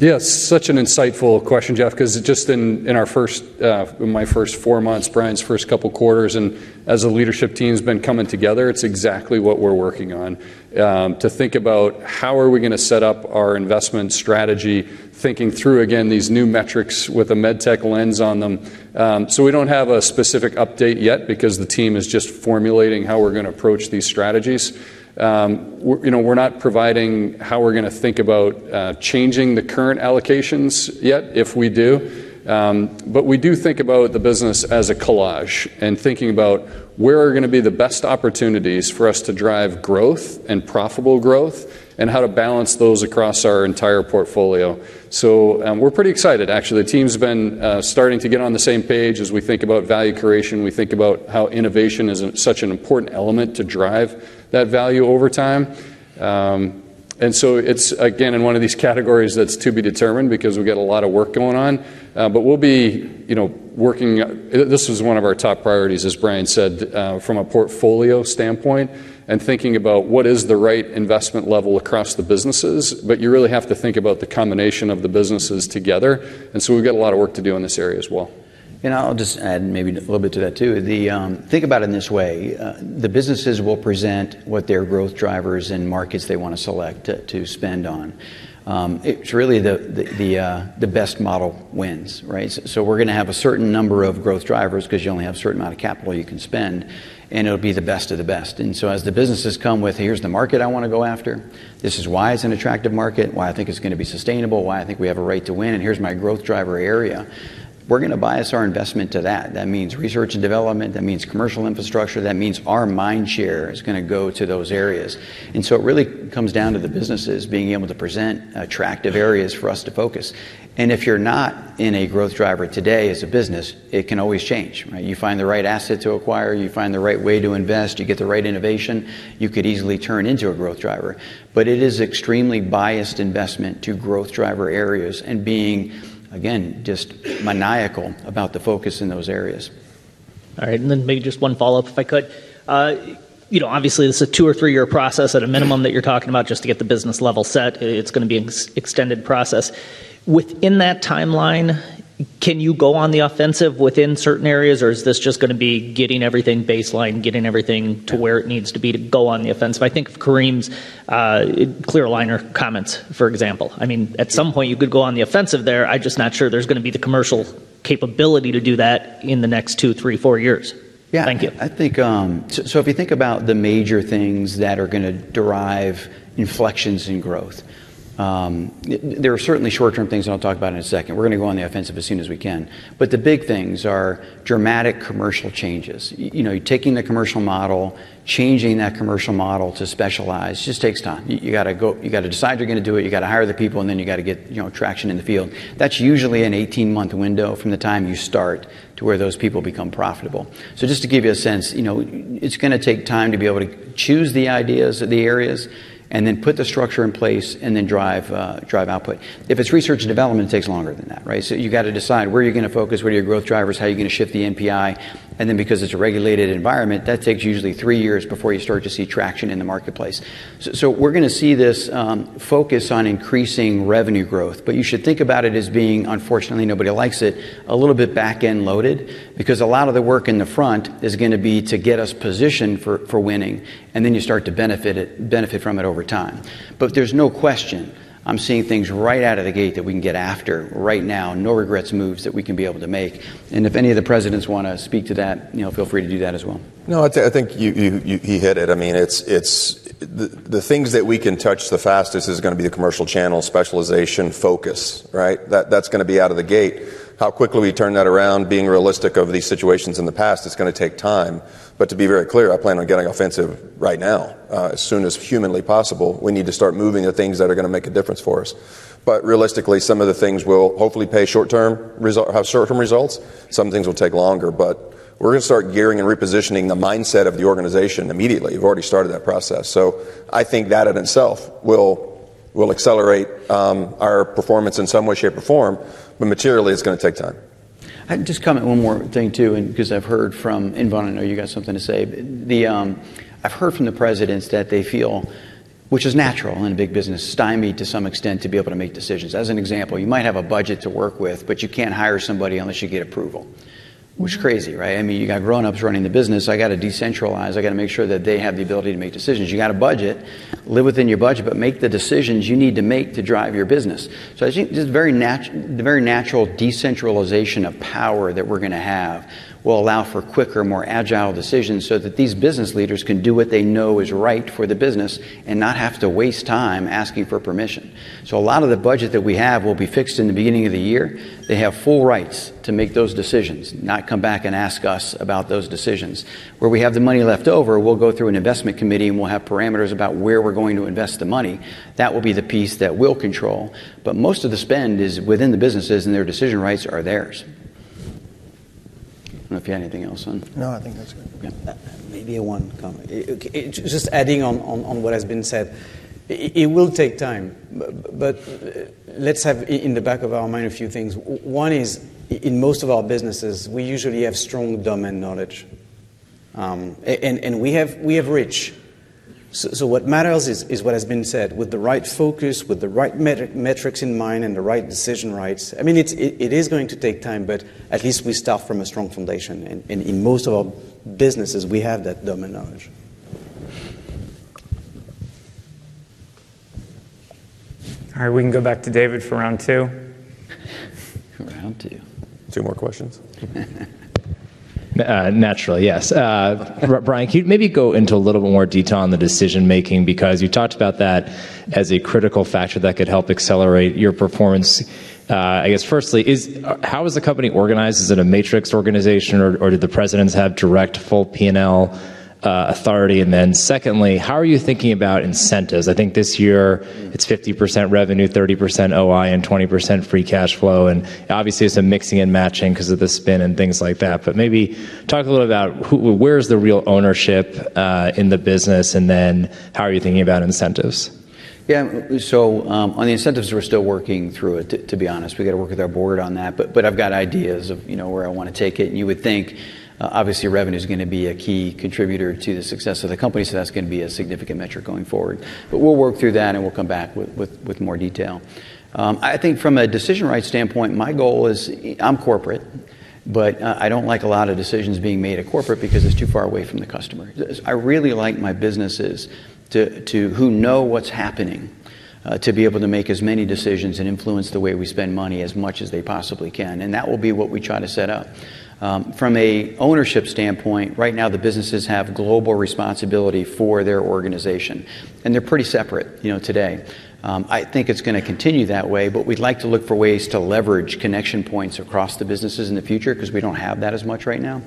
C: Yeah, such an insightful question, Jeff, because just in my first four months, Bryan's first couple of quarters, and as the leadership team's been coming together, it's exactly what we're working on. To think about how are we going to set up our investment strategy, thinking through, again, these new metrics with a medtech lens on them. So we don't have a specific update yet because the team is just formulating how we're going to approach these strategies. You know, we're not providing how we're going to think about changing the current allocations yet if we do. But we do think about the business as a collage and thinking about where are going to be the best opportunities for us to drive growth and profitable growth and how to balance those across our entire portfolio. So we're pretty excited, actually. The team's been starting to get on the same page as we think about value creation. We think about how innovation is such an important element to drive that value over time. And so it's, again, in one of these categories that's to be determined because we get a lot of work going on. But we'll be, you know, working, this is one of our top priorities, as Bryan said, from a portfolio standpoint and thinking about what is the right investment level across the businesses. But you really have to think about the combination of the businesses together. And so we've got a lot of work to do in this area as well.
B: I'll just add maybe a little bit to that too. Think about it in this way. The businesses will present what their growth drivers and markets they want to select to spend on. It's really the best model wins, right? So we're going to have a certain number of growth drivers because you only have a certain amount of capital you can spend, and it'll be the best of the best. And so as the businesses come with, "Here's the market I want to go after. This is why it's an attractive market, why I think it's going to be sustainable, why I think we have a right to win, and here's my growth driver area," we're going to bias our investment to that. That means research and development. That means commercial infrastructure. That means our mindshare is going to go to those areas. It really comes down to the businesses being able to present attractive areas for us to focus. If you're not in a growth driver today as a business, it can always change, right? You find the right asset to acquire. You find the right way to invest. You get the right innovation. You could easily turn into a growth driver. But it is an extremely biased investment to growth driver areas and being, again, just maniacal about the focus in those areas.
O: All right. And then maybe just 1 follow-up, if I could. You know, obviously, this is a 2- or 3-year process at a minimum that you're talking about just to get the business level set. It's going to be an extended process. Within that timeline, can you go on the offensive within certain areas, or is this just going to be getting everything baseline, getting everything to where it needs to be to go on the offensive? I think of Karim's clear aligner comments, for example. I mean, at some point, you could go on the offensive there. I'm just not sure there's going to be the commercial capability to do that in the next 2, 3, 4 years. Thank you.
B: Yeah. I think so if you think about the major things that are going to derive inflections in growth, there are certainly short-term things that I'll talk about in a second. We're going to go on the offensive as soon as we can. But the big things are dramatic commercial changes. You know, taking the commercial model, changing that commercial model to specialize, just takes time. You've got to decide you're going to do it. You've got to hire the people, and then you've got to get, you know, traction in the field. That's usually an 18-month window from the time you start to where those people become profitable. So just to give you a sense, you know, it's going to take time to be able to choose the ideas, the areas, and then put the structure in place and then drive output. If it's research and development, it takes longer than that, right? So you've got to decide where you're going to focus, what are your growth drivers, how are you going to shift the NPI. And then because it's a regulated environment, that takes usually three years before you start to see traction in the marketplace. So we're going to see this focus on increasing revenue growth. But you should think about it as being, unfortunately, nobody likes it, a little bit back-end loaded because a lot of the work in the front is going to be to get us positioned for winning, and then you start to benefit from it over time. But there's no question I'm seeing things right out of the gate that we can get after right now, no regrets moves that we can be able to make. If any of the presidents want to speak to that, you know, feel free to do that as well.
C: No, I think he hit it. I mean, it's the things that we can touch the fastest is going to be the commercial channel specialization focus, right? That's going to be out of the gate. How quickly we turn that around, being realistic of these situations in the past, it's going to take time. But to be very clear, I plan on getting offensive right now, as soon as humanly possible. We need to start moving the things that are going to make a difference for us. But realistically, some of the things will hopefully pay short-term, have short-term results. Some things will take longer. But we're going to start gearing and repositioning the mindset of the organization immediately. We've already started that process. So I think that in itself will accelerate our performance in some way, shape, or form. But materially, it's going to take time.
B: I can just comment one more thing too because I've heard from Vaughn, I know you've got something to say. I've heard from the presidents that they feel, which is natural in a big business, stymied to some extent to be able to make decisions. As an example, you might have a budget to work with, but you can't hire somebody unless you get approval, which is crazy, right? I mean, you've got grown-ups running the business. I've got to decentralize. I've got to make sure that they have the ability to make decisions. You've got a budget. Live within your budget, but make the decisions you need to make to drive your business. So I think just the very natural decentralization of power that we're going to have will allow for quicker, more agile decisions so that these business leaders can do what they know is right for the business and not have to waste time asking for permission. So a lot of the budget that we have will be fixed in the beginning of the year. They have full rights to make those decisions, not come back and ask us about those decisions. Where we have the money left over, we'll go through an investment committee, and we'll have parameters about where we're going to invest the money. That will be the piece that we'll control. But most of the spend is within the businesses, and their decision rights are theirs. I don't know if you had anything else, Son. No, I think that's good. Maybe one comment.
A: Just adding on what has been said, it will take time. But let's have in the back of our mind a few things. One is, in most of our businesses, we usually have strong domain knowledge. And we have reach. So what matters is what has been said. With the right focus, with the right metrics in mind, and the right decision rights, I mean, it is going to take time, but at least we start from a strong foundation. And in most of our businesses, we have that domain knowledge. All right. We can go back to David for round two.
B: Round two.
C: Two more questions?
H: Naturally, yes. Bryan, can you maybe go into a little bit more detail on the decision-making because you talked about that as a critical factor that could help accelerate your performance? I guess, firstly, how is the company organized? Is it a matrix organization, or do the presidents have direct full P&L authority? And then secondly, how are you thinking about incentives? I think this year, it's 50% revenue, 30% OI, and 20% free cash flow. And obviously, it's a mixing and matching because of the spin and things like that. But maybe talk a little about where is the real ownership in the business, and then how are you thinking about incentives?
B: Yeah. So on the incentives, we're still working through it, to be honest. We've got to work with our board on that. But I've got ideas of, you know, where I want to take it. And you would think, obviously, revenue is going to be a key contributor to the success of the company. So that's going to be a significant metric going forward. But we'll work through that, and we'll come back with more detail. I think from a decision rights standpoint, my goal is I'm corporate, but I don't like a lot of decisions being made at corporate because it's too far away from the customer. I really like my businesses to who know what's happening to be able to make as many decisions and influence the way we spend money as much as they possibly can. And that will be what we try to set up. From an ownership standpoint, right now, the businesses have global responsibility for their organization, and they're pretty separate, you know, today. I think it's going to continue that way, but we'd like to look for ways to leverage connection points across the businesses in the future because we don't have that as much right now.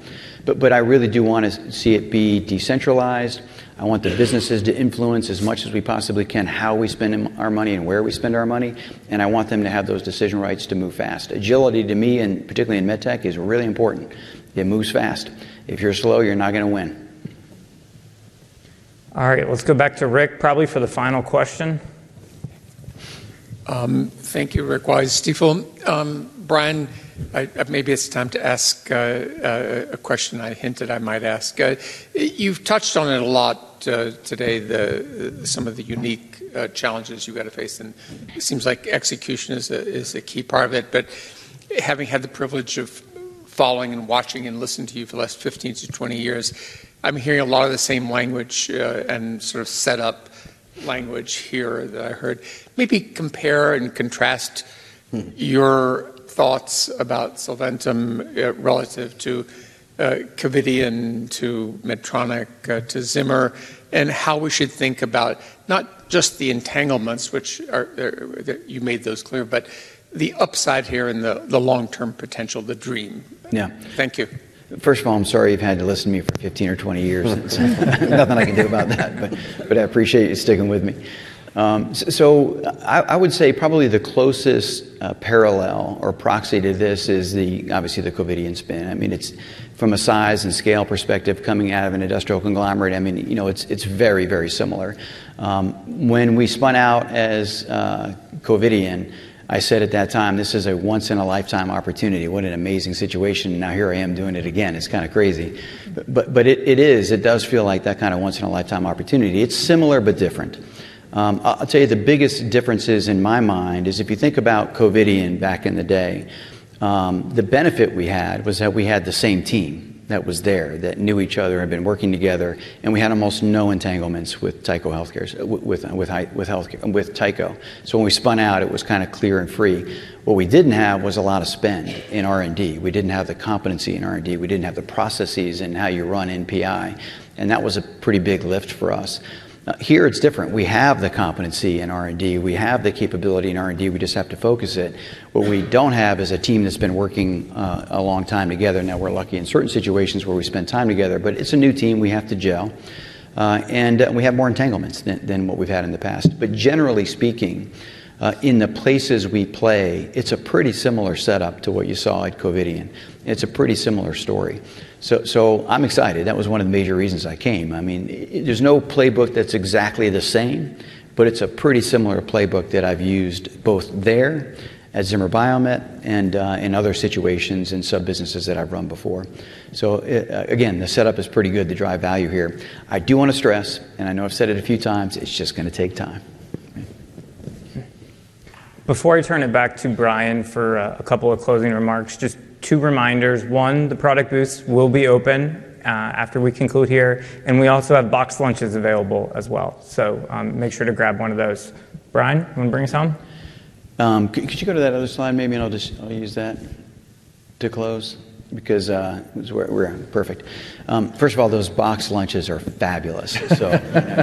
B: I really do want to see it be decentralized. I want the businesses to influence as much as we possibly can how we spend our money and where we spend our money. I want them to have those decision rights to move fast. Agility, to me, and particularly in medtech, is really important. It moves fast. If you're slow, you're not going to win. All right. Let's go back to Rick, probably for the final question.
I: Thank you, Rick Wise. Steve, well, Bryan, maybe it's time to ask a question I hinted I might ask. You've touched on it a lot today, some of the unique challenges you've got to face. And it seems like execution is a key part of it. But having had the privilege of following and watching and listening to you for the last 15-20 years, I'm hearing a lot of the same language and sort of setup language here that I heard. Maybe compare and contrast your thoughts about Solventum relative to Covidien, and to Medtronic, to Zimmer, and how we should think about not just the entanglements, which you made those clear, but the upside here and the long-term potential, the dream.
B: Yeah.
I: Thank you.
B: First of all, I'm sorry you've had to listen to me for 15 or 20 years. Nothing I can do about that. But I appreciate you sticking with me. So I would say probably the closest parallel or proxy to this is obviously the Covidien spin. I mean, it's from a size and scale perspective, coming out of an industrial conglomerate, I mean, you know, it's very, very similar. When we spun out as Covidien, and I said at that time, "This is a once-in-a-lifetime opportunity. What an amazing situation." And now here I am doing it again. It's kind of crazy. But it is. It does feel like that kind of once-in-a-lifetime opportunity. It's similar but different. I'll tell you the biggest differences in my mind is if you think about Covidien and back in the day, the benefit we had was that we had the same team that was there, that knew each other and had been working together. And we had almost no entanglements with Tyco Healthcare, with Tyco. So when we spun out, it was kind of clear and free. What we didn't have was a lot of spend in R&D. We didn't have the competency in R&D. We didn't have the processes and how you run NPI. And that was a pretty big lift for us. Here, it's different. We have the competency in R&D. We have the capability in R&D. We just have to focus it. What we don't have is a team that's been working a long time together. Now, we're lucky in certain situations where we spend time together. But it's a new team. We have to gel. And we have more entanglements than what we've had in the past. But generally speaking, in the places we play, it's a pretty similar setup to what you saw at Covidien, and it's a pretty similar story. So I'm excited. That was one of the major reasons I came. I mean, there's no playbook that's exactly the same, but it's a pretty similar playbook that I've used both there at Zimmer Biomet and in other situations and sub-businesses that I've run before. So again, the setup is pretty good to drive value here. I do want to stress, and I know I've said it a few times, it's just going to take time.
A: Before I turn it back to Bryan for a couple of closing remarks, just two reminders. One, the product booths will be open after we conclude here. We also have box lunches available as well. Make sure to grab one of those. Bryan, you want to bring us home?
B: Could you go to that other slide maybe? I'll just use that to close because we're perfect. First of all, those box lunches are fabulous. So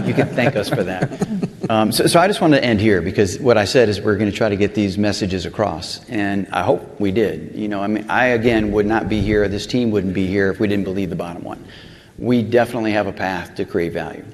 B: you can thank us for that. I just want to end here because what I said is we're going to try to get these messages across. I hope we did. You know, I mean, I again would not be here. This team wouldn't be here if we didn't believe the bottom one. We definitely have a path to create value.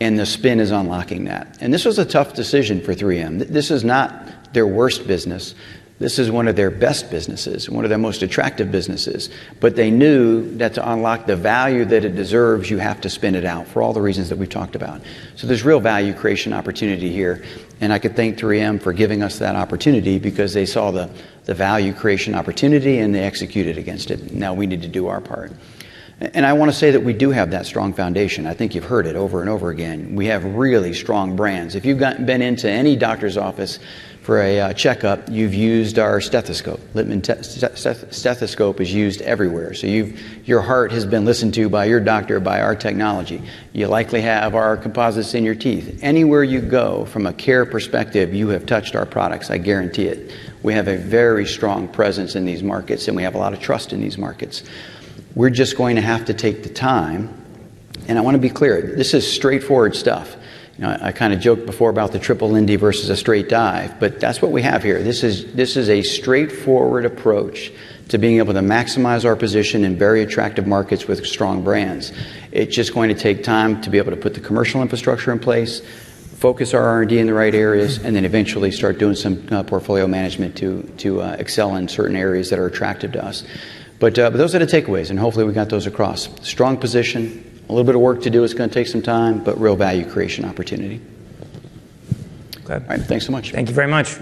B: The spin is unlocking that. This was a tough decision for 3M. This is not their worst business. This is one of their best businesses, one of their most attractive businesses. But they knew that to unlock the value that it deserves, you have to spin it out for all the reasons that we've talked about. So there's real value creation opportunity here. I could thank 3M for giving us that opportunity because they saw the value creation opportunity and they executed against it. Now, we need to do our part. I want to say that we do have that strong foundation. I think you've heard it over and over again. We have really strong brands. If you've been into any doctor's office for a checkup, you've used our stethoscope. Stethoscope is used everywhere. So your heart has been listened to by your doctor, by our technology. You likely have our composites in your teeth. Anywhere you go, from a care perspective, you have touched our products. I guarantee it. We have a very strong presence in these markets, and we have a lot of trust in these markets. We're just going to have to take the time. I want to be clear.
A: This is straightforward stuff. You know, I kind of joked before about the Triple Lindy versus a straight dive. But that's what we have here. This is a straightforward approach to being able to maximize our position in very attractive markets with strong brands. It's just going to take time to be able to put the commercial infrastructure in place, focus our R&D in the right areas, and then eventually start doing some portfolio management to excel in certain areas that are attractive to us. But those are the takeaways. And hopefully, we got those across. Strong position, a little bit of work to do. It's going to take some time, but real value creation opportunity. All right. Thanks so much. Thank you very much.